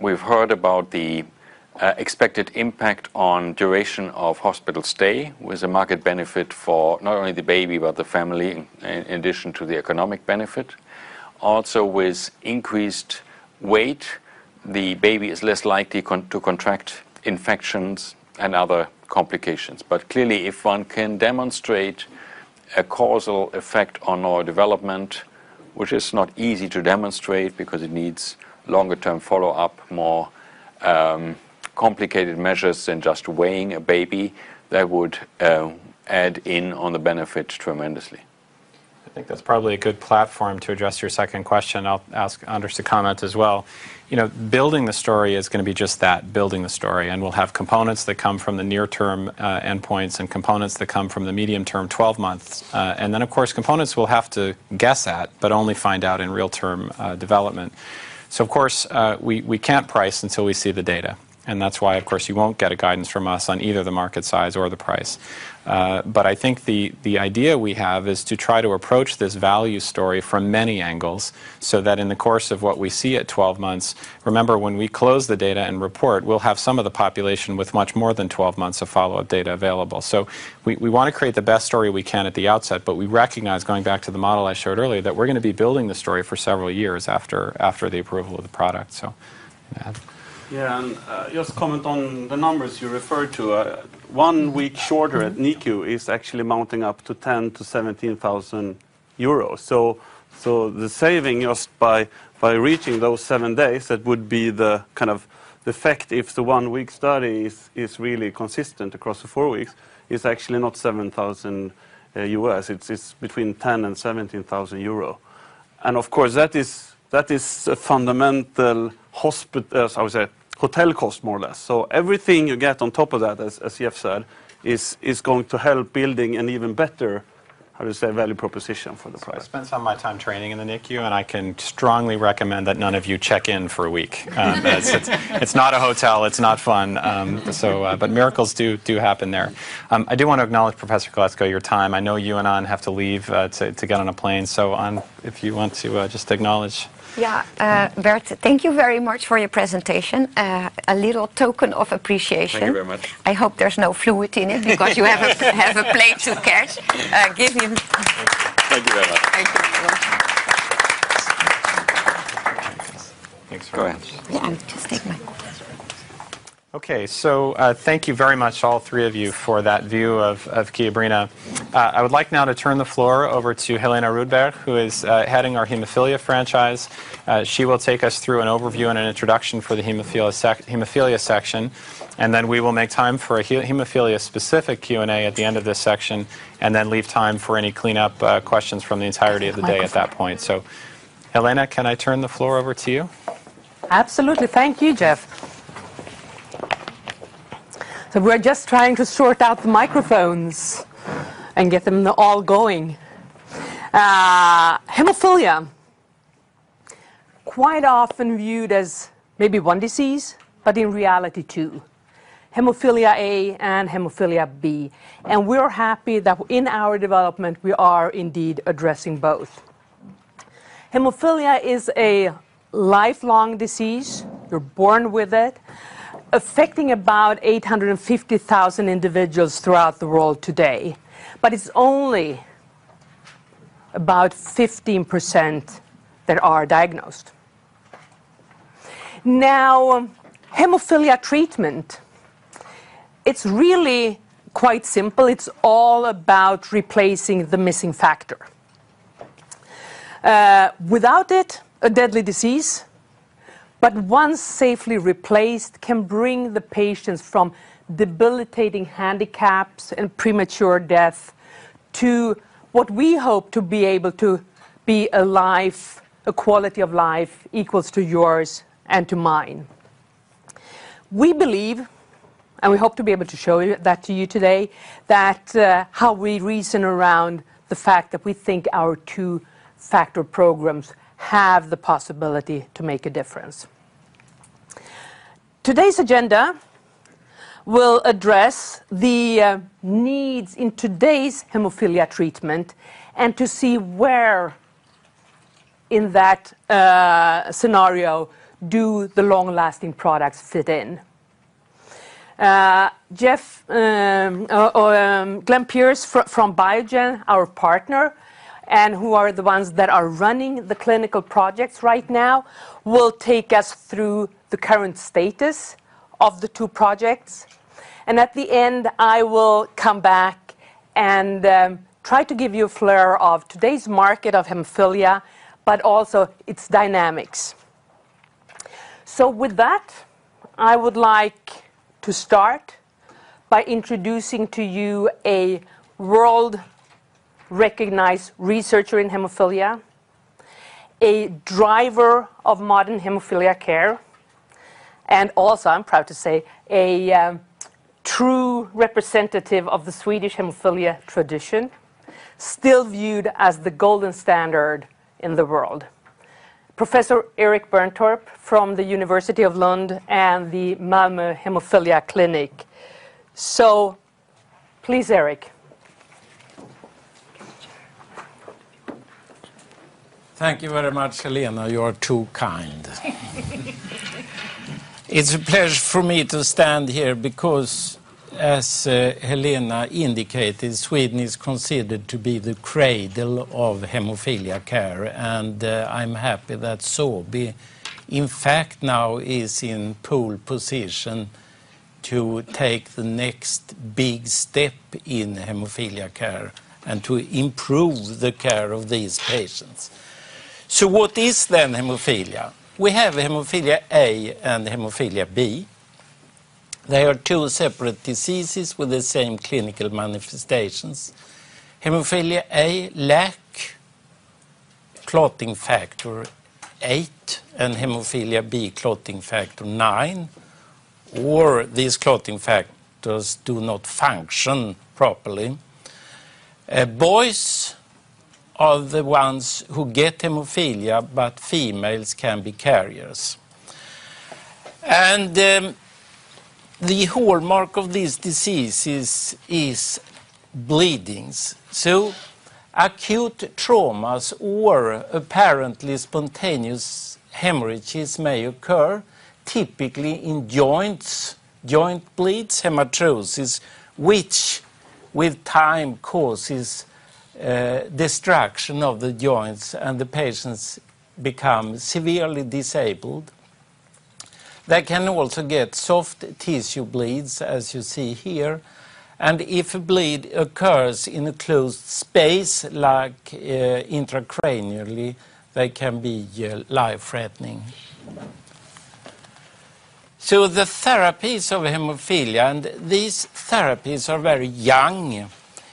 We've heard about the expected impact on duration of hospital stay with a major benefit for not only the baby, but the family, in addition to the economic benefit. Also with increased weight, the baby is less likely to contract infections and other complications. But clearly, if one can demonstrate a causal effect on neurodevelopment, which is not easy to demonstrate because it needs longer-term follow-up, more complicated measures than just weighing a baby, that would add to the benefit tremendously. I think that's probably a good platform to address your second question. I'll ask Anders to comment as well. Building the story is going to be just that, building the story. And we'll have components that come from the near-term endpoints and components that come from the medium-term, 12 months. And then, of course, components we'll have to guess at, but only find out in real-time development. So, of course, we can't price until we see the data. And that's why, of course, you won't get a guidance from us on either the market size or the price. But I think the idea we have is to try to approach this value story from many angles so that in the course of what we see at 12 months, remember when we close the data and report, we'll have some of the population with much more than 12 months of follow-up data available. So we want to create the best story we can at the outset, but we recognize, going back to the model I showed earlier, that we're going to be building the story for several years after the approval of the product. Yeah. And just comment on the numbers you referred to. One week shorter at NICU is actually mounting up to 10,000 to 17,000 euros. So the saving just by reaching those seven days, that would be the kind of effect if the one-week study is really consistent across the four weeks, is actually not $7,000. It's between 10,000 and 17,000 euro. And of course, that is a fundamental hospital, I would say, hotel cost, more or less. So everything you get on top of that, as you've said, is going to help building an even better, how do you say, value proposition for the price. I spent some of my time training in the NICU, and I can strongly recommend that none of you check in for a week. It's not a hotel. It's not fun. But miracles do happen there. I do want to acknowledge, Professor Koletzko, your time. I know you and Anne have to leave to get on a plane. So if you want to just acknowledge. Yeah. Bert, thank you very much for your presentation. A little token of appreciation. Thank you very much. I hope there's no fluid in it because you have a plane to catch. Give him. Thank you very much. Thank you. Thanks very much. Yeah, I'll just take my coffee. Okay. So thank you very much, all three of you, for that view of Kiobrina. I would like now to turn the floor over to Helena Rödberg, who is heading our hemophilia franchise. She will take us through an overview and an introduction for the hemophilia section, and then we will make time for a hemophilia-specific Q&A at the end of this section and then leave time for any cleanup questions from the entirety of the day at that point. So Helena, can I turn the floor over to you? Absolutely. Thank you, Jeff. So we're just trying to sort out the microphones and get them all going. Hemophilia. Quite often viewed as maybe one disease, but in reality, two. Hemophilia A and hemophilia B. And we're happy that in our development, we are indeed addressing both. Hemophilia is a lifelong disease. You're born with it, affecting about 850,000 individuals throughout the world today. But it's only about 15% that are diagnosed. Now, hemophilia treatment, it's really quite simple. It's all about replacing the missing factor. Without it, a deadly disease, but once safely replaced, can bring the patients from debilitating handicaps and premature death to what we hope to be able to be a life, a quality of life equals to yours and to mine. We believe, and we hope to be able to show that to you today, that how we reason around the fact that we think our two-factor programs have the possibility to make a difference. Today's agenda will address the needs in today's hemophilia treatment and to see where in that scenario do the long-lasting products fit in. Glenn Pierce from Biogen, our partner, and who are the ones that are running the clinical projects right now, will take us through the current status of the two projects. At the end, I will come back and try to give you a flavor of today's market of hemophilia, but also its dynamics. With that, I would like to start by introducing to you a world-recognized researcher in hemophilia, a driver of modern hemophilia care, and also, I'm proud to say, a true representative of the Swedish hemophilia tradition, still viewed as the golden standard in the world. Professor Erik Berntorp from the University of Lund and the Malmö Hemophilia Clinic. Please, Erik. Thank you very much, Helena. You are too kind. It's a pleasure for me to stand here because, as Helena indicated, Sweden is considered to be the cradle of hemophilia care. I'm happy that Sobi, in fact, now is in pole position to take the next big step in hemophilia care and to improve the care of these patients. So what is then hemophilia? We have hemophilia A and hemophilia B. They are two separate diseases with the same clinical manifestations. Hemophilia A lacks clotting Factor VIII and hemophilia B clotting factor IX, or these clotting factors do not function properly. Boys are the ones who get hemophilia, but females can be carriers. And the hallmark of these diseases is bleedings. So acute traumas or apparently spontaneous hemorrhages may occur, typically in joints, joint bleeds, hemarthrosis, which with time causes destruction of the joints and the patients become severely disabled. They can also get soft tissue bleeds, as you see here. And if a bleed occurs in a closed space, like intracranially, they can be life-threatening. So the therapies of hemophilia, and these therapies are very young.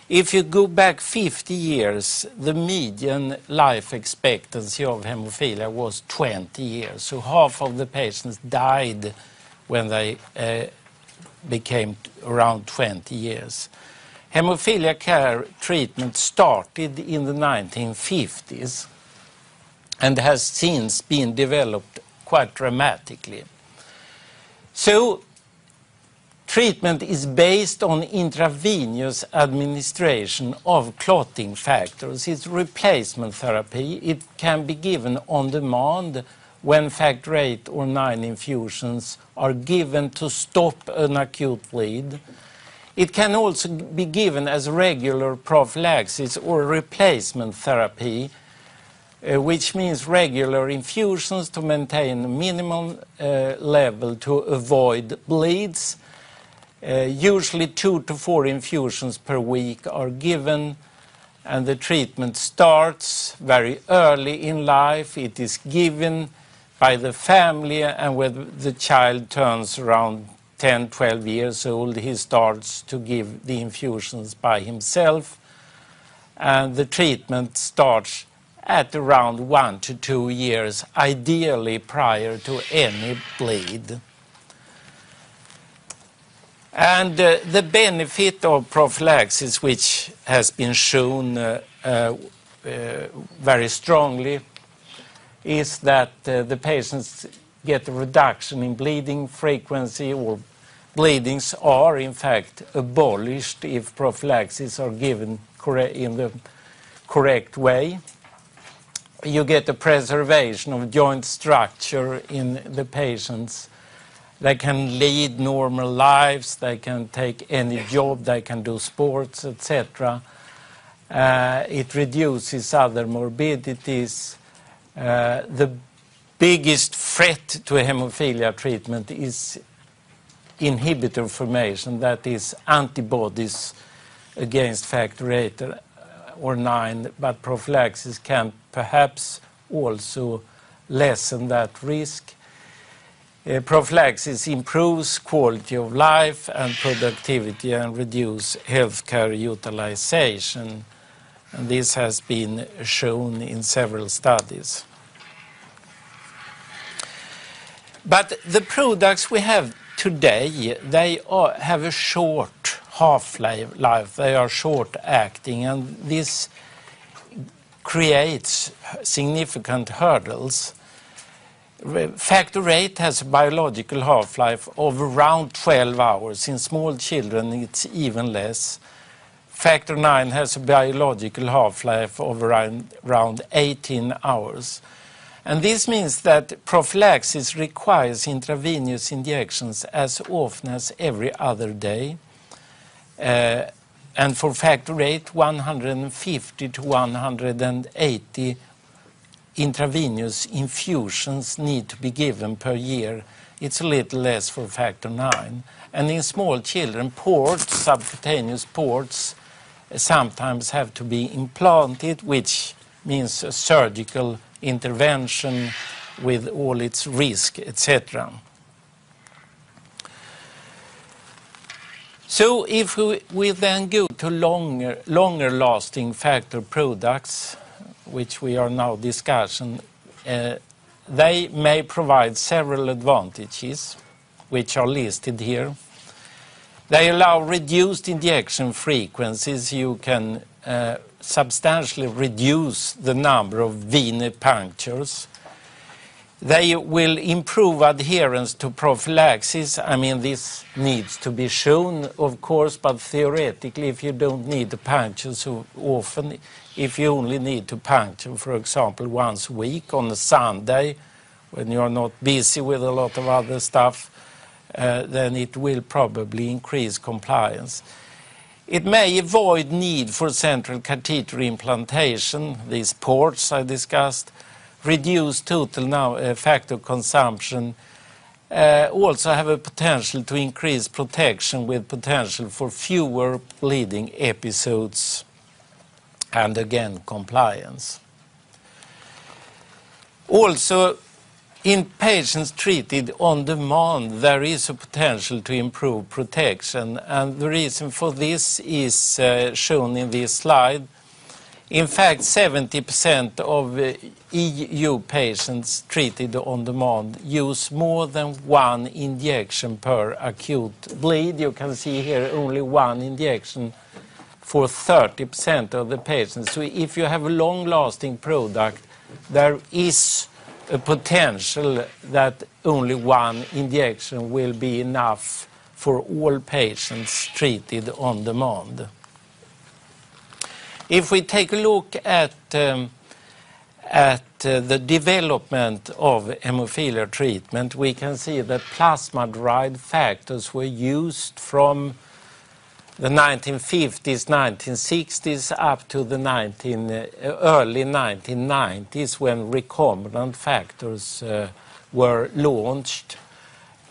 If you go back 50 years, the median life expectancy of hemophilia was 20 years. Half of the patients died when they became around 20 years. Hemophilia care treatment started in the 1950s and has since been developed quite dramatically. Treatment is based on intravenous administration of clotting factors. It's replacement therapy. It can be given on demand when factor VIII or IX infusions are given to stop an acute bleed. It can also be given as regular prophylaxis or replacement therapy, which means regular infusions to maintain minimum level to avoid bleeds. Usually, two to four infusions per week are given, and the treatment starts very early in life. It is given by the family, and when the child turns around 10, 12 years old, he starts to give the infusions by himself. The treatment starts at around one to two years, ideally prior to any bleed. The benefit of prophylaxis, which has been shown very strongly, is that the patients get a reduction in bleeding frequency or bleedings are, in fact, abolished if prophylaxis is given in the correct way. You get a preservation of joint structure in the patients. They can lead normal lives. They can take any job. They can do sports, etc. It reduces other morbidities. The biggest threat to hemophilia treatment is inhibitor formation, that is, antibodies against Factor VIII or IX, but prophylaxis can perhaps also lessen that risk. Prophylaxis improves quality of life and productivity and reduces healthcare utilization. This has been shown in several studies. The products we have today, they have a short half-life. They are short-acting, and this creates significant hurdles. Factor VIII has a biological half-life of around 12 hours. In small children, it's even less. Factor IX has a biological half-life of around 18 hours, and this means that prophylaxis requires intravenous injections as often as every other day, and for Factor VIII, 150 to 180 intravenous infusions need to be given per year. It's a little less for Factor IX, and in small children, ports, subcutaneous ports, sometimes have to be implanted, which means a surgical intervention with all its risks, etc., so if we then go to longer-lasting factor products, which we are now discussing, they may provide several advantages, which are listed here. They allow reduced injection frequencies. You can substantially reduce the number of venipunctures. They will improve adherence to prophylaxis. I mean, this needs to be shown, of course, but theoretically, if you don't need to puncture so often, if you only need to puncture, for example, once a week on a Sunday when you're not busy with a lot of other stuff, then it will probably increase compliance. It may avoid the need for central catheter implantation. These ports I discussed reduce total factor consumption. Also have a potential to increase protection with potential for fewer bleeding episodes. And again, compliance. Also, in patients treated on demand, there is a potential to improve protection. And the reason for this is shown in this slide. In fact, 70% of EU patients treated on demand use more than one injection per acute bleed. You can see here only one injection for 30% of the patients. So if you have a long-lasting product, there is a potential that only one injection will be enough for all patients treated on demand. If we take a look at the development of hemophilia treatment, we can see that plasma derived factors were used from the 1950s, 1960s up to the early 1990s when recombinant factors were launched.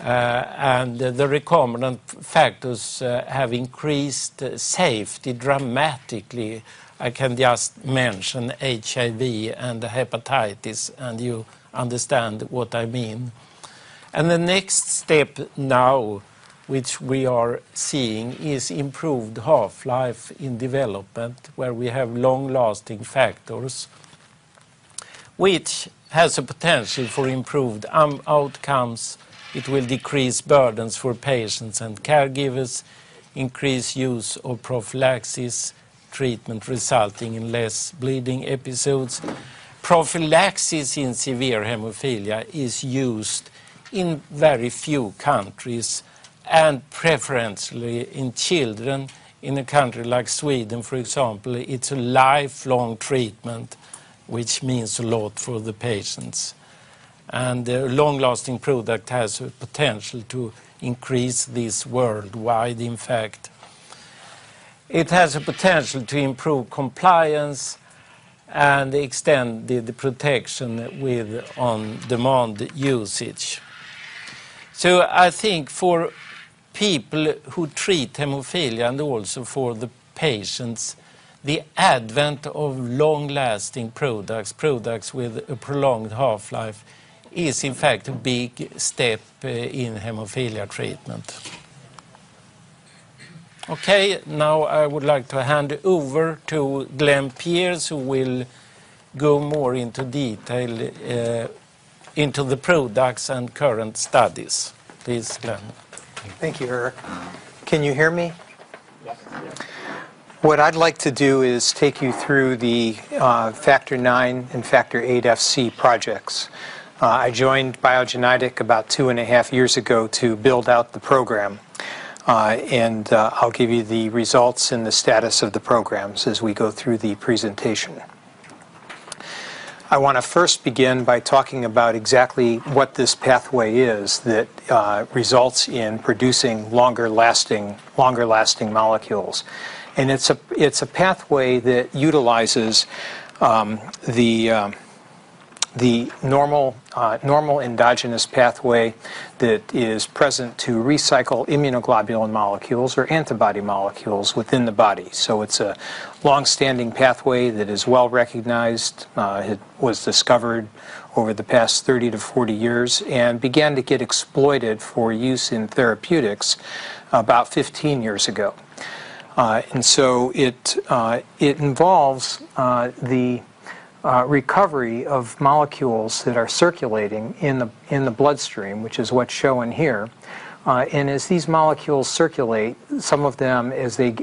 And the recombinant factors have increased safety dramatically. I can just mention HIV and hepatitis, and you understand what I mean. And the next step now, which we are seeing, is improved half-life in development, where we have long-lasting factors, which has a potential for improved outcomes. It will decrease burdens for patients and caregivers, increase use of prophylaxis treatment, resulting in less bleeding episodes. Prophylaxis in severe hemophilia is used in very few countries and preferentially in children. In a country like Sweden, for example, it's a lifelong treatment, which means a lot for the patients, and a long-lasting product has a potential to increase this worldwide, in fact. It has a potential to improve compliance and extend the protection with on-demand usage, so I think for people who treat hemophilia and also for the patients, the advent of long-lasting products, products with a prolonged half-life, is in fact a big step in hemophilia treatment. Okay, now I would like to hand over to Glenn Pierce, who will go more into detail into the products and current studies. Please, Glenn. Thank you, Erik. Can you hear me? Yes. What I'd like to do is take you through the Factor IX and Factor VIII Fc projects. I joined Biogen about two and a half years ago to build out the program. I'll give you the results and the status of the programs as we go through the presentation. I want to first begin by talking about exactly what this pathway is that results in producing longer-lasting molecules. It's a pathway that utilizes the normal endogenous pathway that is present to recycle immunoglobulin molecules or antibody molecules within the body. It's a long-standing pathway that is well recognized. It was discovered over the past 30 to 40 years and began to get exploited for use in therapeutics about 15 years ago. It involves the recovery of molecules that are circulating in the bloodstream, which is what's shown here. As these molecules circulate, some of them, as they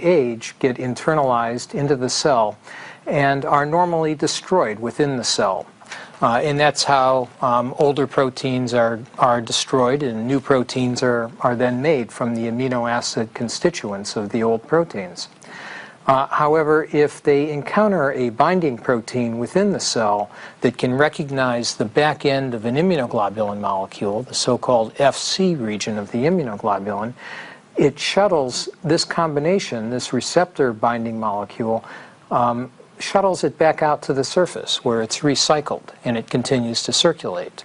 age, get internalized into the cell and are normally destroyed within the cell. And that's how older proteins are destroyed, and new proteins are then made from the amino acid constituents of the old proteins. However, if they encounter a binding protein within the cell that can recognize the back end of an immunoglobulin molecule, the so-called Fc region of the immunoglobulin, it shuttles this combination, this receptor binding molecule, shuttles it back out to the surface where it's recycled, and it continues to circulate.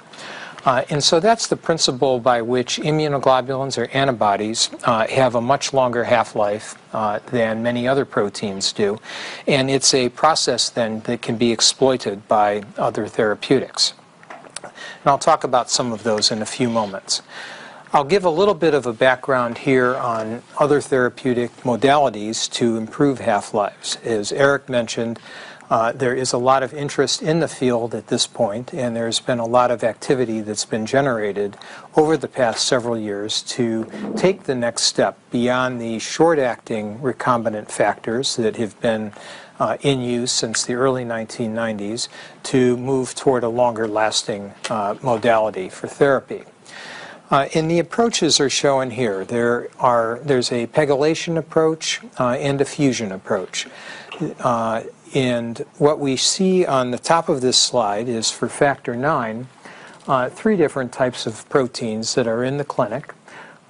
And so that's the principle by which immunoglobulins or antibodies have a much longer half-life than many other proteins do. And it's a process then that can be exploited by other therapeutics. And I'll talk about some of those in a few moments. I'll give a little bit of a background here on other therapeutic modalities to improve half-lives. As Erik mentioned, there is a lot of interest in the field at this point, and there has been a lot of activity that's been generated over the past several years to take the next step beyond the short-acting recombinant factors that have been in use since the early 1990s to move toward a longer-lasting modality for therapy. And the approaches are shown here. There's a pegylation approach and a fusion approach. And what we see on the top of this slide is for Factor IX, three different types of proteins that are in the clinic.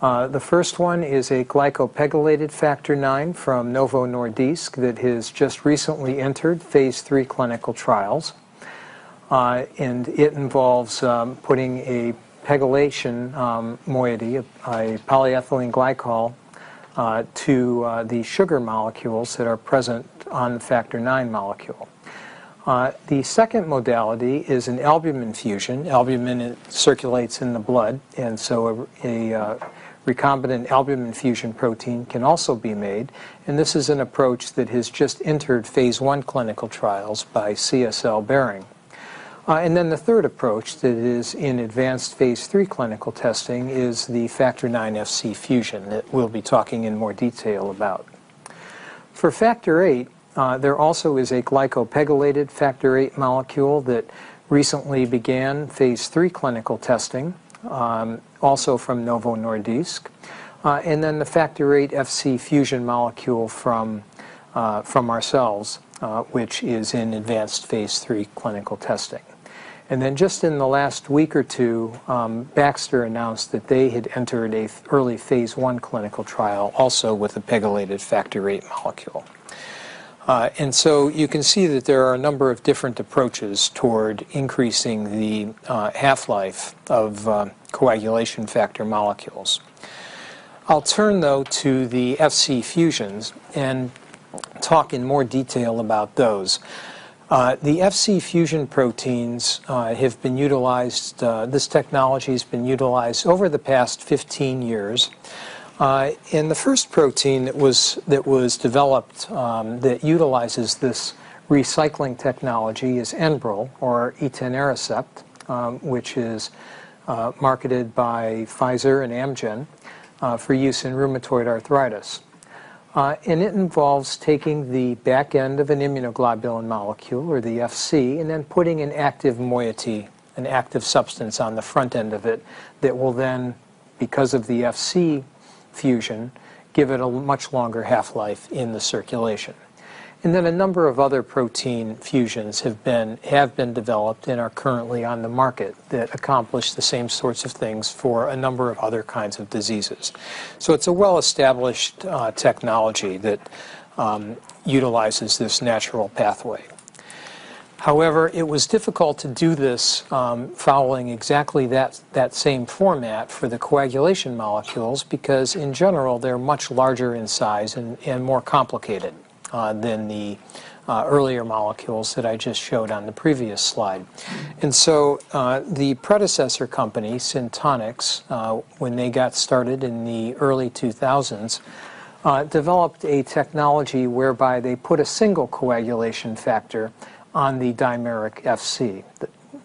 The first one is a glycopegylated Factor IX from Novo Nordisk that has just recently entered phase three clinical trials. And it involves putting a pegylation moiety, a polyethylene glycol, to the sugar molecules that are present on the Factor IX molecule. The second modality is an albumin fusion. Albumin circulates in the blood, and so a recombinant albumin fusion protein can also be made. This is an approach that has just entered phase one clinical trials by CSL Behring. Then the third approach that is in advanced phase three clinical testing is the Factor IX Fc fusion that we'll be talking in more detail about. For Factor VIII, there also is a glycopegylated Factor VIII molecule that recently began phase three clinical testing, also from Novo Nordisk. Then the Factor VIII Fc fusion molecule from Biogen, which is in advanced phase three clinical testing. Then just in the last week or two, Baxter announced that they had entered an early phase one clinical trial also with a pegylated Factor VIII molecule. So you can see that there are a number of different approaches toward increasing the half-life of coagulation factor molecules. I'll turn, though, to the Fc fusions and talk in more detail about those. The Fc fusion proteins have been utilized. This technology has been utilized over the past 15 years, and the first protein that was developed that utilizes this recycling technology is Enbrel or etanercept, which is marketed by Pfizer and Amgen for use in rheumatoid arthritis, and it involves taking the back end of an immunoglobulin molecule, or the Fc, and then putting an active moiety, an active substance on the front end of it that will then, because of the Fc fusion, give it a much longer half-life in the circulation, and then a number of other protein fusions have been developed and are currently on the market that accomplish the same sorts of things for a number of other kinds of diseases, so it's a well-established technology that utilizes this natural pathway. However, it was difficult to do this following exactly that same format for the coagulation molecules because, in general, they're much larger in size and more complicated than the earlier molecules that I just showed on the previous slide. And so the predecessor company, Syntonix, when they got started in the early 2000s, developed a technology whereby they put a single coagulation factor on the dimeric Fc.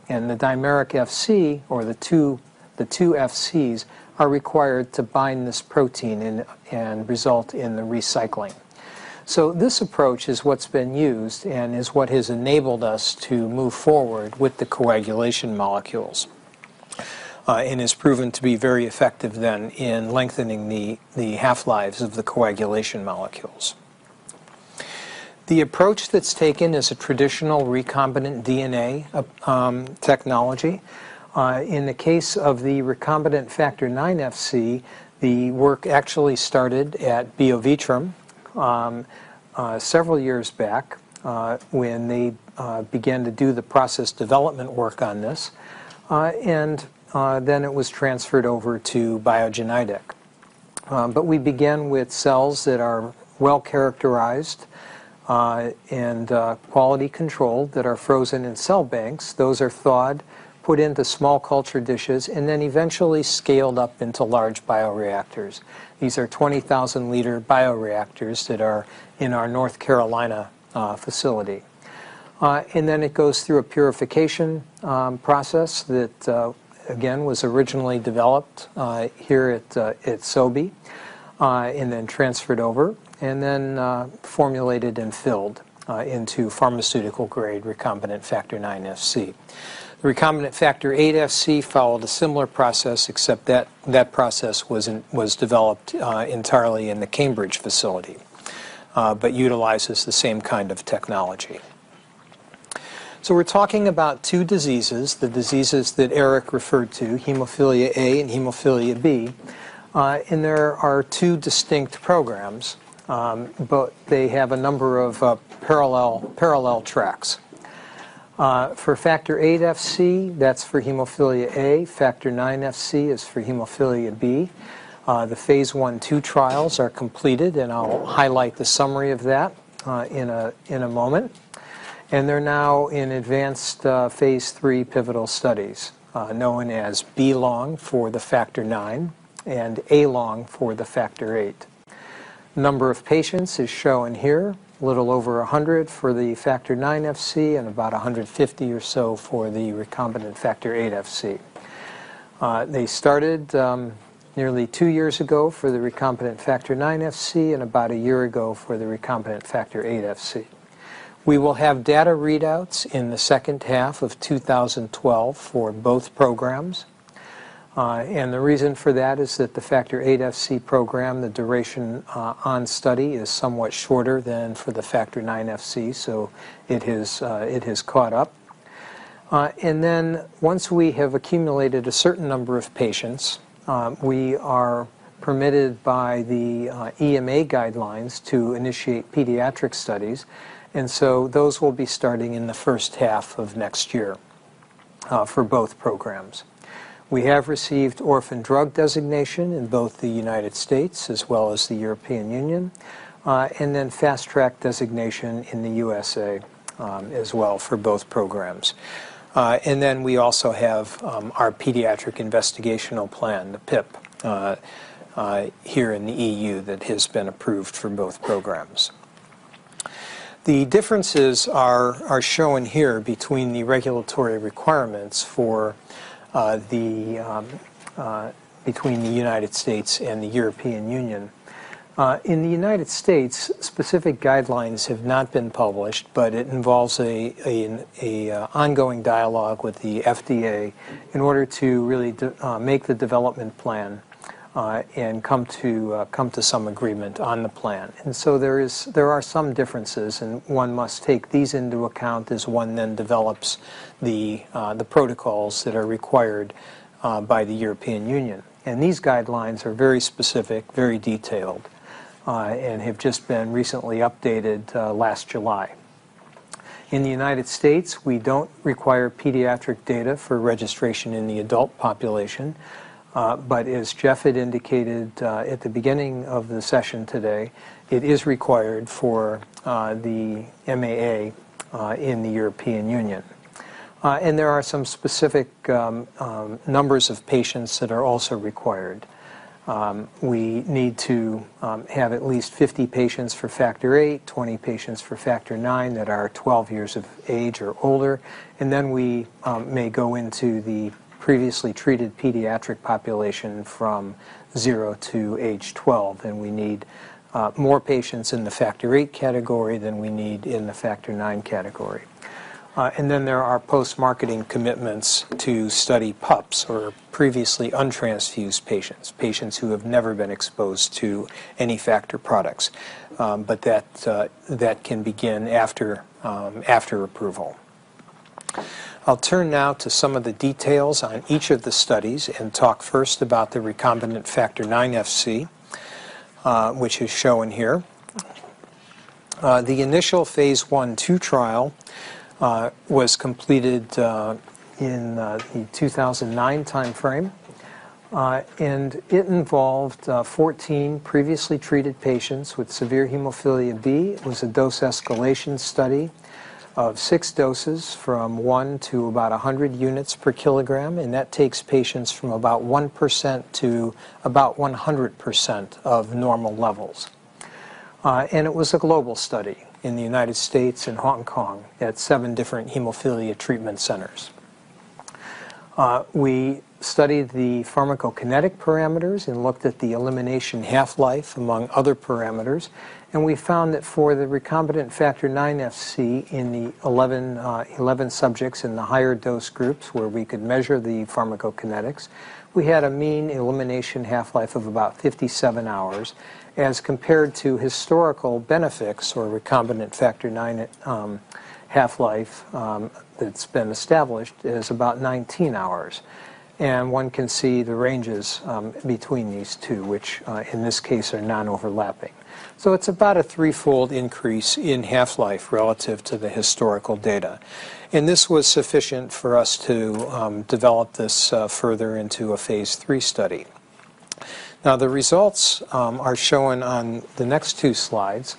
And the dimeric Fc, or the two Fcs, are required to bind this protein and result in the recycling. So this approach is what's been used and is what has enabled us to move forward with the coagulation molecules and has proven to be very effective then in lengthening the half-lives of the coagulation molecules. The approach that's taken is a traditional recombinant DNA technology. In the case of the recombinant Factor IX Fc, the work actually started at BioVitrum several years back when they began to do the process development work on this, and then it was transferred over to Biogen. But we began with cells that are well-characterized and quality-controlled that are frozen in cell banks. Those are thawed, put into small culture dishes, and then eventually scaled up into large bioreactors. These are 20,000-liter bioreactors that are in our North Carolina facility, and then it goes through a purification process that, again, was originally developed here at Sobi, and then transferred over, and then formulated and filled into pharmaceutical-grade recombinant Factor IX Fc. The recombinant Factor VIII Fc followed a similar process, except that process was developed entirely in the Cambridge facility but utilizes the same kind of technology. We're talking about two diseases, the diseases that Erik referred to, hemophilia A and hemophilia B. There are two distinct programs, but they have a number of parallel tracks. For Factor VIII Fc, that's for hemophilia A. Factor IX Fc is for hemophilia B. The phase 1/2 trials are completed, and I'll highlight the summary of that in a moment. They're now in advanced phase 3 pivotal studies, known as B-LONG for the Factor IX and A-LONG for the Factor VIII. Number of patients is shown here, a little over 100 for the Factor IX Fc and about 150 or so for the recombinant Factor VIII Fc. They started nearly two years ago for the recombinant Factor IX Fc and about a year ago for the recombinant Factor VIII Fc. We will have data readouts in the second half of 2012 for both programs. And the reason for that is that the Factor VIII Fc program, the duration on study is somewhat shorter than for the Factor IX Fc, so it has caught up. And then once we have accumulated a certain number of patients, we are permitted by the EMA guidelines to initiate pediatric studies. And so those will be starting in the first half of next year for both programs. We have received orphan drug designation in both the United States as well as the European Union, and then fast-track designation in the USA as well for both programs. And then we also have our pediatric investigational plan, the PIP, here in the EU that has been approved for both programs. The differences are shown here between the regulatory requirements between the United States and the European Union. In the United States, specific guidelines have not been published, but it involves an ongoing dialogue with the FDA in order to really make the development plan and come to some agreement on the plan, and so there are some differences, and one must take these into account as one then develops the protocols that are required by the European Union, and these guidelines are very specific, very detailed, and have just been recently updated last July. In the United States, we don't require pediatric data for registration in the adult population, but as Jeff had indicated at the beginning of the session today, it is required for the MAA in the European Union, and there are some specific numbers of patients that are also required. We need to have at least 50 patients for Factor VIII, 20 patients for Factor IX that are 12 years of age or older. And then we may go into the previously treated pediatric population from zero to age 12. And we need more patients in the Factor VIII category than we need in the Factor IX category. And then there are post-marketing commitments to study PUPs or previously untransfused patients, patients who have never been exposed to any factor products. But that can begin after approval. I'll turn now to some of the details on each of the studies and talk first about the recombinant Factor IX Fc, which is shown here. The initial phase 1/2 trial was completed in the 2009 timeframe. And it involved 14 previously treated patients with severe hemophilia B. It was a dose escalation study of six doses from one to about 100 units per kilogram. And that takes patients from about 1% to about 100% of normal levels. It was a global study in the United States and Hong Kong at seven different hemophilia treatment centers. We studied the pharmacokinetic parameters and looked at the elimination half-life among other parameters. We found that for the recombinant Factor IX Fc in the 11 subjects in the higher dose groups where we could measure the pharmacokinetics, we had a mean elimination half-life of about 57 hours, as compared to historical BeneFIX or recombinant Factor IX half-life that's been established as about 19 hours. One can see the ranges between these two, which in this case are non-overlapping. So it's about a threefold increase in half-life relative to the historical data. This was sufficient for us to develop this further into a phase three study. Now, the results are shown on the next two slides.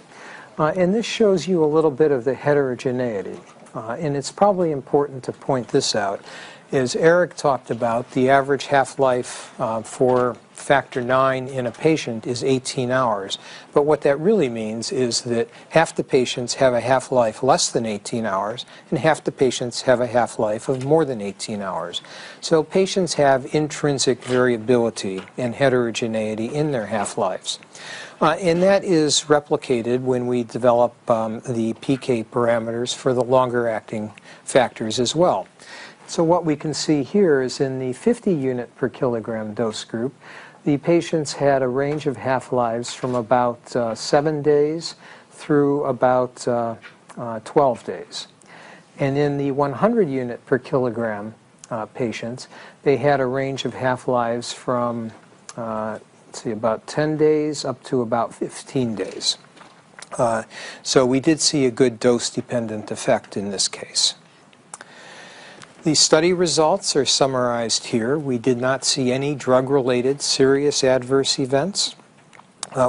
This shows you a little bit of the heterogeneity. And it's probably important to point this out, as Erik talked about, the average half-life for Factor IX in a patient is 18 hours. But what that really means is that half the patients have a half-life less than 18 hours, and half the patients have a half-life of more than 18 hours. So patients have intrinsic variability and heterogeneity in their half-lives. And that is replicated when we develop the PK parameters for the longer-acting factors as well. So what we can see here is in the 50 unit per kilogram dose group, the patients had a range of half-lives from about seven days through about 12 days. And in the 100 unit per kilogram patients, they had a range of half-lives from, let's see, about 10 days up to about 15 days. So we did see a good dose-dependent effect in this case. The study results are summarized here. We did not see any drug-related serious adverse events.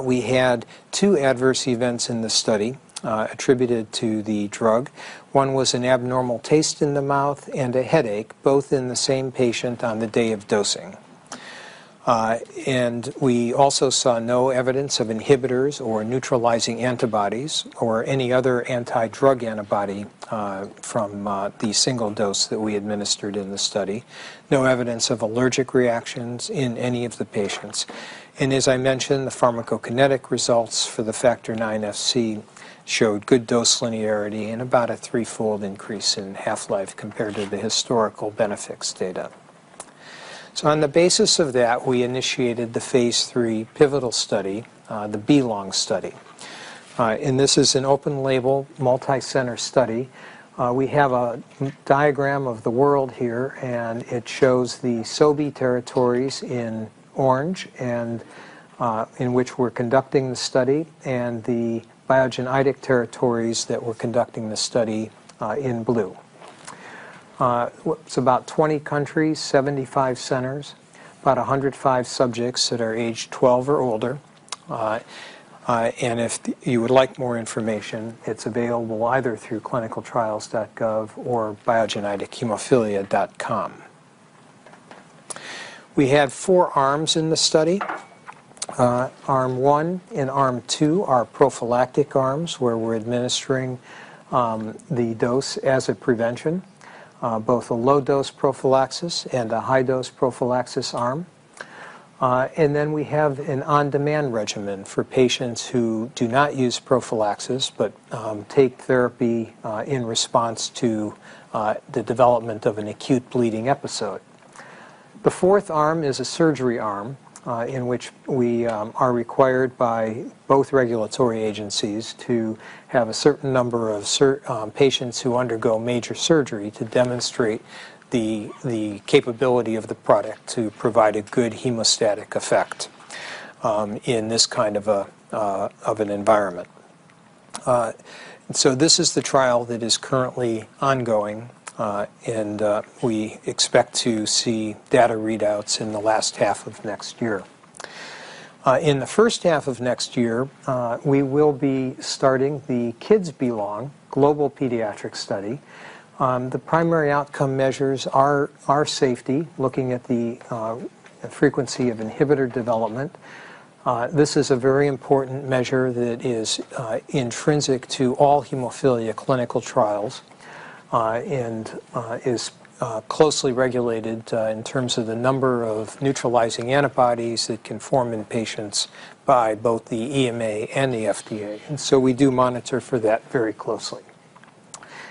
We had two adverse events in the study attributed to the drug. One was an abnormal taste in the mouth and a headache, both in the same patient on the day of dosing, and we also saw no evidence of inhibitors or neutralizing antibodies or any other anti-drug antibody from the single dose that we administered in the study. No evidence of allergic reactions in any of the patients, and as I mentioned, the pharmacokinetic results for the Factor IX Fc showed good dose linearity and about a threefold increase in half-life compared to the historical BeneFIX data, so on the basis of that, we initiated the phase 3 pivotal study, the B-LONG study, and this is an open-label multi-center study. We have a diagram of the world here, and it shows the Sobi territories in orange in which we're conducting the study, and the Biogen territories that we're conducting the study in blue. It's about 20 countries, 75 centers, about 105 subjects that are aged 12 or older. And if you would like more information, it's available either through clinicaltrials.gov or biogenhemophilia.com. We have four arms in the study. Arm one and arm two are prophylactic arms where we're administering the dose as a prevention, both a low-dose prophylaxis and a high-dose prophylaxis arm. And then we have an on-demand regimen for patients who do not use prophylaxis but take therapy in response to the development of an acute bleeding episode. The fourth arm is a surgery arm in which we are required by both regulatory agencies to have a certain number of patients who undergo major surgery to demonstrate the capability of the product to provide a good hemostatic effect in this kind of an environment. So this is the trial that is currently ongoing, and we expect to see data readouts in the last half of next year. In the first half of next year, we will be starting the Kids B-LONG global pediatric study. The primary outcome measures are safety, looking at the frequency of inhibitor development. This is a very important measure that is intrinsic to all hemophilia clinical trials and is closely regulated in terms of the number of neutralizing antibodies that can form in patients by both the EMA and the FDA. And so we do monitor for that very closely.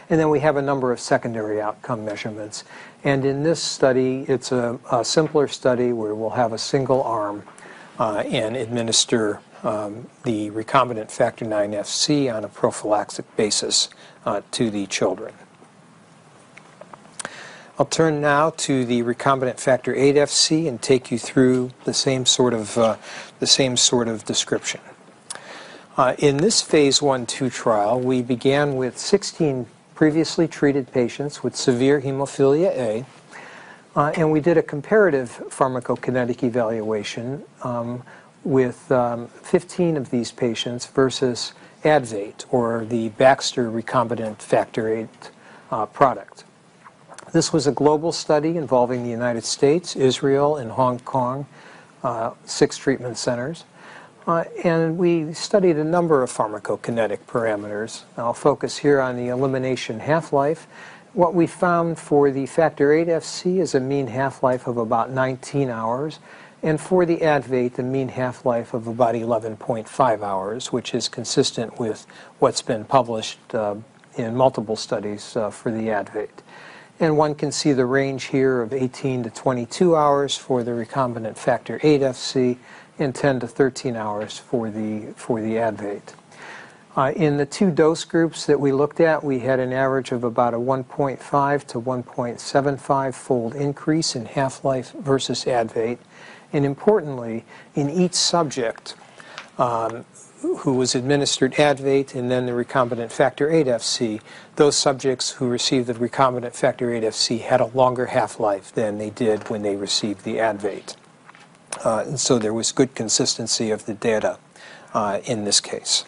Then we have a number of secondary outcome measurements. In this study, it's a simpler study where we'll have a single arm and administer the recombinant Factor IX Fc on a prophylactic basis to the children. I'll turn now to the recombinant Factor VIII Fc and take you through the same sort of description. In this phase 1-2 trial, we began with 16 previously treated patients with severe hemophilia A. We did a comparative pharmacokinetic evaluation with 15 of these patients versus Advate or the Baxter recombinant Factor VIII product. This was a global study involving the United States, Israel, and Hong Kong, six treatment centers. We studied a number of pharmacokinetic parameters. I'll focus here on the elimination half-life. What we found for the Factor VIII Fc is a mean half-life of about 19 hours. And for the Advate, the mean half-life of about 11.5 hours, which is consistent with what's been published in multiple studies for the Advate. And one can see the range here of 18-22 hours for the recombinant Factor VIII Fc and 10-13 hours for the Advate. In the two dose groups that we looked at, we had an average of about a 1.5-1.75-fold increase in half-life versus Advate. And importantly, in each subject who was administered Advate and then the recombinant Factor VIII Fc, those subjects who received the recombinant Factor VIII Fc had a longer half-life than they did when they received the Advate. And so there was good consistency of the data in this case.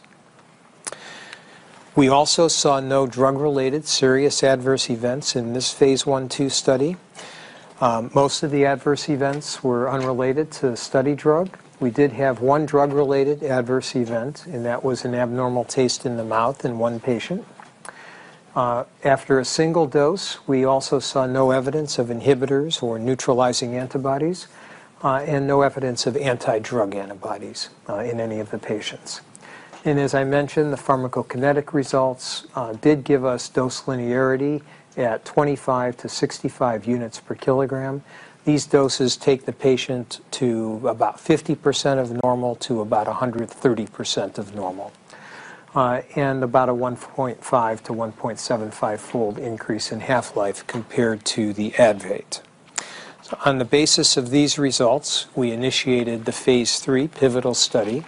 We also saw no drug-related serious adverse events in this phase 1/2 study. Most of the adverse events were unrelated to the study drug. We did have one drug-related adverse event, and that was an abnormal taste in the mouth in one patient. After a single dose, we also saw no evidence of inhibitors or neutralizing antibodies and no evidence of anti-drug antibodies in any of the patients. And as I mentioned, the pharmacokinetic results did give us dose linearity at 25 to 65 units per kilogram. These doses take the patient to about 50% of normal to about 130% of normal and about a 1.5-1.75-fold increase in half-life compared to the Advate. On the basis of these results, we initiated the phase 3 pivotal study,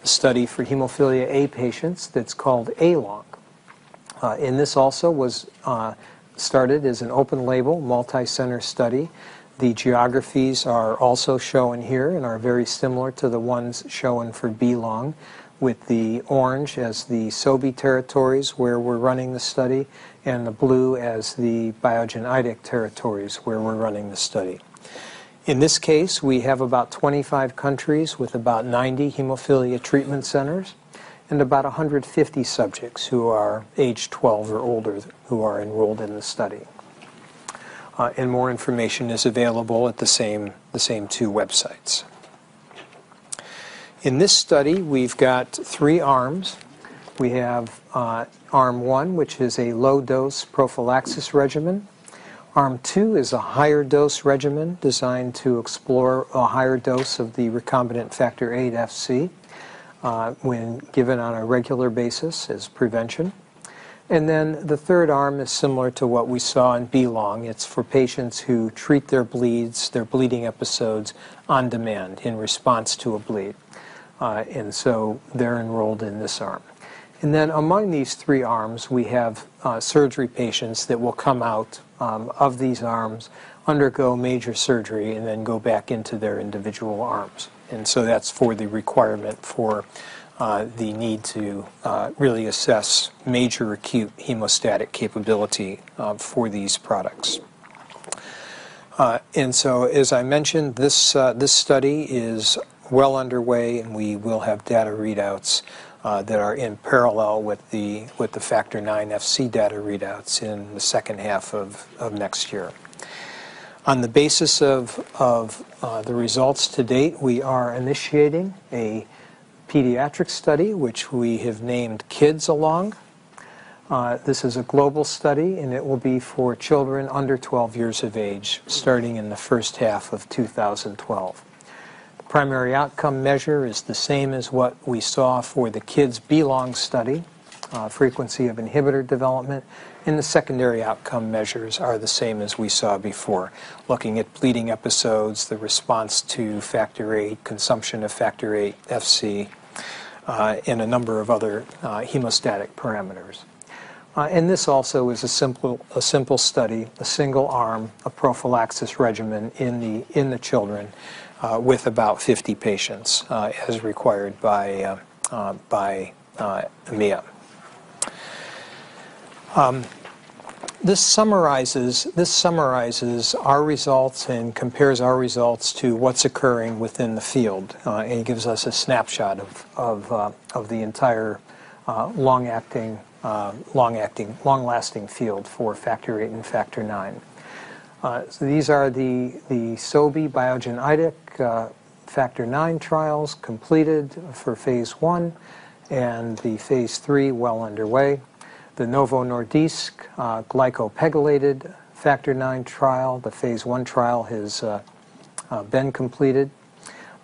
the study for hemophilia A patients that's called A-LONG. And this also was started as an open-label multi-center study. The geographies are also shown here and are very similar to the ones shown for B-LONG, with the orange as the Sobi territories where we're running the study and the blue as the Biogen territories where we're running the study. In this case, we have about 25 countries with about 90 hemophilia treatment centers and about 150 subjects who are aged 12 or older who are enrolled in the study. More information is available at the same two websites. In this study, we've got three arms. We have arm one, which is a low-dose prophylaxis regimen. Arm two is a higher dose regimen designed to explore a higher dose of the recombinant Factor VIII Fc when given on a regular basis as prevention. Then the third arm is similar to what we saw in B-LONG. It's for patients who treat their bleeds, their bleeding episodes on demand in response to a bleed, and so they're enrolled in this arm, and then among these three arms, we have surgery patients that will come out of these arms, undergo major surgery, and then go back into their individual arms, and so that's for the requirement for the need to really assess major acute hemostatic capability for these products, and so, as I mentioned, this study is well underway, and we will have data readouts that are in parallel with the Factor IX Fc data readouts in the second half of next year. On the basis of the results to date, we are initiating a pediatric study, which we have named Kids A-LONG. This is a global study, and it will be for children under 12 years of age starting in the first half of 2012. The primary outcome measure is the same as what we saw for the Kids B-LONG study, frequency of inhibitor development, and the secondary outcome measures are the same as we saw before, looking at bleeding episodes, the response to Factor VIII, consumption of Factor VIII Fc, and a number of other hemostatic parameters, and this also is a simple study, a single arm, a prophylaxis regimen in the children with about 50 patients as required by EMA. This summarizes our results and compares our results to what's occurring within the field and gives us a snapshot of the entire long-acting, long-lasting field for Factor VIII and Factor IX. These are the Sobi Biogen Factor IX trials completed for phase one and the phase three well underway. The Novo Nordisk glycopegylated Factor IX trial, the phase one trial has been completed,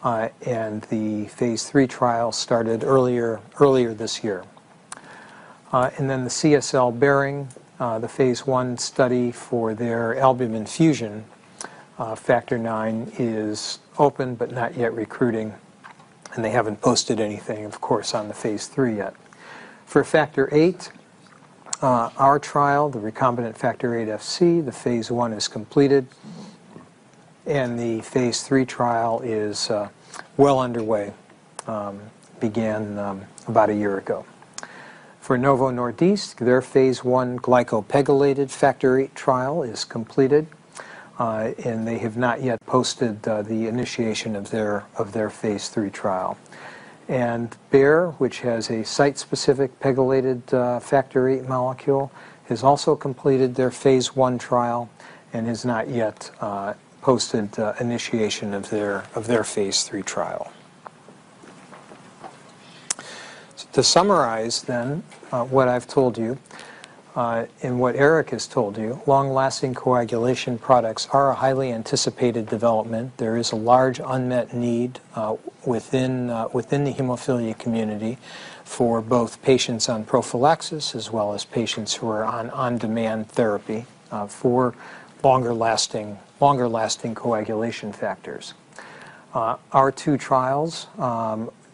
and the phase three trial started earlier this year. Then the CSL Behring phase one study for their albumin fusion Factor IX is open but not yet recruiting, and they haven't posted anything, of course, on the phase three yet. For Factor VIII, our trial, the recombinant Factor VIII Fc, the phase one is completed, and the phase three trial is well underway, began about a year ago. For Novo Nordisk, their phase one glycopegylated Factor VIII trial is completed, and they have not yet posted the initiation of their phase three trial. And Bayer, which has a site-specific pegylated Factor VIII molecule, has also completed their phase one trial and has not yet posted initiation of their phase three trial. To summarize then what I've told you and what Erik has told you, long-lasting coagulation products are a highly anticipated development. There is a large unmet need within the hemophilia community for both patients on prophylaxis as well as patients who are on on-demand therapy for longer-lasting coagulation factors. Our two trials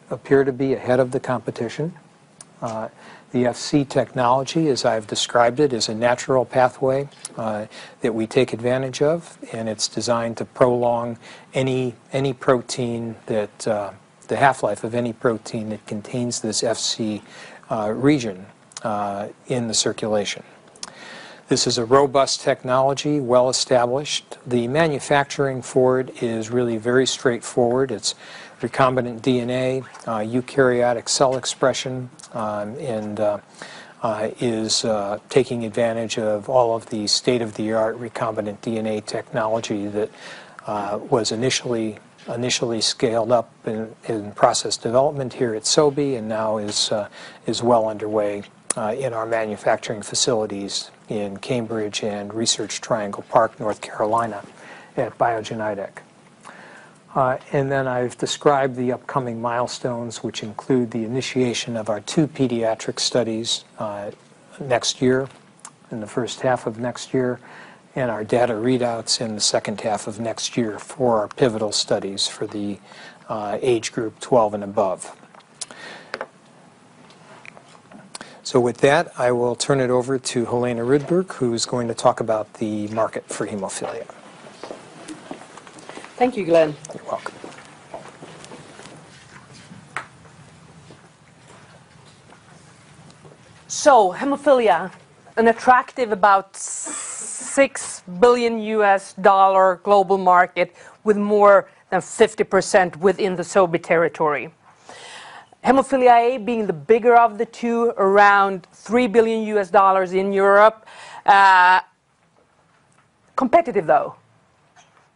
appear to be ahead of the competition. The Fc technology, as I've described it, is a natural pathway that we take advantage of, and it's designed to prolong the half-life of any protein that contains this Fc region in the circulation. This is a robust technology, well-established. The manufacturing for it is really very straightforward. It's recombinant DNA, eukaryotic cell expression, and is taking advantage of all of the state-of-the-art recombinant DNA technology that was initially scaled up in process development here at Sobi and now is well underway in our manufacturing facilities in Cambridge and Research Triangle Park, North Carolina, at Biogen Idec. And then I've described the upcoming milestones, which include the initiation of our two pediatric studies next year in the first half of next year and our data readouts in the second half of next year for our pivotal studies for the age group 12 and above. So with that, I will turn it over to Helena Rudberg, who is going to talk about the market for hemophilia. Thank you, Glenn. You're welcome. So hemophilia, an attractive, about $6 billion global market with more than 50% within the Sobi territory. Hemophilia A being the bigger of the two, around $3 billion in Europe. Competitive, though.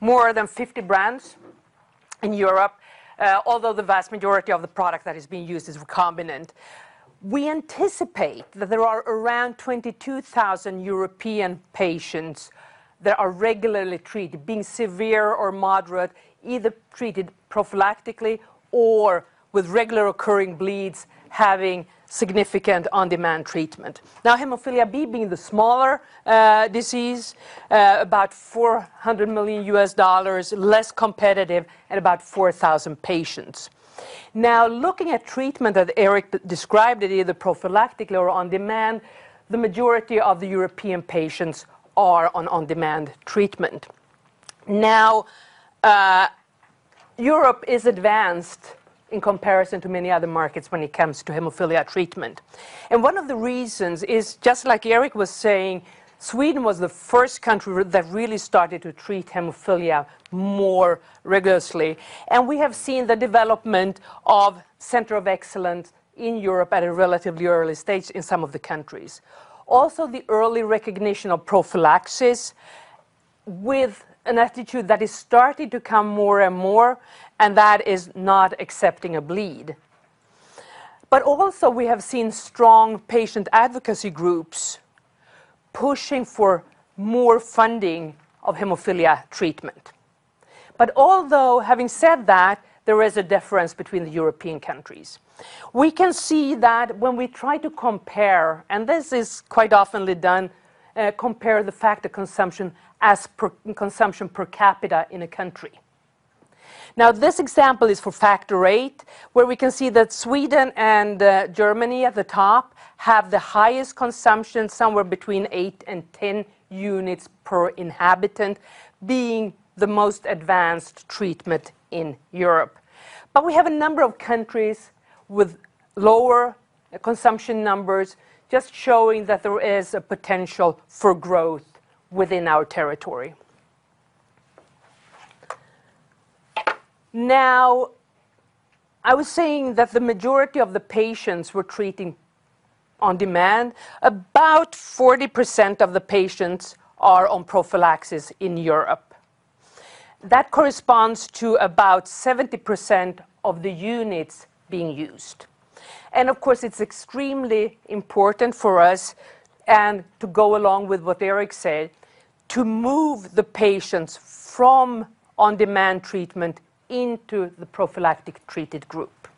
More than 50 brands in Europe, although the vast majority of the product that is being used is recombinant. We anticipate that there are around 22,000 European patients that are regularly treated, being severe or moderate, either treated prophylactically or with regular occurring bleeds having significant on-demand treatment. Now, hemophilia B being the smaller disease, about $400 million, less competitive, and about 4,000 patients. Now, looking at treatment that Erik described, either prophylactically or on demand, the majority of the European patients are on on-demand treatment. Now, Europe is advanced in comparison to many other markets when it comes to hemophilia treatment. One of the reasons is, just like Erik was saying, Sweden was the first country that really started to treat hemophilia more rigorously. We have seen the development of center of excellence in Europe at a relatively early stage in some of the countries. Also, the early recognition of prophylaxis with an attitude that is starting to come more and more, and that is not accepting a bleed. But also, we have seen strong patient advocacy groups pushing for more funding of hemophilia treatment. But although, having said that, there is a difference between the European countries. We can see that when we try to compare, and this is quite often done, compare the factor consumption as consumption per capita in a country. Now, this example is for Factor VIII, where we can see that Sweden and Germany at the top have the highest consumption, somewhere between eight and 10 units per inhabitant, being the most advanced treatment in Europe. But we have a number of countries with lower consumption numbers, just showing that there is a potential for growth within our territory. Now, I was saying that the majority of the patients we're treating on demand, about 40% of the patients are on prophylaxis in Europe. That corresponds to about 70% of the units being used. And of course, it's extremely important for us, and to go along with what Erik said, to move the patients from on-demand treatment into the prophylactic treated group.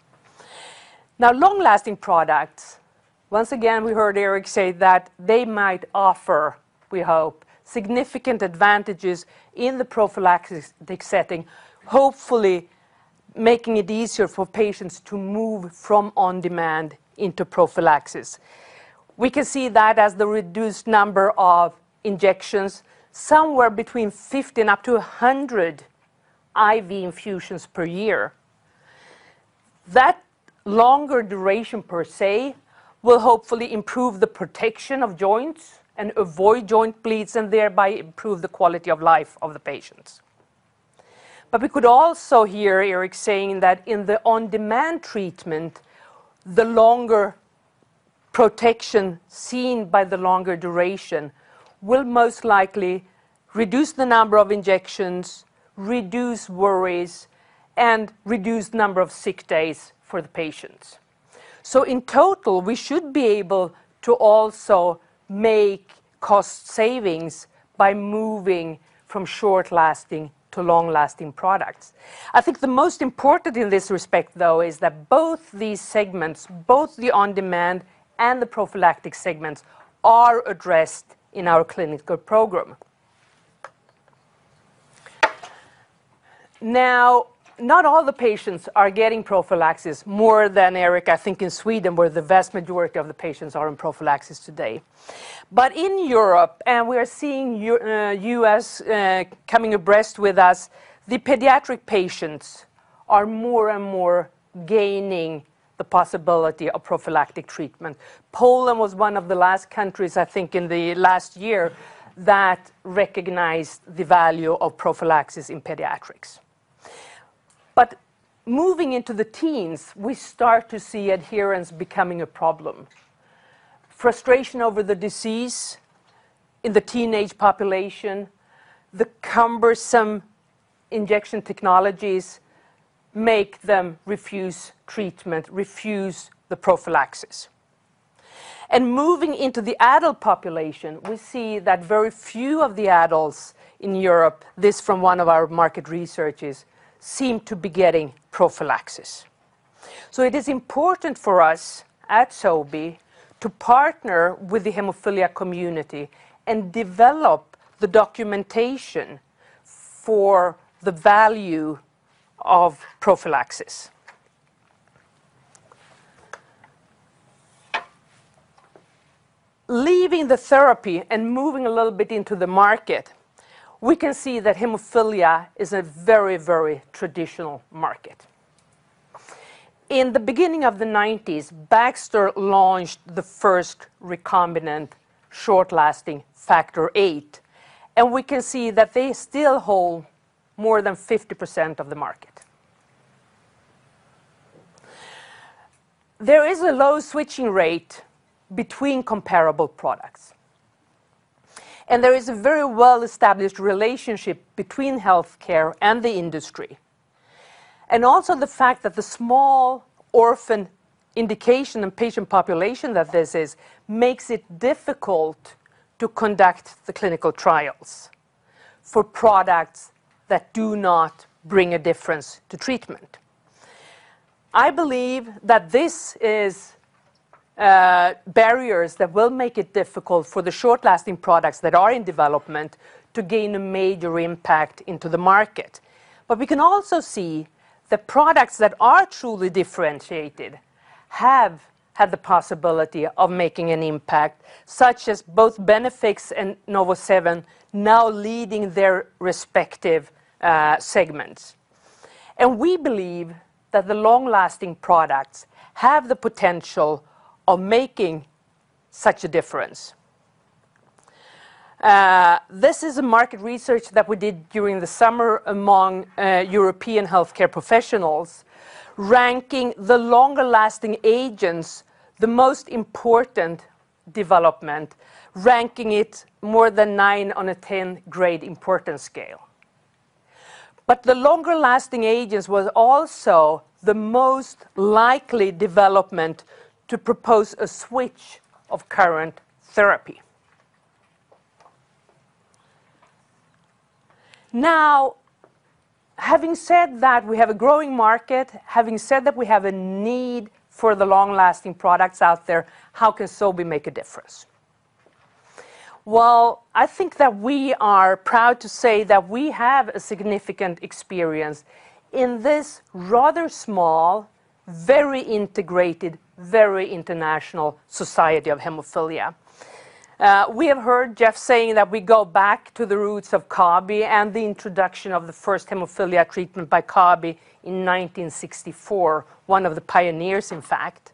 Now, long-lasting products, once again, we heard Erik say that they might offer, we hope, significant advantages in the prophylactic setting, hopefully making it easier for patients to move from on-demand into prophylaxis. We can see that as the reduced number of injections, somewhere between 50 and up to 100 IV infusions per year. That longer duration per se will hopefully improve the protection of joints and avoid joint bleeds and thereby improve the quality of life of the patients. But we could also hear Erik saying that in the on-demand treatment, the longer protection seen by the longer duration will most likely reduce the number of injections, reduce worries, and reduce the number of sick days for the patients. So in total, we should be able to also make cost savings by moving from short-lasting to long-lasting products. I think the most important in this respect, though, is that both these segments, both the on-demand and the prophylactic segments, are addressed in our clinical program. Now, not all the patients are getting prophylaxis more than Erik, I think in Sweden where the vast majority of the patients are on prophylaxis today. But in Europe, and we are seeing U.S. coming abreast with us, the pediatric patients are more and more gaining the possibility of prophylactic treatment. Poland was one of the last countries, I think in the last year, that recognized the value of prophylaxis in pediatrics. But moving into the teens, we start to see adherence becoming a problem. Frustration over the disease in the teenage population, the cumbersome injection technologies make them refuse treatment, refuse the prophylaxis. And moving into the adult population, we see that very few of the adults in Europe, this from one of our market researches, seem to be getting prophylaxis. So it is important for us at Sobi to partner with the hemophilia community and develop the documentation for the value of prophylaxis. Leaving the therapy and moving a little bit into the market, we can see that hemophilia is a very, very traditional market. In the beginning of the 1990s, Baxter launched the first recombinant short-lasting Factor VIII, and we can see that they still hold more than 50% of the market. There is a low switching rate between comparable products, and there is a very well-established relationship between healthcare and the industry. Also the fact that the small orphan indication and patient population that this is makes it difficult to conduct the clinical trials for products that do not bring a difference to treatment. I believe that this is barriers that will make it difficult for the short-lasting products that are in development to gain a major impact into the market. But we can also see that products that are truly differentiated have had the possibility of making an impact, such as both BeneFIX and NovoSeven now leading their respective segments. We believe that the long-lasting products have the potential of making such a difference. This is a market research that we did during the summer among European healthcare professionals, ranking the longer-lasting agents the most important development, ranking it more than nine on a 10-grade importance scale. But the longer-lasting agents were also the most likely development to propose a switch of current therapy. Now, having said that we have a growing market, having said that we have a need for the long-lasting products out there, how can Sobi make a difference? Well, I think that we are proud to say that we have a significant experience in this rather small, very integrated, very international society of hemophilia. We have heard Jeff saying that we go back to the roots of Kabi and the introduction of the first hemophilia treatment by Kabi in 1964, one of the pioneers, in fact.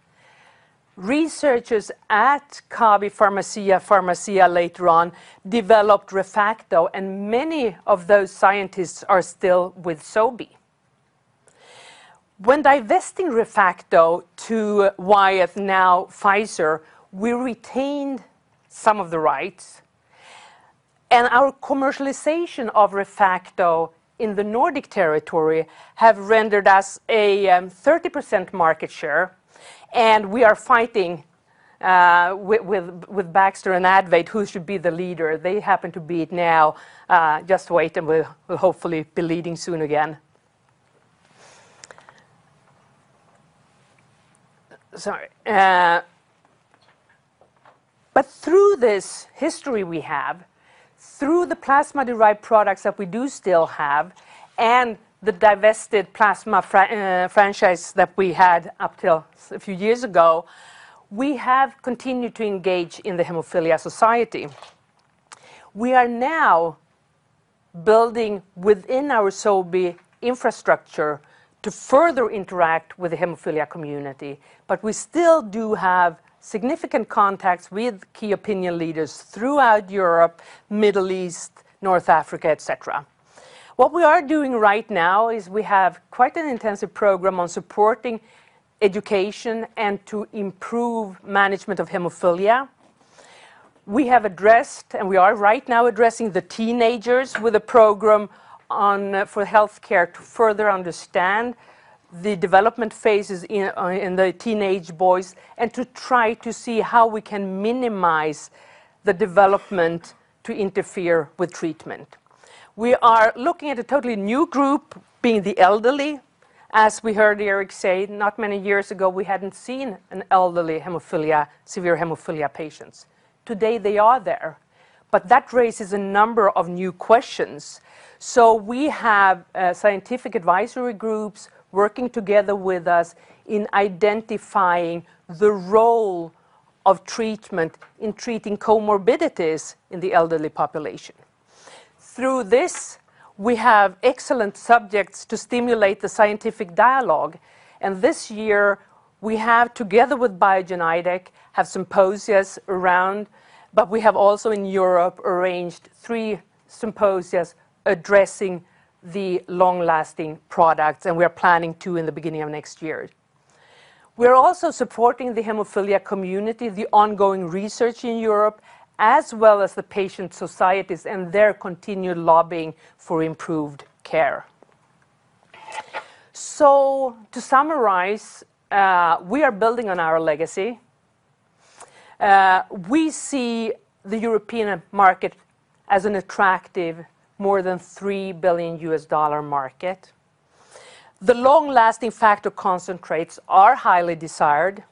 Researchers at Kabi Pharmacia, Pharmacia later on, developed ReFacto, and many of those scientists are still with Sobi. When divesting ReFacto to Wyeth, now Pfizer, we retained some of the rights, and our commercialization of ReFacto in the Nordic territory has rendered us a 30% market share, and we are fighting with Baxter and Advate, who should be the leader. They happen to be now just waiting, but will hopefully be leading soon again. Sorry. But through this history we have, through the plasma-derived products that we do still have, and the divested plasma franchise that we had up till a few years ago, we have continued to engage in the hemophilia society. We are now building within our Sobi infrastructure to further interact with the hemophilia community, but we still do have significant contacts with key opinion leaders throughout Europe, Middle East, North Africa, et cetera. What we are doing right now is we have quite an intensive program on supporting education and to improve management of hemophilia. We have addressed, and we are right now addressing the teenagers with a program for healthcare to further understand the development phases in the teenage boys and to try to see how we can minimize the development to interfere with treatment. We are looking at a totally new group being the elderly. As we heard Erik say, not many years ago, we hadn't seen an elderly hemophilia, severe hemophilia patients. Today, they are there, but that raises a number of new questions. So we have scientific advisory groups working together with us in identifying the role of treatment in treating comorbidities in the elderly population. Through this, we have excellent subjects to stimulate the scientific dialogue, and this year, we have, together with Biogen Idec, some symposia around, but we have also in Europe arranged three symposia addressing the long-lasting products, and we are planning two in the beginning of next year. We are also supporting the hemophilia community, the ongoing research in Europe, as well as the patient societies and their continued lobbying for improved care. To summarize, we are building on our legacy. We see the European market as an attractive, more than $3 billion market. The long-lasting factor concentrates are highly desired.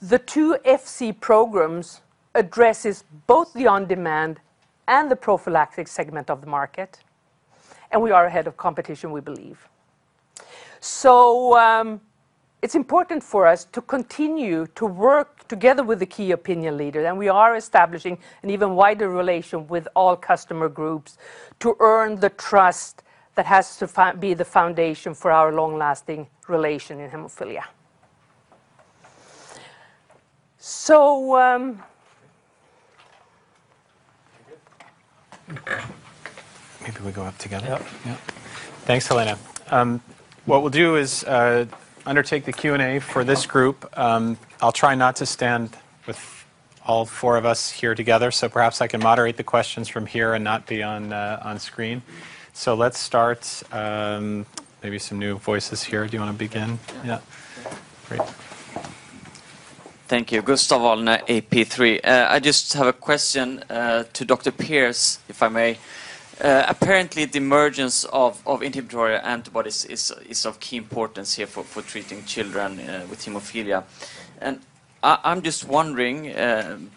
The two Fc programs address both the on-demand and the prophylactic segment of the market, and we are ahead of competition, we believe. So it's important for us to continue to work together with the key opinion leaders, and we are establishing an even wider relation with all customer groups to earn the trust that has to be the foundation for our long-lasting relation in hemophilia. So. Maybe we go up together. Yep. Yep. Thanks, Helena. What we'll do is undertake the Q&A for this group. I'll try not to stand with all four of us here together, so perhaps I can moderate the questions from here and not be on screen. So let's start. Maybe some new voices here. Do you want to begin? Yeah. Great. Thank you. Gustav Vallner, AP3. I just have a question to Dr. Pierce, if I may. Apparently, the emergence of inhibitory antibodies is of key importance here for treating children with hemophilia. And I'm just wondering,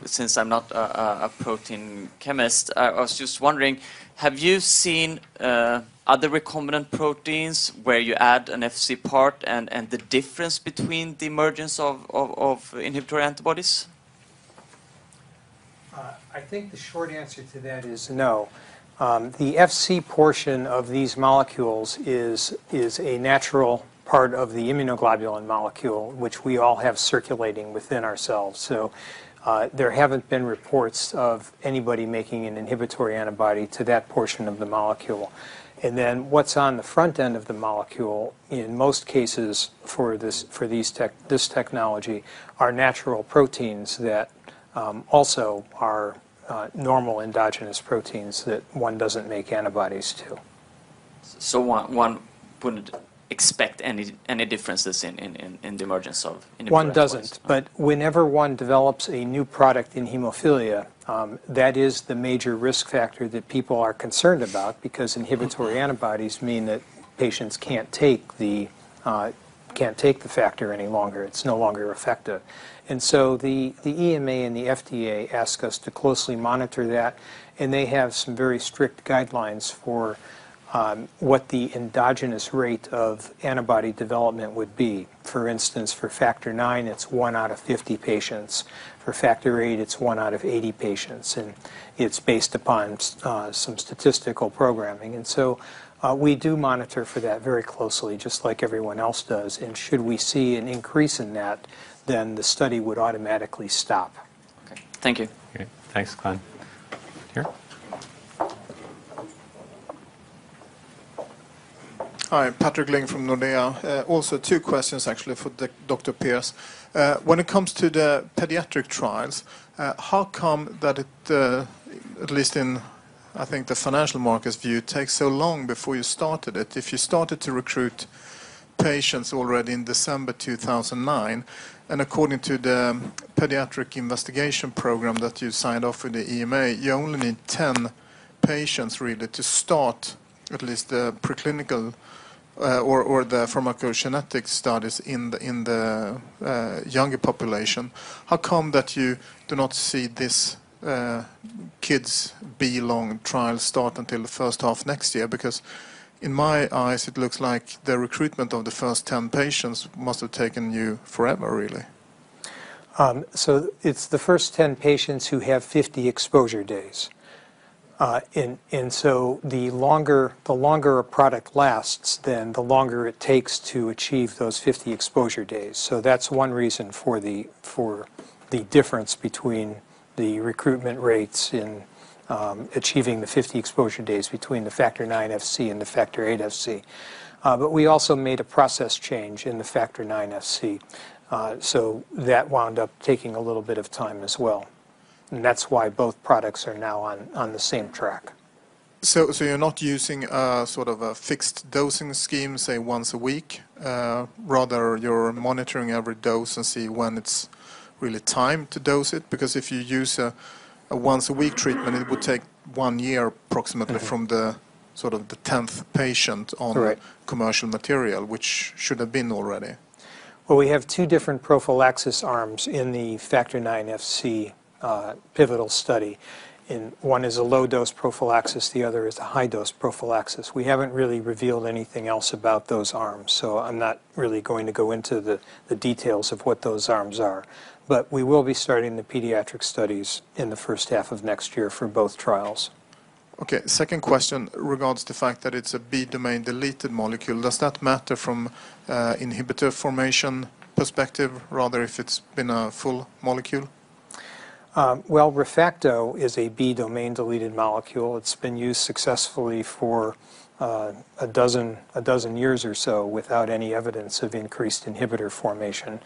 since I'm not a protein chemist, I was just wondering, have you seen other recombinant proteins where you add an Fc part and the difference between the emergence of inhibitory antibodies? I think the short answer to that is no. The Fc portion of these molecules is a natural part of the immunoglobulin molecule, which we all have circulating within ourselves. So there haven't been reports of anybody making an inhibitory antibody to that portion of the molecule. And then what's on the front end of the molecule, in most cases for this technology, are natural proteins that also are normal endogenous proteins that one doesn't make antibodies to. So one wouldn't expect any differences in the emergence of inhibitory antibodies. One doesn't, but whenever one develops a new product in hemophilia, that is the major risk factor that people are concerned about because inhibitory antibodies mean that patients can't take the factor any longer. It's no longer effective. And so the EMA and the FDA ask us to closely monitor that, and they have some very strict guidelines for what the endogenous rate of antibody development would be. For instance, for Factor IX, it's one out of 50 patients. For Factor VIII, it's one out of 80 patients, and it's based upon some statistical programming. And so we do monitor for that very closely, just like everyone else does. And should we see an increase in that, then the study would automatically stop. Okay. Thank you. Thanks, Glenn. Here. Hi, Patrik Ling from Nordea Markets. Also two questions, actually, for Dr. Pierce. When it comes to the pediatric trials, how come that it, at least in, I think, the financial market's view, takes so long before you started it? If you started to recruit patients already in December 2009, and according to the Pediatric Investigation Program that you signed off with the EMA, you only need 10 patients really to start at least the preclinical or the pharmacokinetic studies in the younger population, how come that you do not see these kids' B-LONG trials start until the first half next year? Because in my eyes, it looks like the recruitment of the first 10 patients must have taken you forever, really. It's the first 10 patients who have 50 exposure days. And so the longer a product lasts, then the longer it takes to achieve those 50 exposure days. So that's one reason for the difference between the recruitment rates in achieving the 50 exposure days between the Factor IX Fc and the Factor VIII Fc. But we also made a process change in the Factor IX Fc, so that wound up taking a little bit of time as well. And that's why both products are now on the same track. You're not using sort of a fixed dosing scheme, say, once a week? Rather, you're monitoring every dose and see when it's really time to dose it? Because if you use a once-a-week treatment, it would take one year approximately from the sort of the 10th patient on the commercial material, which should have been already. We have two different prophylaxis arms in the Factor IX Fc pivotal study. One is a low-dose prophylaxis. The other is a high-dose prophylaxis. We haven't really revealed anything else about those arms, so I'm not really going to go into the details of what those arms are. But we will be starting the pediatric studies in the first half of next year for both trials. Okay. Second question regards the fact that it's a B-domain-deleted molecule. Does that matter from an inhibitor formation perspective, rather if it's been a full molecule? ReFacto is a B-domain-deleted molecule. It's been used successfully for a dozen years or so without any evidence of increased inhibitor formation.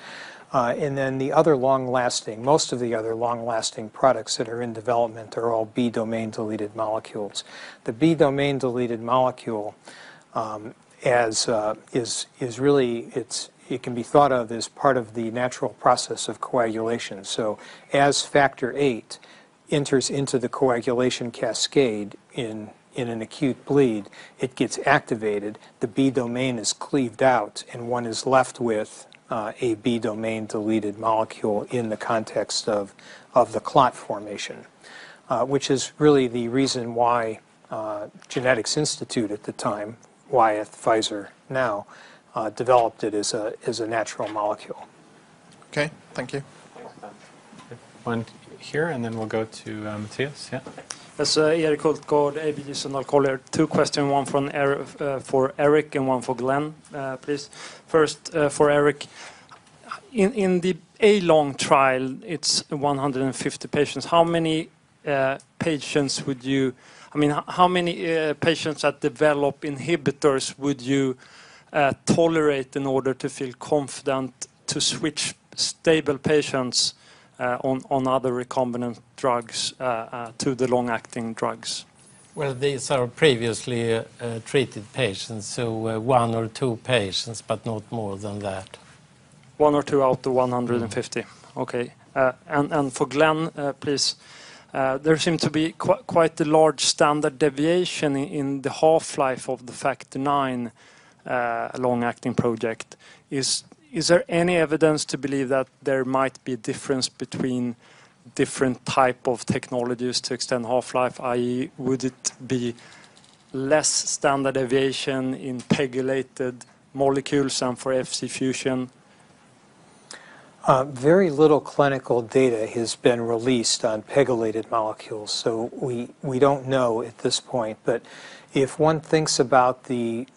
And then the other long-lasting, most of the other long-lasting products that are in development are all B-domain-deleted molecules. The B-domain-deleted molecule is really, it can be thought of as part of the natural process of coagulation. So as Factor VIII enters into the coagulation cascade in an acute bleed, it gets activated. The B-domain is cleaved out, and one is left with a B-domain-deleted molecule in the context of the clot formation, which is really the reason why Genetics Institute at the time, Wyeth, Pfizer, now developed it as a natural molecule. Okay. Thank you. One here, and then we'll go to Mattias. Yeah. Yes. Yeah, Kristofer Liljeberg. Two questions, one for Erik and one for Glenn, please. First, for Erik, in the A-LONG trial, it's 150 patients. How many patients would you, I mean, how many patients that develop inhibitors would you tolerate in order to feel confident to switch stable patients on other recombinant drugs to the long-acting drugs? These are previously treated patients, so one or two patients, but not more than that. One or two out of 150. Okay. And for Glenn, please. There seemed to be quite a large standard deviation in the half-life of the Factor IX long-acting project. Is there any evidence to believe that there might be a difference between different types of technologies to extend half-life? i.e., would it be less standard deviation in pegylated molecules and for Fc fusion? Very little clinical data has been released on pegylated molecules, so we don't know at this point. But if one thinks about the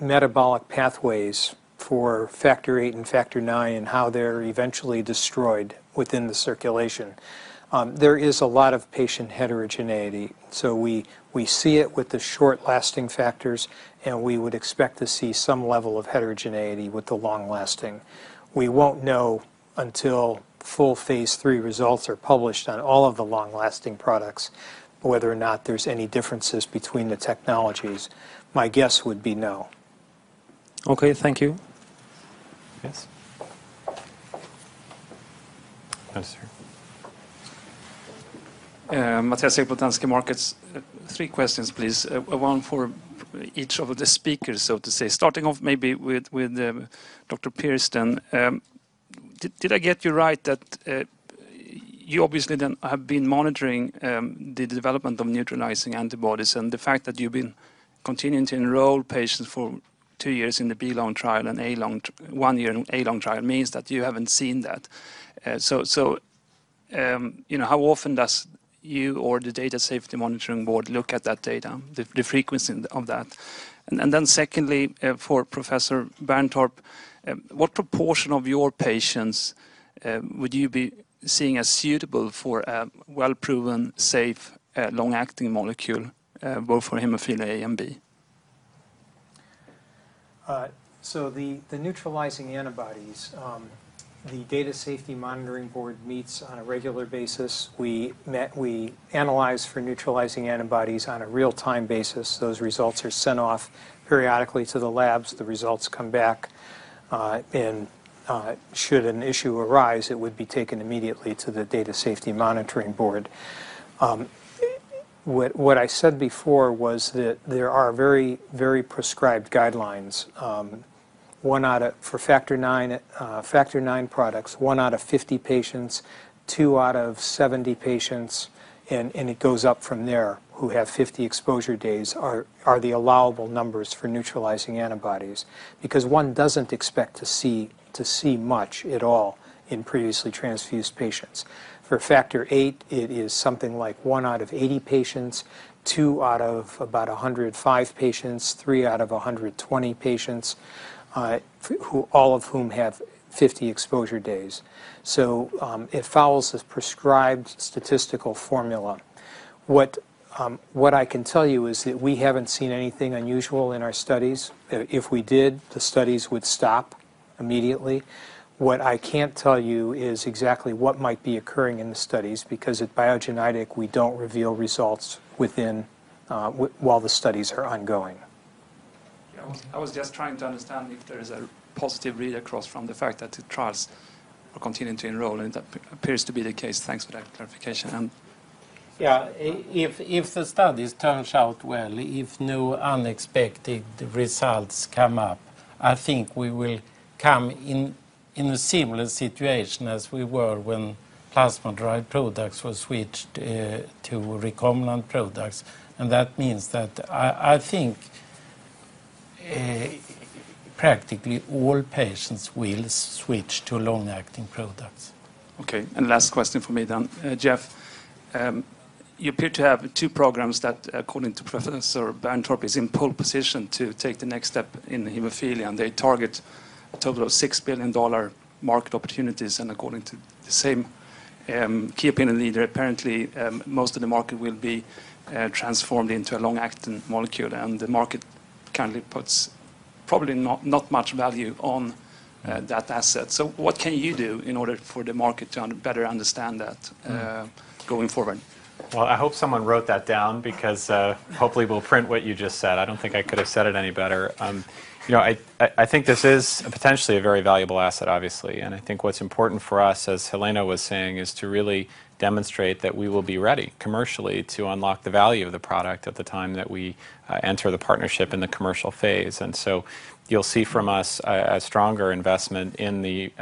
metabolic pathways for Factor VIII and Factor IX and how they're eventually destroyed within the circulation, there is a lot of patient heterogeneity. So we see it with the short-lasting factors, and we would expect to see some level of heterogeneity with the long-lasting. We won't know until full phase 3 results are published on all of the long-lasting products whether or not there's any differences between the technologies. My guess would be no. Okay. Thank you. Yes. Mattias from Danske Markets, three questions, please. One for each of the speakers, so to say. Starting off maybe with Dr. Pierce. Did I get you right that you obviously then have been monitoring the development of neutralizing antibodies, and the fact that you've been continuing to enroll patients for two years in the B-LONG trial and one year in the A-LONG trial means that you haven't seen that? So how often does you or the Data Safety Monitoring Board look at that data, the frequency of that? And then secondly, for Professor Berntorp, what proportion of your patients would you be seeing as suitable for a well-proven, safe, long-acting molecule, both for Hemophilia A and B? So the neutralizing antibodies, the Data Safety Monitoring Board meets on a regular basis. We analyze for neutralizing antibodies on a real-time basis. Those results are sent off periodically to the labs. The results come back. Should an issue arise, it would be taken immediately to the Data Safety Monitoring Board. What I said before was that there are very, very prescribed guidelines. For Factor IX products, one out of 50 patients, two out of 70 patients, and it goes up from there, who have 50 exposure days are the allowable numbers for neutralizing antibodies because one doesn't expect to see much at all in previously transfused patients. For Factor VIII, it is something like one out of 80 patients, two out of about 105 patients, three out of 120 patients, all of whom have 50 exposure days. So it follows a prescribed statistical formula. What I can tell you is that we haven't seen anything unusual in our studies. If we did, the studies would stop immediately. What I can't tell you is exactly what might be occurring in the studies because at Biogen, we don't reveal results while the studies are ongoing. I was just trying to understand if there is a positive read across from the fact that the trials are continuing to enroll, and that appears to be the case. Thanks for that clarification. Yeah, if the studies turn out well, if no unexpected results come up, I think we will come in a similar situation as we were when plasma-derived products were switched to recombinant products, and that means that I think practically all patients will switch to long-acting products. Okay. And last question for me then. Jeff, you appear to have two programs that, according to Professor Berntorp, is in pole position to take the next step in hemophilia, and they target a total of $6 billion market opportunities. And according to the same key opinion leader, apparently most of the market will be transformed into a long-acting molecule, and the market currently puts probably not much value on that asset. So what can you do in order for the market to better understand that going forward? I hope someone wrote that down because hopefully we'll print what you just said. I don't think I could have said it any better. I think this is potentially a very valuable asset, obviously. I think what's important for us, as Helena was saying, is to really demonstrate that we will be ready commercially to unlock the value of the product at the time that we enter the partnership in the commercial phase. You'll see from us a stronger investment in the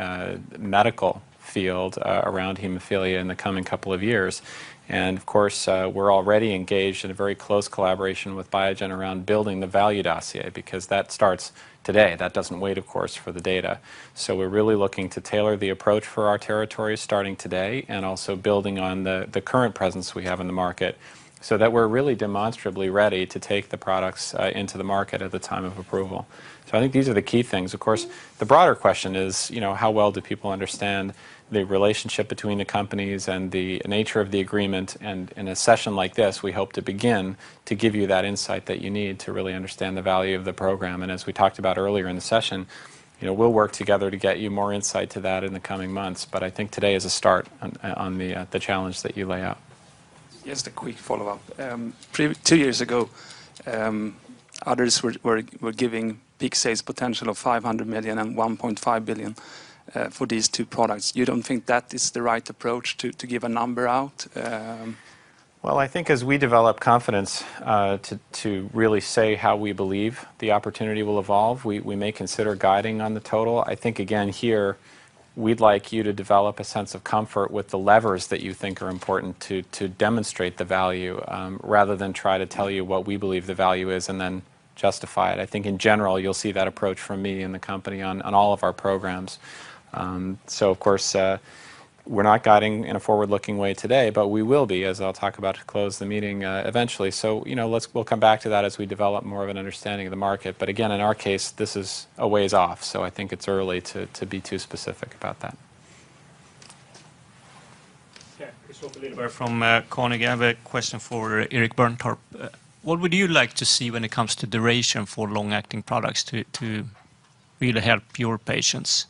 medical field around hemophilia in the coming couple of years. Of course, we're already engaged in a very close collaboration with Biogen around building the value dossier because that starts today. That doesn't wait, of course, for the data. So we're really looking to tailor the approach for our territory starting today and also building on the current presence we have in the market so that we're really demonstrably ready to take the products into the market at the time of approval. So I think these are the key things. Of course, the broader question is how well do people understand the relationship between the companies and the nature of the agreement. And in a session like this, we hope to begin to give you that insight that you need to really understand the value of the program. And as we talked about earlier in the session, we'll work together to get you more insight to that in the coming months. But I think today is a start on the challenge that you lay out. Just a quick follow-up. Two years ago, others were giving peak sales potential of 500 million and 1.5 billion for these two products. You don't think that is the right approach to give a number out? I think as we develop confidence to really say how we believe the opportunity will evolve, we may consider guiding on the total. I think, again, here, we'd like you to develop a sense of comfort with the levers that you think are important to demonstrate the value rather than try to tell you what we believe the value is and then justify it. I think in general, you'll see that approach from me and the company on all of our programs. Of course, we're not guiding in a forward-looking way today, but we will be, as I'll talk about to close the meeting eventually. We'll come back to that as we develop more of an understanding of the market. Again, in our case, this is a ways off, so I think it's early to be too specific about that. Okay. Kristofer Liljeberg from Carnegie Investment Bank again. I have a question for Erik Berntorp. What would you like to see when it comes to duration for long-acting products to really help your patients?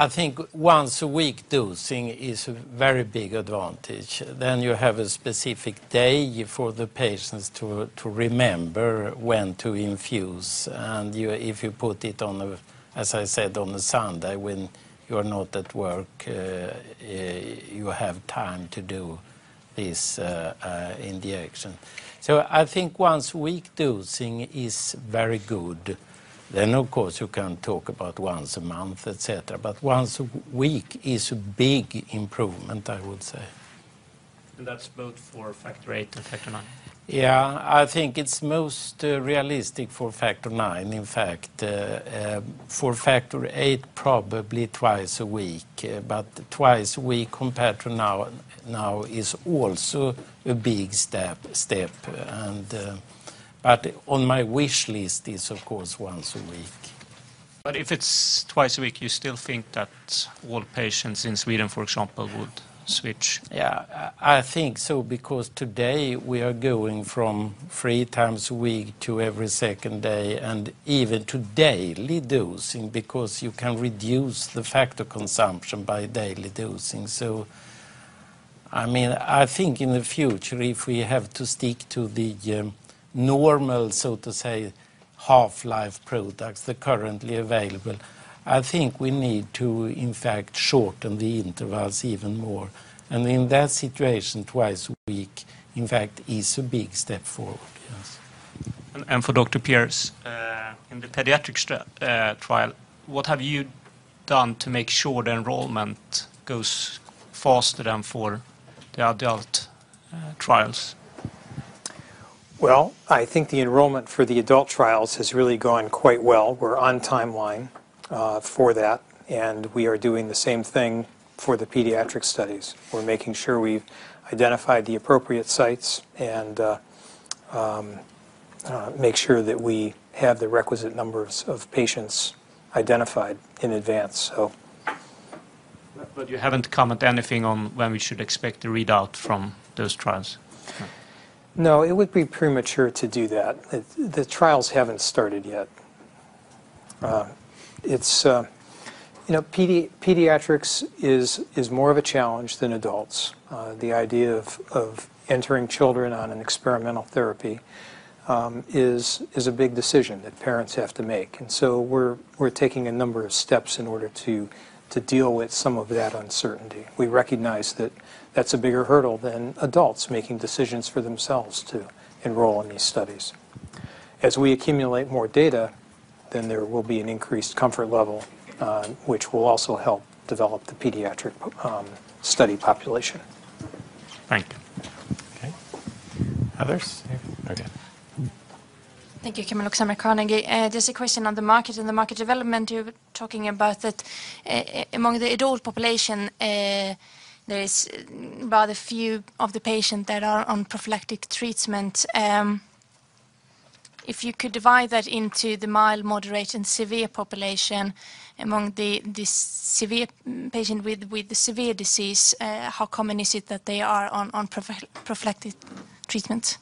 I think once-a-week dosing is a very big advantage. Then you have a specific day for the patients to remember when to infuse. And if you put it on, as I said, on a Sunday when you're not at work, you have time to do this injection. So I think once-a-week dosing is very good. Then, of course, you can talk about once a month, et cetera. But once a week is a big improvement, I would say. That's both for Factor VIII and Factor IX? Yeah. I think it's most realistic for Factor IX. In fact, for Factor VIII, probably twice a week. But twice a week compared to now is also a big step. But on my wish list is, of course, once a week. But if it's twice a week, you still think that all patients in Sweden, for example, would switch? Yeah. I think so because today we are going from three times a week to every second day and even to daily dosing because you can reduce the factor consumption by daily dosing. So I mean, I think in the future, if we have to stick to the normal, so to say, half-life products that are currently available, I think we need to, in fact, shorten the intervals even more. And in that situation, twice a week, in fact, is a big step forward. Yes. For Dr. Pierce, in the pediatric trial, what have you done to make sure the enrollment goes faster than for the adult trials? I think the enrollment for the adult trials has really gone quite well. We're on timeline for that, and we are doing the same thing for the pediatric studies. We're making sure we've identified the appropriate sites and make sure that we have the requisite numbers of patients identified in advance, so. But you haven't commented anything on when we should expect the readout from those trials? No. It would be premature to do that. The trials haven't started yet. Pediatrics is more of a challenge than adults. The idea of entering children on an experimental therapy is a big decision that parents have to make. And so we're taking a number of steps in order to deal with some of that uncertainty. We recognize that that's a bigger hurdle than adults making decisions for themselves to enroll in these studies. As we accumulate more data, then there will be an increased comfort level, which will also help develop the pediatric study population. Thank you. Okay. Others? Okay. Thank you, Kristofer Liljeberg, Carnegie again. Just a question on the market and the market development. You were talking about that among the adult population, there are about a few of the patients that are on prophylactic treatment. If you could divide that into the mild, moderate, and severe population among the severe patient with the severe disease, how common is it that they are on prophylactic treatment?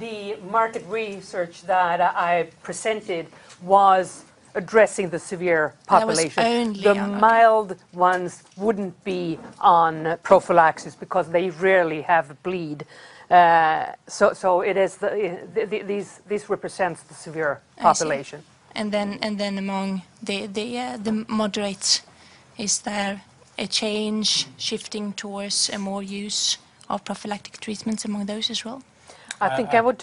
The market research that I presented was addressing the severe population. But only. The mild ones wouldn't be on prophylaxis because they rarely have a bleed. So this represents the severe population. And then among the moderates, is there a change shifting towards a more use of prophylactic treatments among those as well? I think I would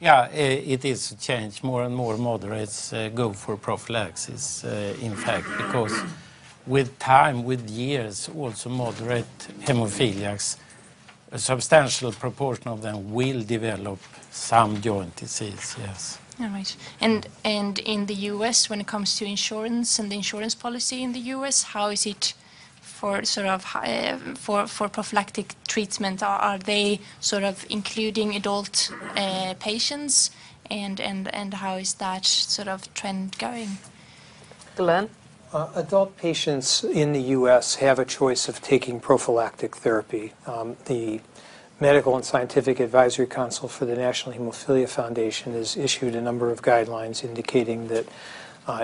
turn. Yeah. It is a change. More and more moderates go for prophylaxis, in fact, because with time, with years, also moderate hemophiliacs, a substantial proportion of them will develop some joint disease. Yes. All right. And in the U.S., when it comes to insurance and the insurance policy in the U.S., how is it for prophylactic treatment? Are they sort of including adult patients, and how is that sort of trend going? Helen? Adult patients in the U.S. have a choice of taking prophylactic therapy. The Medical and Scientific Advisory Council for the National Hemophilia Foundation has issued a number of guidelines indicating that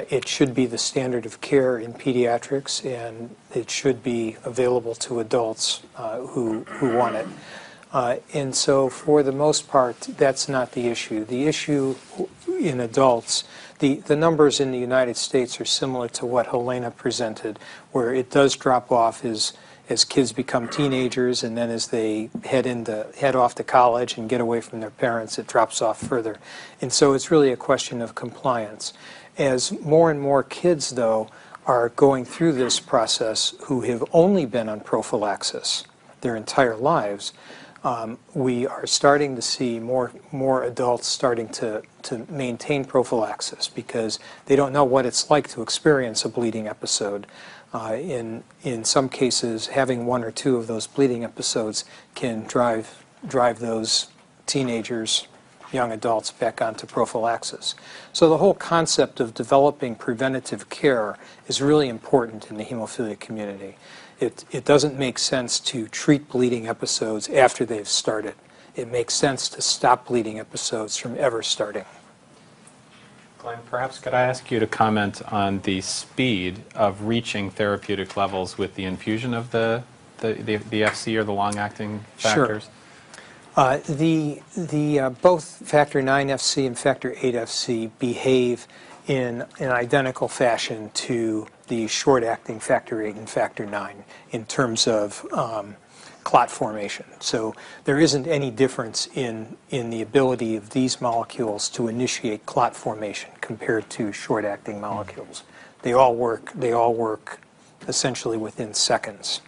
it should be the standard of care in pediatrics, and it should be available to adults who want it. And so for the most part, that's not the issue. The issue in adults, the numbers in the United States are similar to what Helena presented, where it does drop off as kids become teenagers, and then as they head off to college and get away from their parents, it drops off further. And so it's really a question of compliance. As more and more kids, though, are going through this process who have only been on prophylaxis their entire lives, we are starting to see more adults starting to maintain prophylaxis because they don't know what it's like to experience a bleeding episode. In some cases, having one or two of those bleeding episodes can drive those teenagers, young adults, back onto prophylaxis. So the whole concept of developing preventative care is really important in the hemophilia community. It doesn't make sense to treat bleeding episodes after they've started. It makes sense to stop bleeding episodes from ever starting. Glenn, perhaps could I ask you to comment on the speed of reaching therapeutic levels with the infusion of the Fc or the long-acting factors? Sure. Both Factor IX Fc and Factor VIII Fc behave in an identical fashion to the short-acting Factor VIII and Factor IX in terms of clot formation. So there isn't any difference in the ability of these molecules to initiate clot formation compared to short-acting molecules. They all work essentially within seconds.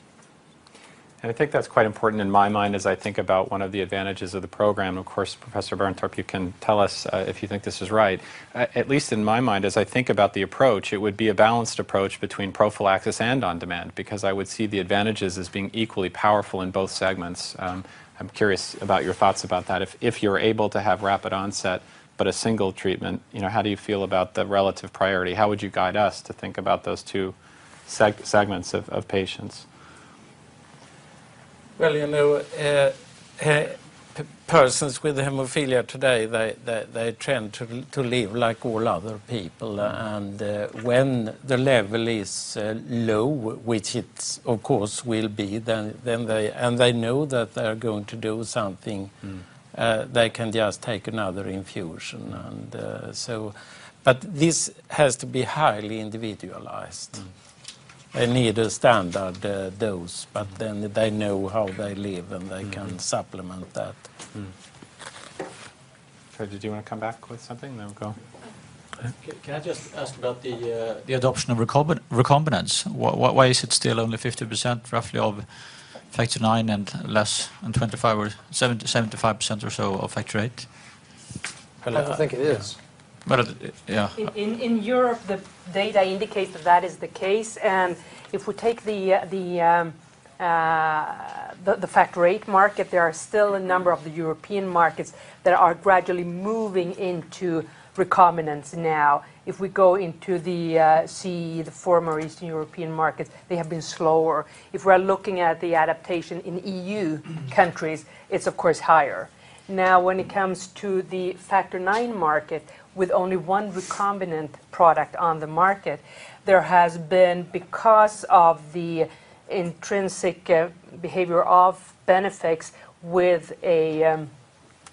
I think that's quite important in my mind as I think about one of the advantages of the program. Of course, Professor Berntorp, you can tell us if you think this is right. At least in my mind, as I think about the approach, it would be a balanced approach between prophylaxis and on-demand because I would see the advantages as being equally powerful in both segments. I'm curious about your thoughts about that. If you're able to have rapid onset but a single treatment, how do you feel about the relative priority? How would you guide us to think about those two segments of patients? Persons with hemophilia today, they tend to live like all other people. And when the level is low, which it, of course, will be, and they know that they're going to do something, they can just take another infusion. But this has to be highly individualized. They need a standard dose, but then they know how they live, and they can supplement that. Fred, did you want to come back with something? Then we'll go. Can I just ask about the adoption of recombinants? Why is it still only 50% roughly of Factor IX and less, and 75% or so of Factor VIII? I don't think it is. Well, yeah. In Europe, the data indicate that that is the case, and if we take the Factor VIII market, there are still a number of the European markets that are gradually moving into recombinants now. If we go into the CE, the former Eastern European markets, they have been slower. If we're looking at the adaptation in EU countries, it's, of course, higher. Now, when it comes to the Factor IX market, with only one recombinant product on the market, there has been, because of the intrinsic behavior of BeneFIX with a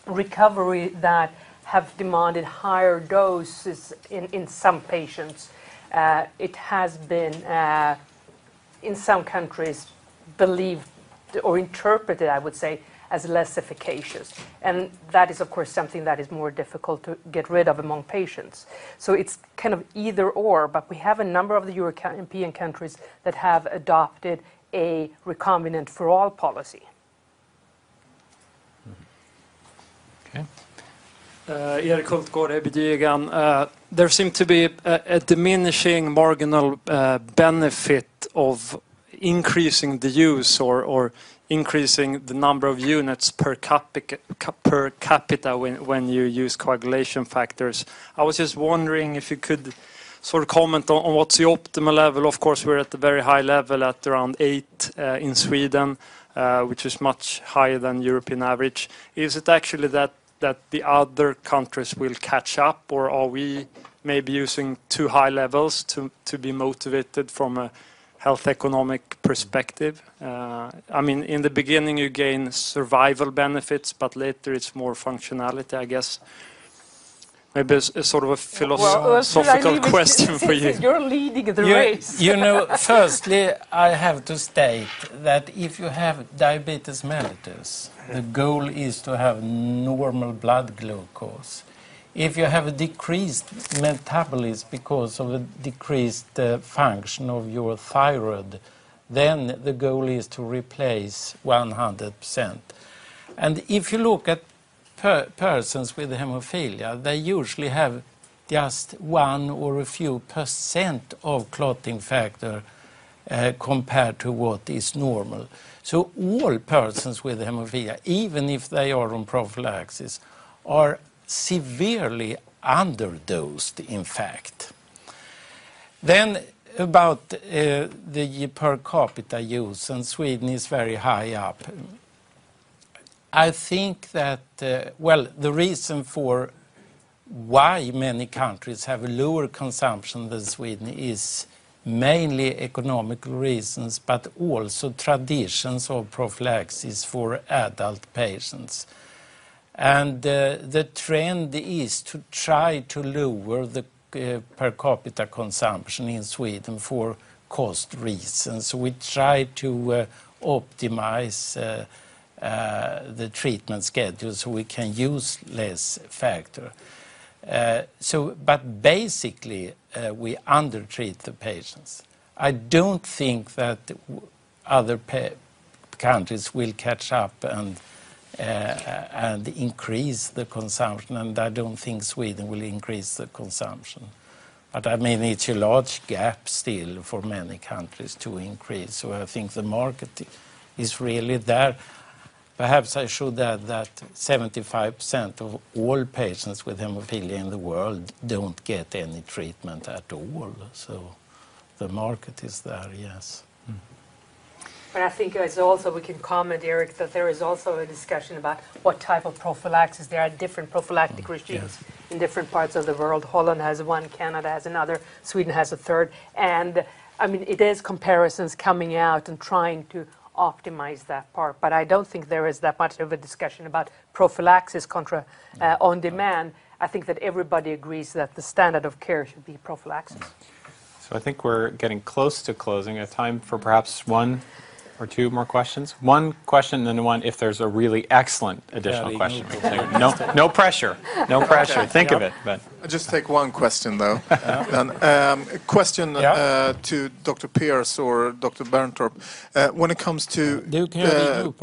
recovery that have demanded higher doses in some patients, it has been, in some countries, believed or interpreted, I would say, as less efficacious, and that is, of course, something that is more difficult to get rid of among patients. So it's kind of either/or, but we have a number of the European countries that have adopted a recombinant-for-all policy. Okay. Yeah. There seemed to be a diminishing marginal benefit of increasing the use or increasing the number of units per capita when you use coagulation factors. I was just wondering if you could sort of comment on what's the optimal level. Of course, we're at a very high level at around eight in Sweden, which is much higher than European average. Is it actually that the other countries will catch up, or are we maybe using too high levels to be motivated from a health economic perspective? I mean, in the beginning, you gain survival benefits, but later it's more functionality, I guess. Maybe sort of a philosophical question for you. You're leading the race. Firstly, I have to state that if you have diabetes mellitus, the goal is to have normal blood glucose. If you have a decreased metabolism because of a decreased function of your thyroid, then the goal is to replace 100%. And if you look at persons with hemophilia, they usually have just one or a few % of clotting factor compared to what is normal. So all persons with hemophilia, even if they are on prophylaxis, are severely underdosed, in fact. Then about the per capita use, and Sweden is very high up. I think that, well, the reason for why many countries have lower consumption than Sweden is mainly economic reasons, but also traditions of prophylaxis for adult patients. And the trend is to try to lower the per capita consumption in Sweden for cost reasons. We try to optimize the treatment schedule so we can use less factor. But basically, we undertreat the patients. I don't think that other countries will catch up and increase the consumption, and I don't think Sweden will increase the consumption. But I mean, it's a large gap still for many countries to increase. So I think the market is really there. Perhaps I should add that 75% of all patients with hemophilia in the world don't get any treatment at all. So the market is there, yes. But I think it's also we can comment, Erik, that there is also a discussion about what type of prophylaxis. There are different prophylactic regimes in different parts of the world. Holland has one, Canada has another, Sweden has a third, and I mean, it is comparisons coming out and trying to optimize that part. But I don't think there is that much of a discussion about prophylaxis contra on-demand. I think that everybody agrees that the standard of care should be prophylaxis. So I think we're getting close to closing. Time for perhaps one or two more questions. One question and then one if there's a really excellent additional question. No pressure. No pressure. Think of it, but. I'll just take one question, though. Question to Dr. Pierce or Dr. Berntorp. When it comes to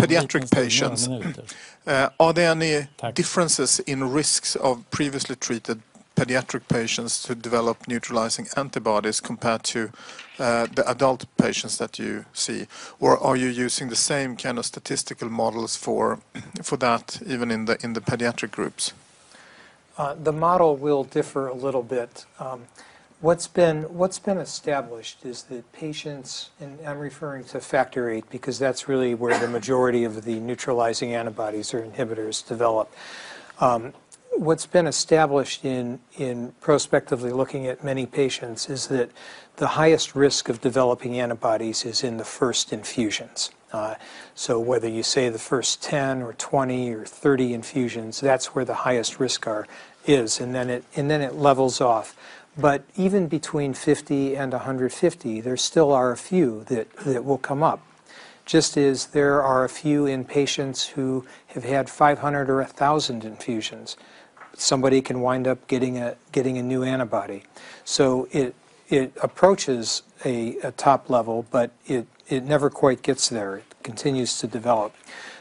pediatric patients, are there any differences in risks of previously treated pediatric patients to develop neutralizing antibodies compared to the adult patients that you see? Or are you using the same kind of statistical models for that, even in the pediatric groups? The model will differ a little bit. What's been established is that patients and I'm referring to Factor VIII because that's really where the majority of the neutralizing antibodies or inhibitors develop. What's been established in prospectively looking at many patients is that the highest risk of developing antibodies is in the first infusions. So whether you say the first 10 or 20 or 30 infusions, that's where the highest risk is, and then it levels off. But even between 50 and 150, there still are a few that will come up. Just as there are a few in patients who have had 500 or 1,000 infusions, somebody can wind up getting a new antibody. So it approaches a top level, but it never quite gets there. It continues to develop.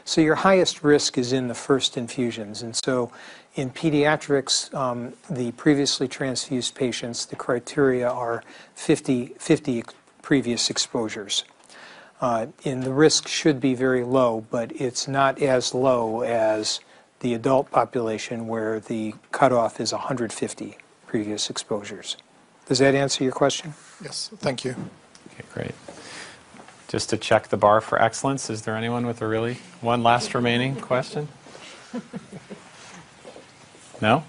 So your highest risk is in the first infusions. And so in pediatrics, the previously transfused patients, the criteria are 50 previous exposures. And the risk should be very low, but it's not as low as the adult population where the cutoff is 150 previous exposures. Does that answer your question? Yes. Thank you. Okay. Great. Just to check the bar for excellence, is there anyone with a really one last remaining question? No?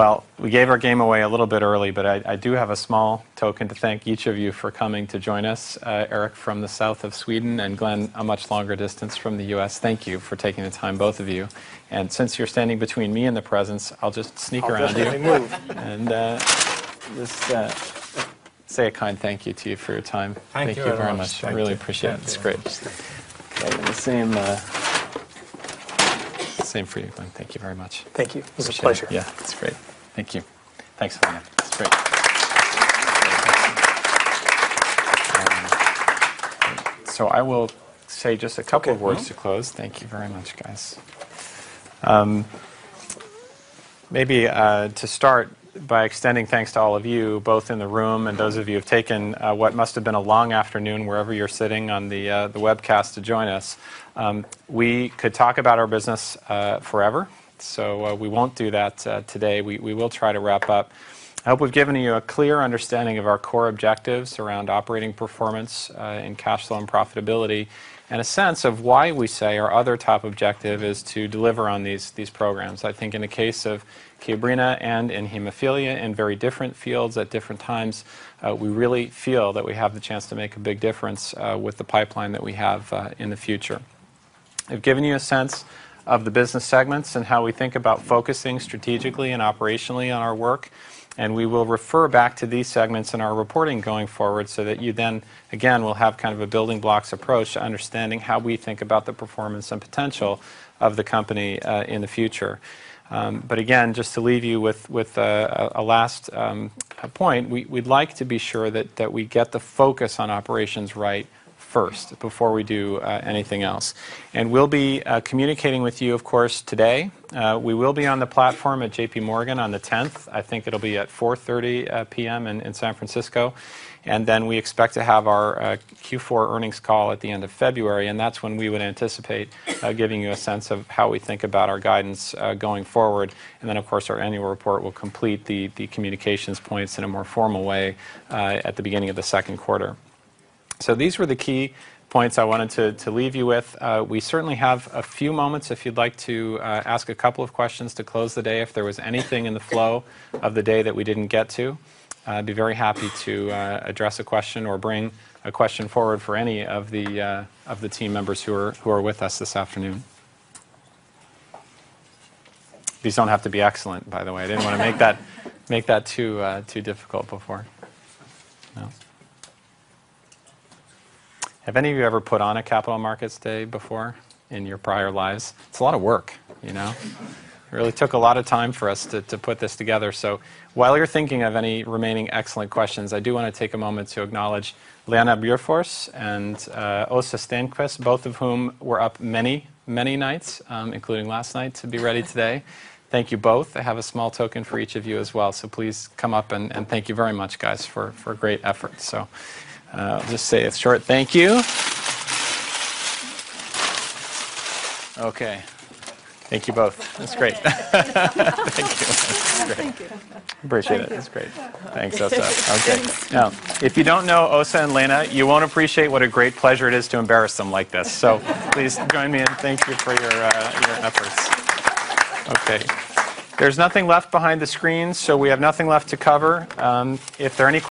Well, we gave our game away a little bit early, but I do have a small token to thank each of you for coming to join us, Erik from the south of Sweden and Glenn, a much longer distance from the U.S. Thank you for taking the time, both of you. And since you're standing between me and the presents, I'll just sneak around. I'll definitely move. Just say a kind thank you to you for your time. Thank you very much. Thank you very much. I really appreciate it. That's great. Okay. And the same for you, Glenn. Thank you very much. [inaudible] Thank you. It was a pleasure. Yeah. It's great. Thank you. Thanks, Helena. It's great, so I will say just a couple of words to close. Thank you very much, guys. Maybe to start by extending thanks to all of you, both in the room and those of you who have taken what must have been a long afternoon wherever you're sitting on the webcast to join us. We could talk about our business forever, so we won't do that today. We will try to wrap up. I hope we've given you a clear understanding of our core objectives around operating performance and cash flow and profitability and a sense of why we say our other top objective is to deliver on these programs. I think in the case of Kiobrina and in hemophilia and very different fields at different times, we really feel that we have the chance to make a big difference with the pipeline that we have in the future. I've given you a sense of the business segments and how we think about focusing strategically and operationally on our work. And we will refer back to these segments in our reporting going forward so that you then again will have kind of a building blocks approach to understanding how we think about the performance and potential of the company in the future. But again, just to leave you with a last point, we'd like to be sure that we get the focus on operations right first before we do anything else. And we'll be communicating with you, of course, today. We will be on the platform at J.P. Morgan on the 10th. I think it'll be at 4:30 P.M. in San Francisco. And then we expect to have our Q4 earnings call at the end of February. And that's when we would anticipate giving you a sense of how we think about our guidance going forward. And then, of course, our annual report will complete the communications points in a more formal way at the beginning of the second quarter. So these were the key points I wanted to leave you with. We certainly have a few moments if you'd like to ask a couple of questions to close the day if there was anything in the flow of the day that we didn't get to. I'd be very happy to address a question or bring a question forward for any of the team members who are with us this afternoon. These don't have to be excellent, by the way. I didn't want to make that too difficult before. Have any of you ever put on a Capital Markets Day before in your prior lives? It's a lot of work. It really took a lot of time for us to put this together. So while you're thinking of any remaining excellent questions, I do want to take a moment to acknowledge Liana Bierforce and Åsa Stenqvist, both of whom were up many, many nights, including last night, to be ready today. Thank you both. I have a small token for each of you as well. So please come up and thank you very much, guys, for great effort. So I'll just say a short thank you. Okay. Thank you both. That's great. Thank you. Thank you. Appreciate it. That's great. Thanks, Åsa. Okay. Now, if you don't know Åsa and Helena, you won't appreciate what a great pleasure it is to embarrass them like this. So please join me in thanking you for your efforts. Okay. There's nothing left behind the screen, so we have nothing left to cover. If there are any.